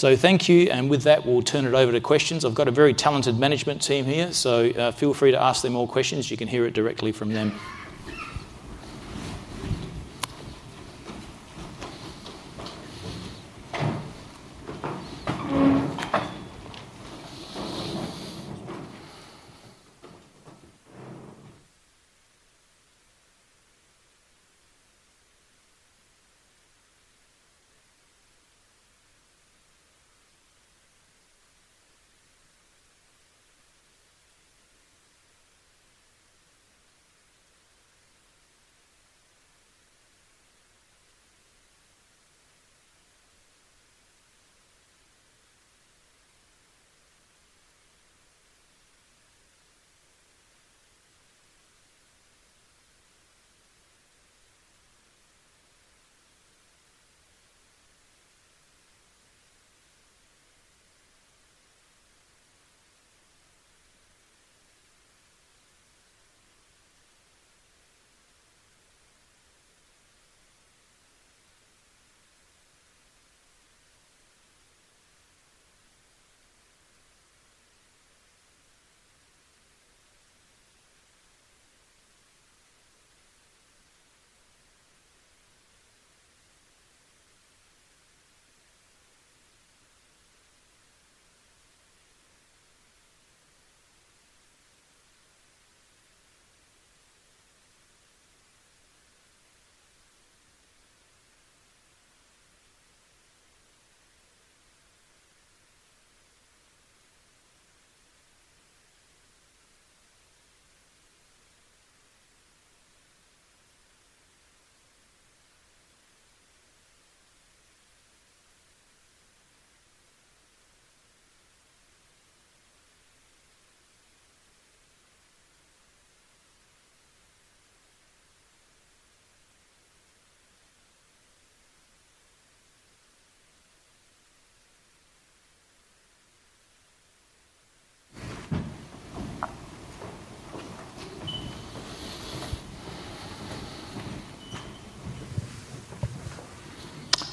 So thank you, and with that, we'll turn it over to questions. I've got a very talented management team here, so, feel free to ask them more questions. You can hear it directly from them.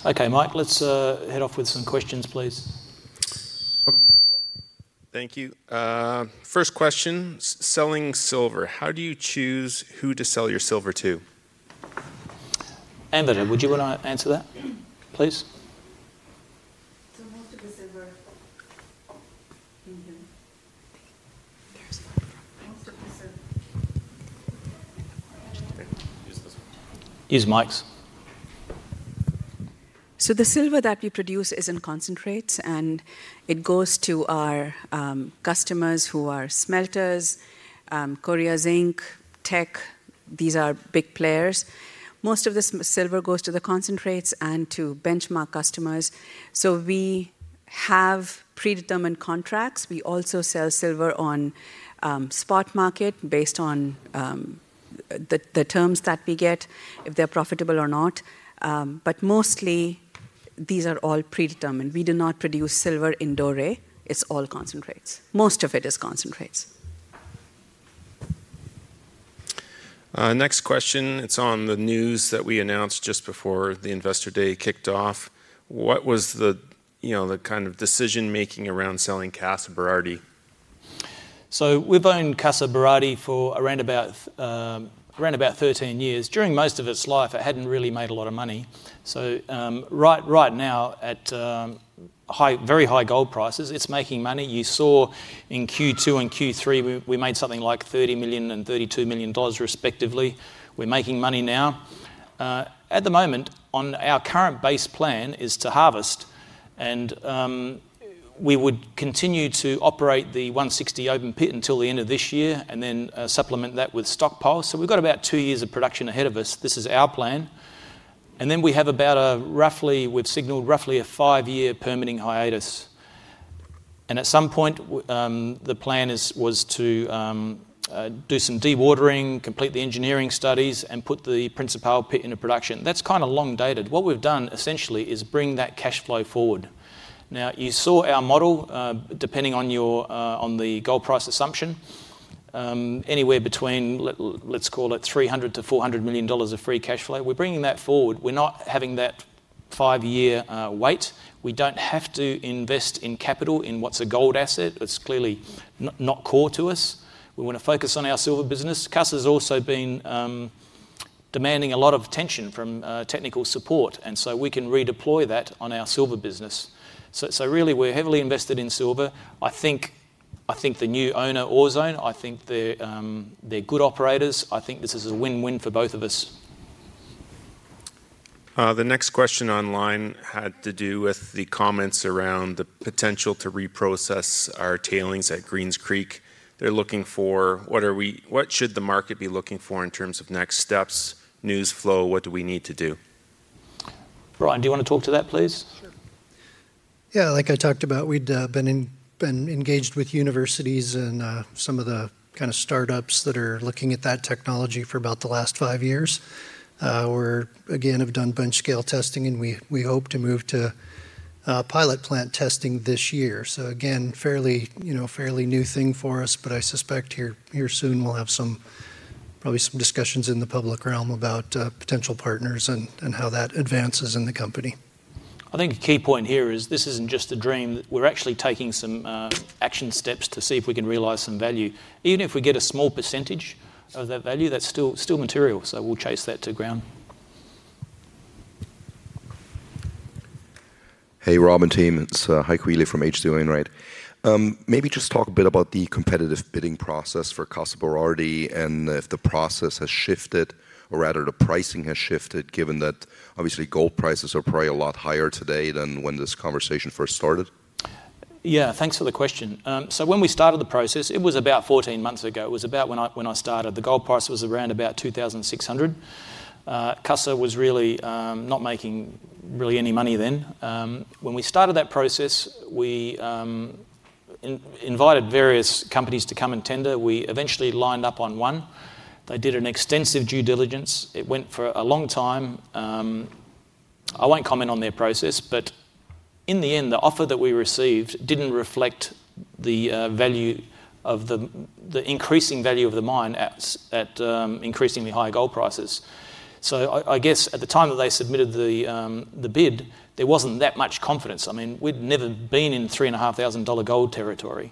Okay, Mike, let's head off with some questions, please. Thank you. First question, selling silver: how do you choose who to sell your silver to? Anvita, would you want to answer that, please? So most of the silver. There's one. Most of the silver- Use mics. So the silver that we produce is in concentrates, and it goes to our customers who are smelters, Korea Zinc, Teck. These are big players. Most of the silver goes to the concentrates and to benchmark customers. So we have predetermined contracts. We also sell silver on spot market based on the terms that we get, if they're profitable or not. But mostly, these are all predetermined. We do not produce silver in doré. It's all concentrates. Most of it is concentrates. Next question, it's on the news that we announced just before the Investor Day kicked off. What was the, you know, the kind of decision-making around selling Casa Berardi? So we've owned Casa Berardi for around about, around about 13 years. During most of its life, it hadn't really made a lot of money. So, right, right now, at, high, very high gold prices, it's making money. You saw in Q2 and Q3, we, we made something like $30 million and $32 million, respectively. We're making money now. At the moment, on our current base plan is to harvest, and, we would continue to operate the 160 open pit until the end of this year, and then, supplement that with stockpile. So we've got about 2 years of production ahead of us. This is our plan. And then we have about a roughly, we've signaled roughly a 5-year permitting hiatus. At some point, the plan is, was to do some dewatering, complete the engineering studies, and put the principal pit into production. That's kind of long-dated. What we've done, essentially, is bring that cash flow forward. Now, you saw our model, depending on your, on the gold price assumption, anywhere between let's call it $300 million-$400 million of free cash flow. We're bringing that forward. We're not having that five-year wait. We don't have to invest in capital in what's a gold asset. It's clearly not core to us. We want to focus on our silver business. Casa Berardi's also been demanding a lot of attention from technical support, and so we can redeploy that on our silver business. So, so really, we're heavily invested in silver. I think, I think the new owner, Aurizon, I think they're, they're good operators. I think this is a win-win for both of us. The next question online had to do with the comments around the potential to reprocess our tailings at Greens Creek. They're looking for what should the market be looking for in terms of next steps, news flow, what do we need to do? Brian, do you want to talk to that, please? Sure. Yeah, like I talked about, we'd been engaged with universities and some of the kind of startups that are looking at that technology for about the last five years. We're, again, have done bench scale testing, and we hope to move to pilot plant testing this year. So again, fairly, you know, fairly new thing for us, but I suspect here soon, we'll have some probably some discussions in the public realm about potential partners and how that advances in the company. I think a key point here is this isn't just a dream. We're actually taking some action steps to see if we can realize some value. Even if we get a small percentage of that value, that's still, still material, so we'll chase that to ground. Hey, Rob and team, it's Heiko Ihle from H.C. Wainwright. Maybe just talk a bit about the competitive bidding process for Casa Berardi, and if the process has shifted, or rather the pricing has shifted, given that obviously gold prices are probably a lot higher today than when this conversation first started? Yeah, thanks for the question. So when we started the process, it was about 14 months ago. It was about when I started. The gold price was around $2,600. Casa was really not making really any money then. When we started that process, we invited various companies to come and tender. We eventually lined up on one. They did an extensive due diligence. It went for a long time. I won't comment on their process, but in the end, the offer that we received didn't reflect the value of the increasing value of the mine at increasingly higher gold prices. So I guess at the time that they submitted the bid, there wasn't that much confidence. I mean, we'd never been in $3,500 gold territory,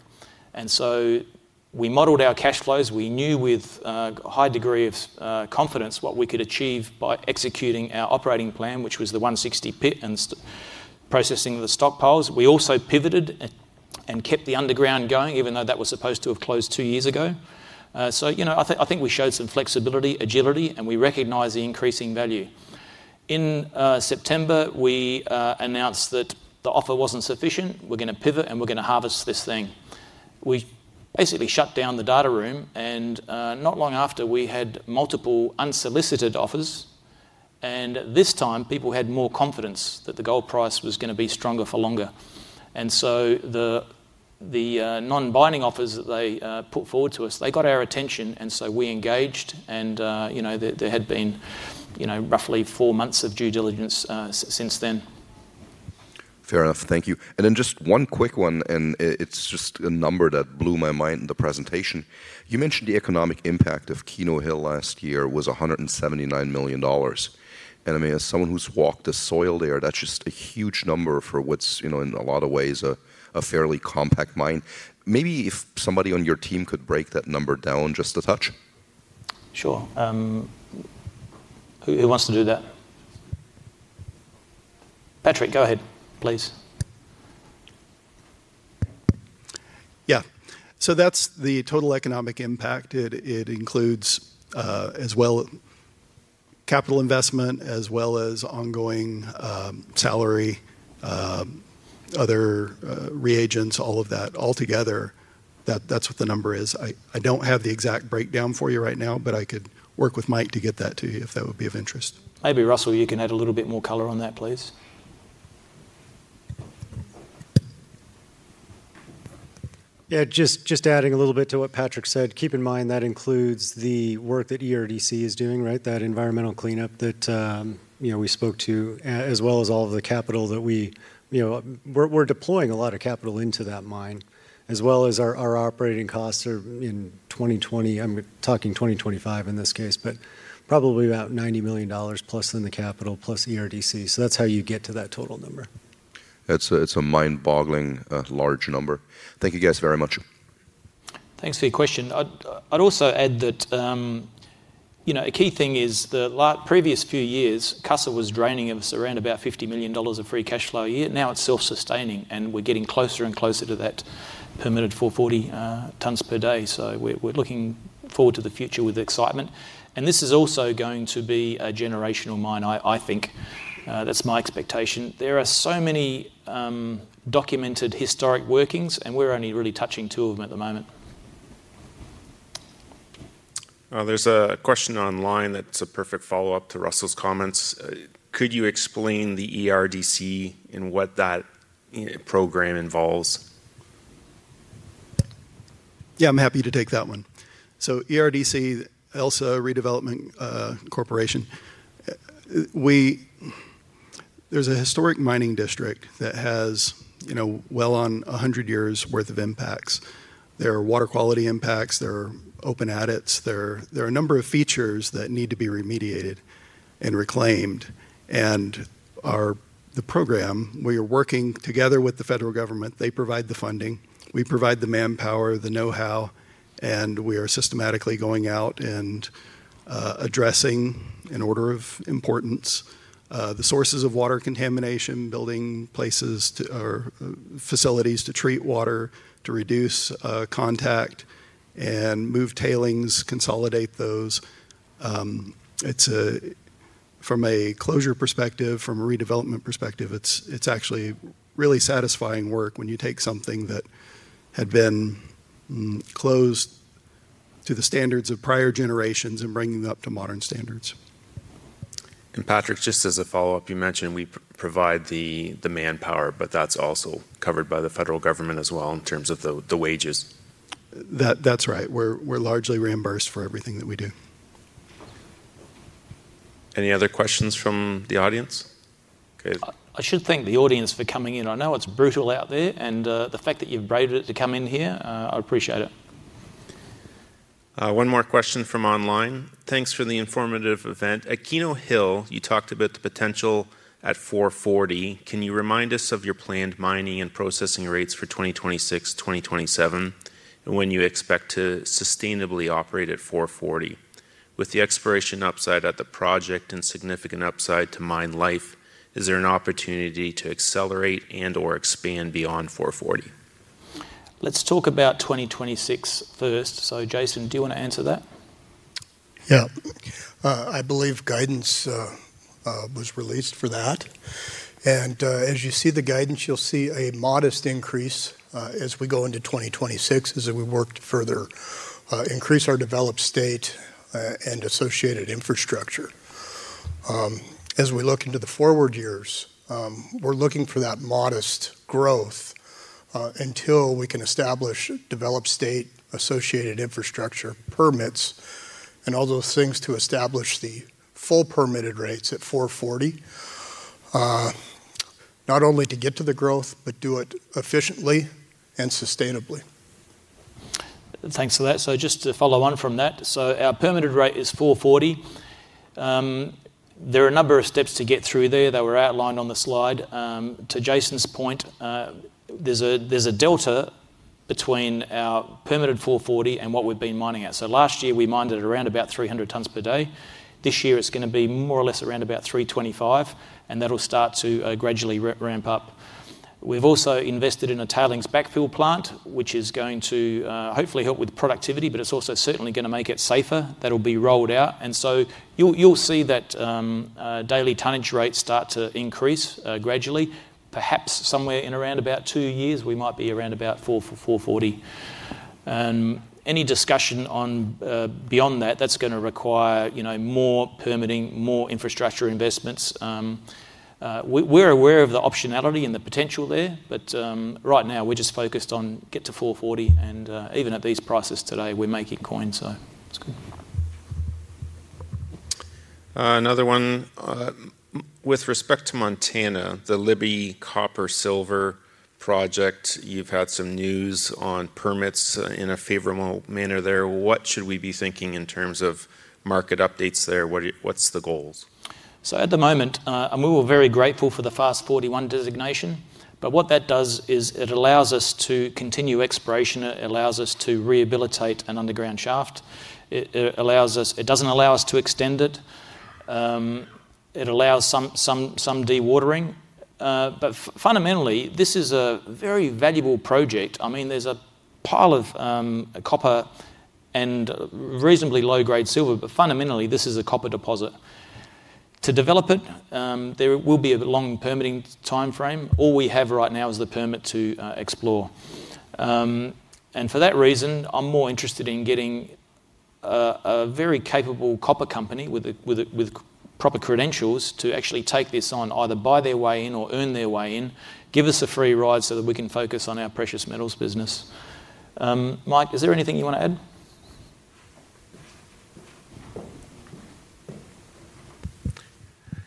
and so we modeled our cash flows. We knew with a high degree of confidence what we could achieve by executing our operating plan, which was the 160 Pit and processing the stockpiles. We also pivoted and kept the underground going, even though that was supposed to have closed two years ago. So, you know, I think we showed some flexibility, agility, and we recognize the increasing value. In September, we announced that the offer wasn't sufficient, we're gonna pivot, and we're gonna harvest this thing. We basically shut down the data room, and not long after, we had multiple unsolicited offers, and this time, people had more confidence that the gold price was gonna be stronger for longer. And so the non-binding offers that they put forward to us, they got our attention, and so we engaged, and you know, there had been, you know, roughly four months of due diligence since then. Fair enough. Thank you. And then just one quick one, and it's just a number that blew my mind in the presentation. You mentioned the economic impact of Keno Hill last year was $179 million. And I mean, as someone who's walked the soil there, that's just a huge number for what's, you know, in a lot of ways, a fairly compact mine. Maybe if somebody on your team could break that number down just a touch? Sure. Who wants to do that? Patrick, go ahead, please. Yeah. So that's the total economic impact. It, it includes, as well capital investment, as well as ongoing, salary, other, reagents, all of that. Altogether, that, that's what the number is. I, I don't have the exact breakdown for you right now, but I could work with Mike to get that to you, if that would be of interest. Maybe, Russell, you can add a little bit more color on that, please. Yeah, just adding a little bit to what Patrick said, keep in mind that includes the work that ERDC is doing, right? That environmental cleanup that, you know, we spoke to, as well as all of the capital that we, you know, we're deploying a lot of capital into that mine, as well as our operating costs are, in 2020, I'm talking 2025 in this case, but probably about $90 million plus in the capital, plus ERDC. So that's how you get to that total number. It's a, it's a mind-boggling, large number. Thank you guys very much. Thanks for your question. I'd also add that, you know, a key thing is the previous few years, Casa was draining of us around about $50 million of free cash flow a year. Now, it's self-sustaining, and we're getting closer and closer to that permitted 440 tons per day. So we're looking forward to the future with excitement. And this is also going to be a generational mine, I think. That's my expectation. There are so many documented historic workings, and we're only really touching two of them at the moment. There's a question online that's a perfect follow-up to Russell's comments. Could you explain the ERDC and what that program involves? Yeah, I'm happy to take that one. So ERDC, Elsa Reclamation and Development Corporation, there's a historic mining district that has, you know, well on 100 years' worth of impacts. There are water quality impacts, there are open adits, there, there are a number of features that need to be remediated and reclaimed. And the program, we are working together with the federal government. They provide the funding, we provide the manpower, the know-how, and we are systematically going out and addressing, in order of importance, the sources of water contamination, building places to or facilities to treat water, to reduce contact and move tailings, consolidate those. From a closure perspective, from a redevelopment perspective, it's actually really satisfying work when you take something that had been closed to the standards of prior generations and bringing them up to modern standards. Patrick, just as a follow-up, you mentioned we provide the manpower, but that's also covered by the federal government as well, in terms of the wages. That's right. We're largely reimbursed for everything that we do. Any other questions from the audience? Okay. I should thank the audience for coming in. I know it's brutal out there, and the fact that you've braved it to come in here, I appreciate it. One more question from online: "Thanks for the informative event. At Keno Hill, you talked about the potential at 440. Can you remind us of your planned mining and processing rates for 2026, 2027, and when you expect to sustainably operate at 440? With the exploration upside at the project and significant upside to mine life, is there an opportunity to accelerate and/or expand beyond 440? Let's talk about 2026 first. So Jason, do you want to answer that? Yeah. I believe guidance was released for that. As you see the guidance, you'll see a modest increase as we go into 2026, as we work to further increase our developed state and associated infrastructure. As we look into the forward years, we're looking for that modest growth until we can establish, develop state-associated infrastructure permits and all those things to establish the full permitted rates at 440. Not only to get to the growth, but do it efficiently and sustainably. Thanks for that. So just to follow on from that, so our permitted rate is 440. There are a number of steps to get through there that were outlined on the slide. To Jason's point, there's a, there's a delta between our permitted 440 and what we've been mining at. So last year, we mined at around about 300 tons per day. This year, it's gonna be more or less around about 325, and that'll start to gradually ramp up. We've also invested in a tailings backfill plant, which is going to hopefully help with productivity, but it's also certainly gonna make it safer. That'll be rolled out. And so you'll, you'll see that daily tonnage rates start to increase gradually. Perhaps somewhere in around about two years, we might be around about four four forty. Any discussion on beyond that that's gonna require, you know, more permitting, more infrastructure investments. We're aware of the optionality and the potential there, but right now we're just focused on get to 440, and even at these prices today we're making coin, so it's good. Another one, with respect to Montana, the Libby copper, silver project, you've had some news on permits in a favorable manner there. What should we be thinking in terms of market updates there? What's the goals? So at the moment, and we're very grateful for the FAST-41 designation, but what that does is it allows us to continue exploration. It allows us to rehabilitate an underground shaft. It allows us, it doesn't allow us to extend it. It allows some dewatering. But fundamentally, this is a very valuable project. I mean, there's a pile of copper and reasonably low-grade silver, but fundamentally, this is a copper deposit. To develop it, there will be a long permitting timeframe. All we have right now is the permit to explore. And for that reason, I'm more interested in getting a very capable copper company with the proper credentials to actually take this on, either buy their way in or earn their way in, give us a free ride so that we can focus on our precious metals business. Mike, is there anything you want to add?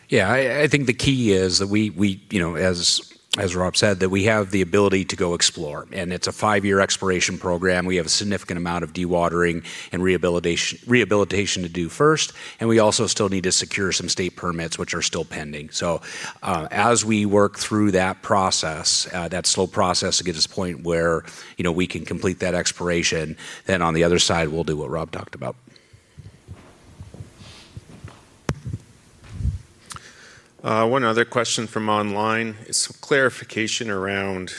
Yeah, I think the key is that we, you know, as Rob said, that we have the ability to go explore, and it's a five-year exploration program. We have a significant amount of dewatering and rehabilitation to do first, and we also still need to secure some state permits, which are still pending. So, as we work through that process, that slow process to get to the point where, you know, we can complete that exploration, then on the other side, we'll do what Rob talked about. One other question from online is clarification around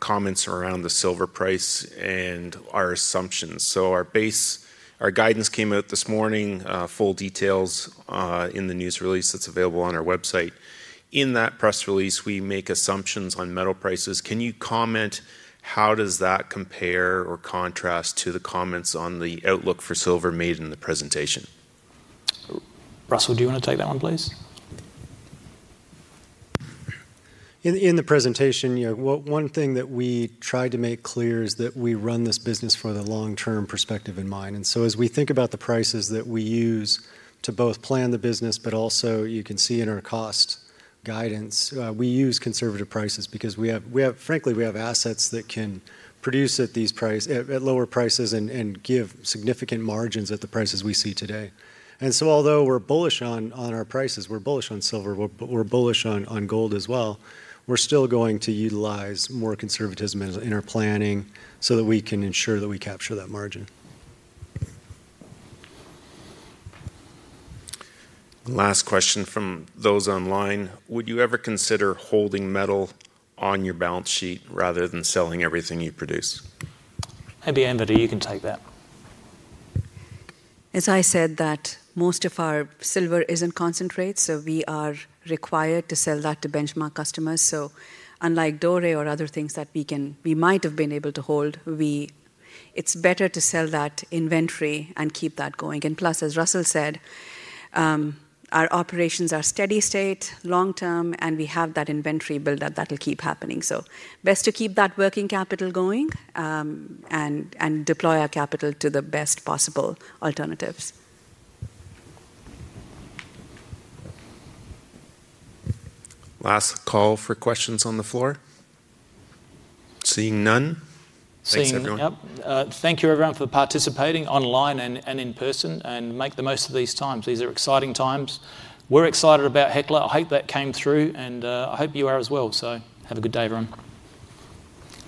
comments around the silver price and our assumptions. So our base, our guidance came out this morning, full details in the news release that's available on our website. In that press release, we make assumptions on metal prices. Can you comment how does that compare or contrast to the comments on the outlook for silver made in the presentation? Russell, do you want to take that one, please? In the presentation, you know, one thing that we tried to make clear is that we run this business for the long-term perspective in mind. And so as we think about the prices that we use to both plan the business, but also you can see in our cost guidance, we use conservative prices because we have frankly, we have assets that can produce at these prices, at lower prices and give significant margins at the prices we see today. And so although we're bullish on our prices, we're bullish on silver, we're bullish on gold as well, we're still going to utilize more conservatism in our planning so that we can ensure that we capture that margin. Last question from those online: Would you ever consider holding metal on your balance sheet rather than selling everything you produce? Maybe Anvita, you can take that. As I said, that most of our silver is in concentrate, so we are required to sell that to benchmark customers. So unlike doré or other things that we can, we might have been able to hold, we—it's better to sell that inventory and keep that going. And plus, as Russell said, our operations are steady state, long-term, and we have that inventory build-up that will keep happening. So best to keep that working capital going, and deploy our capital to the best possible alternatives. Last call for questions on the floor. Seeing none. Thanks, everyone. Seeing, yep. Thank you, everyone, for participating online and in person, and make the most of these times. These are exciting times. We're excited about Hecla. I hope that came through, and I hope you are as well. So have a good day, everyone.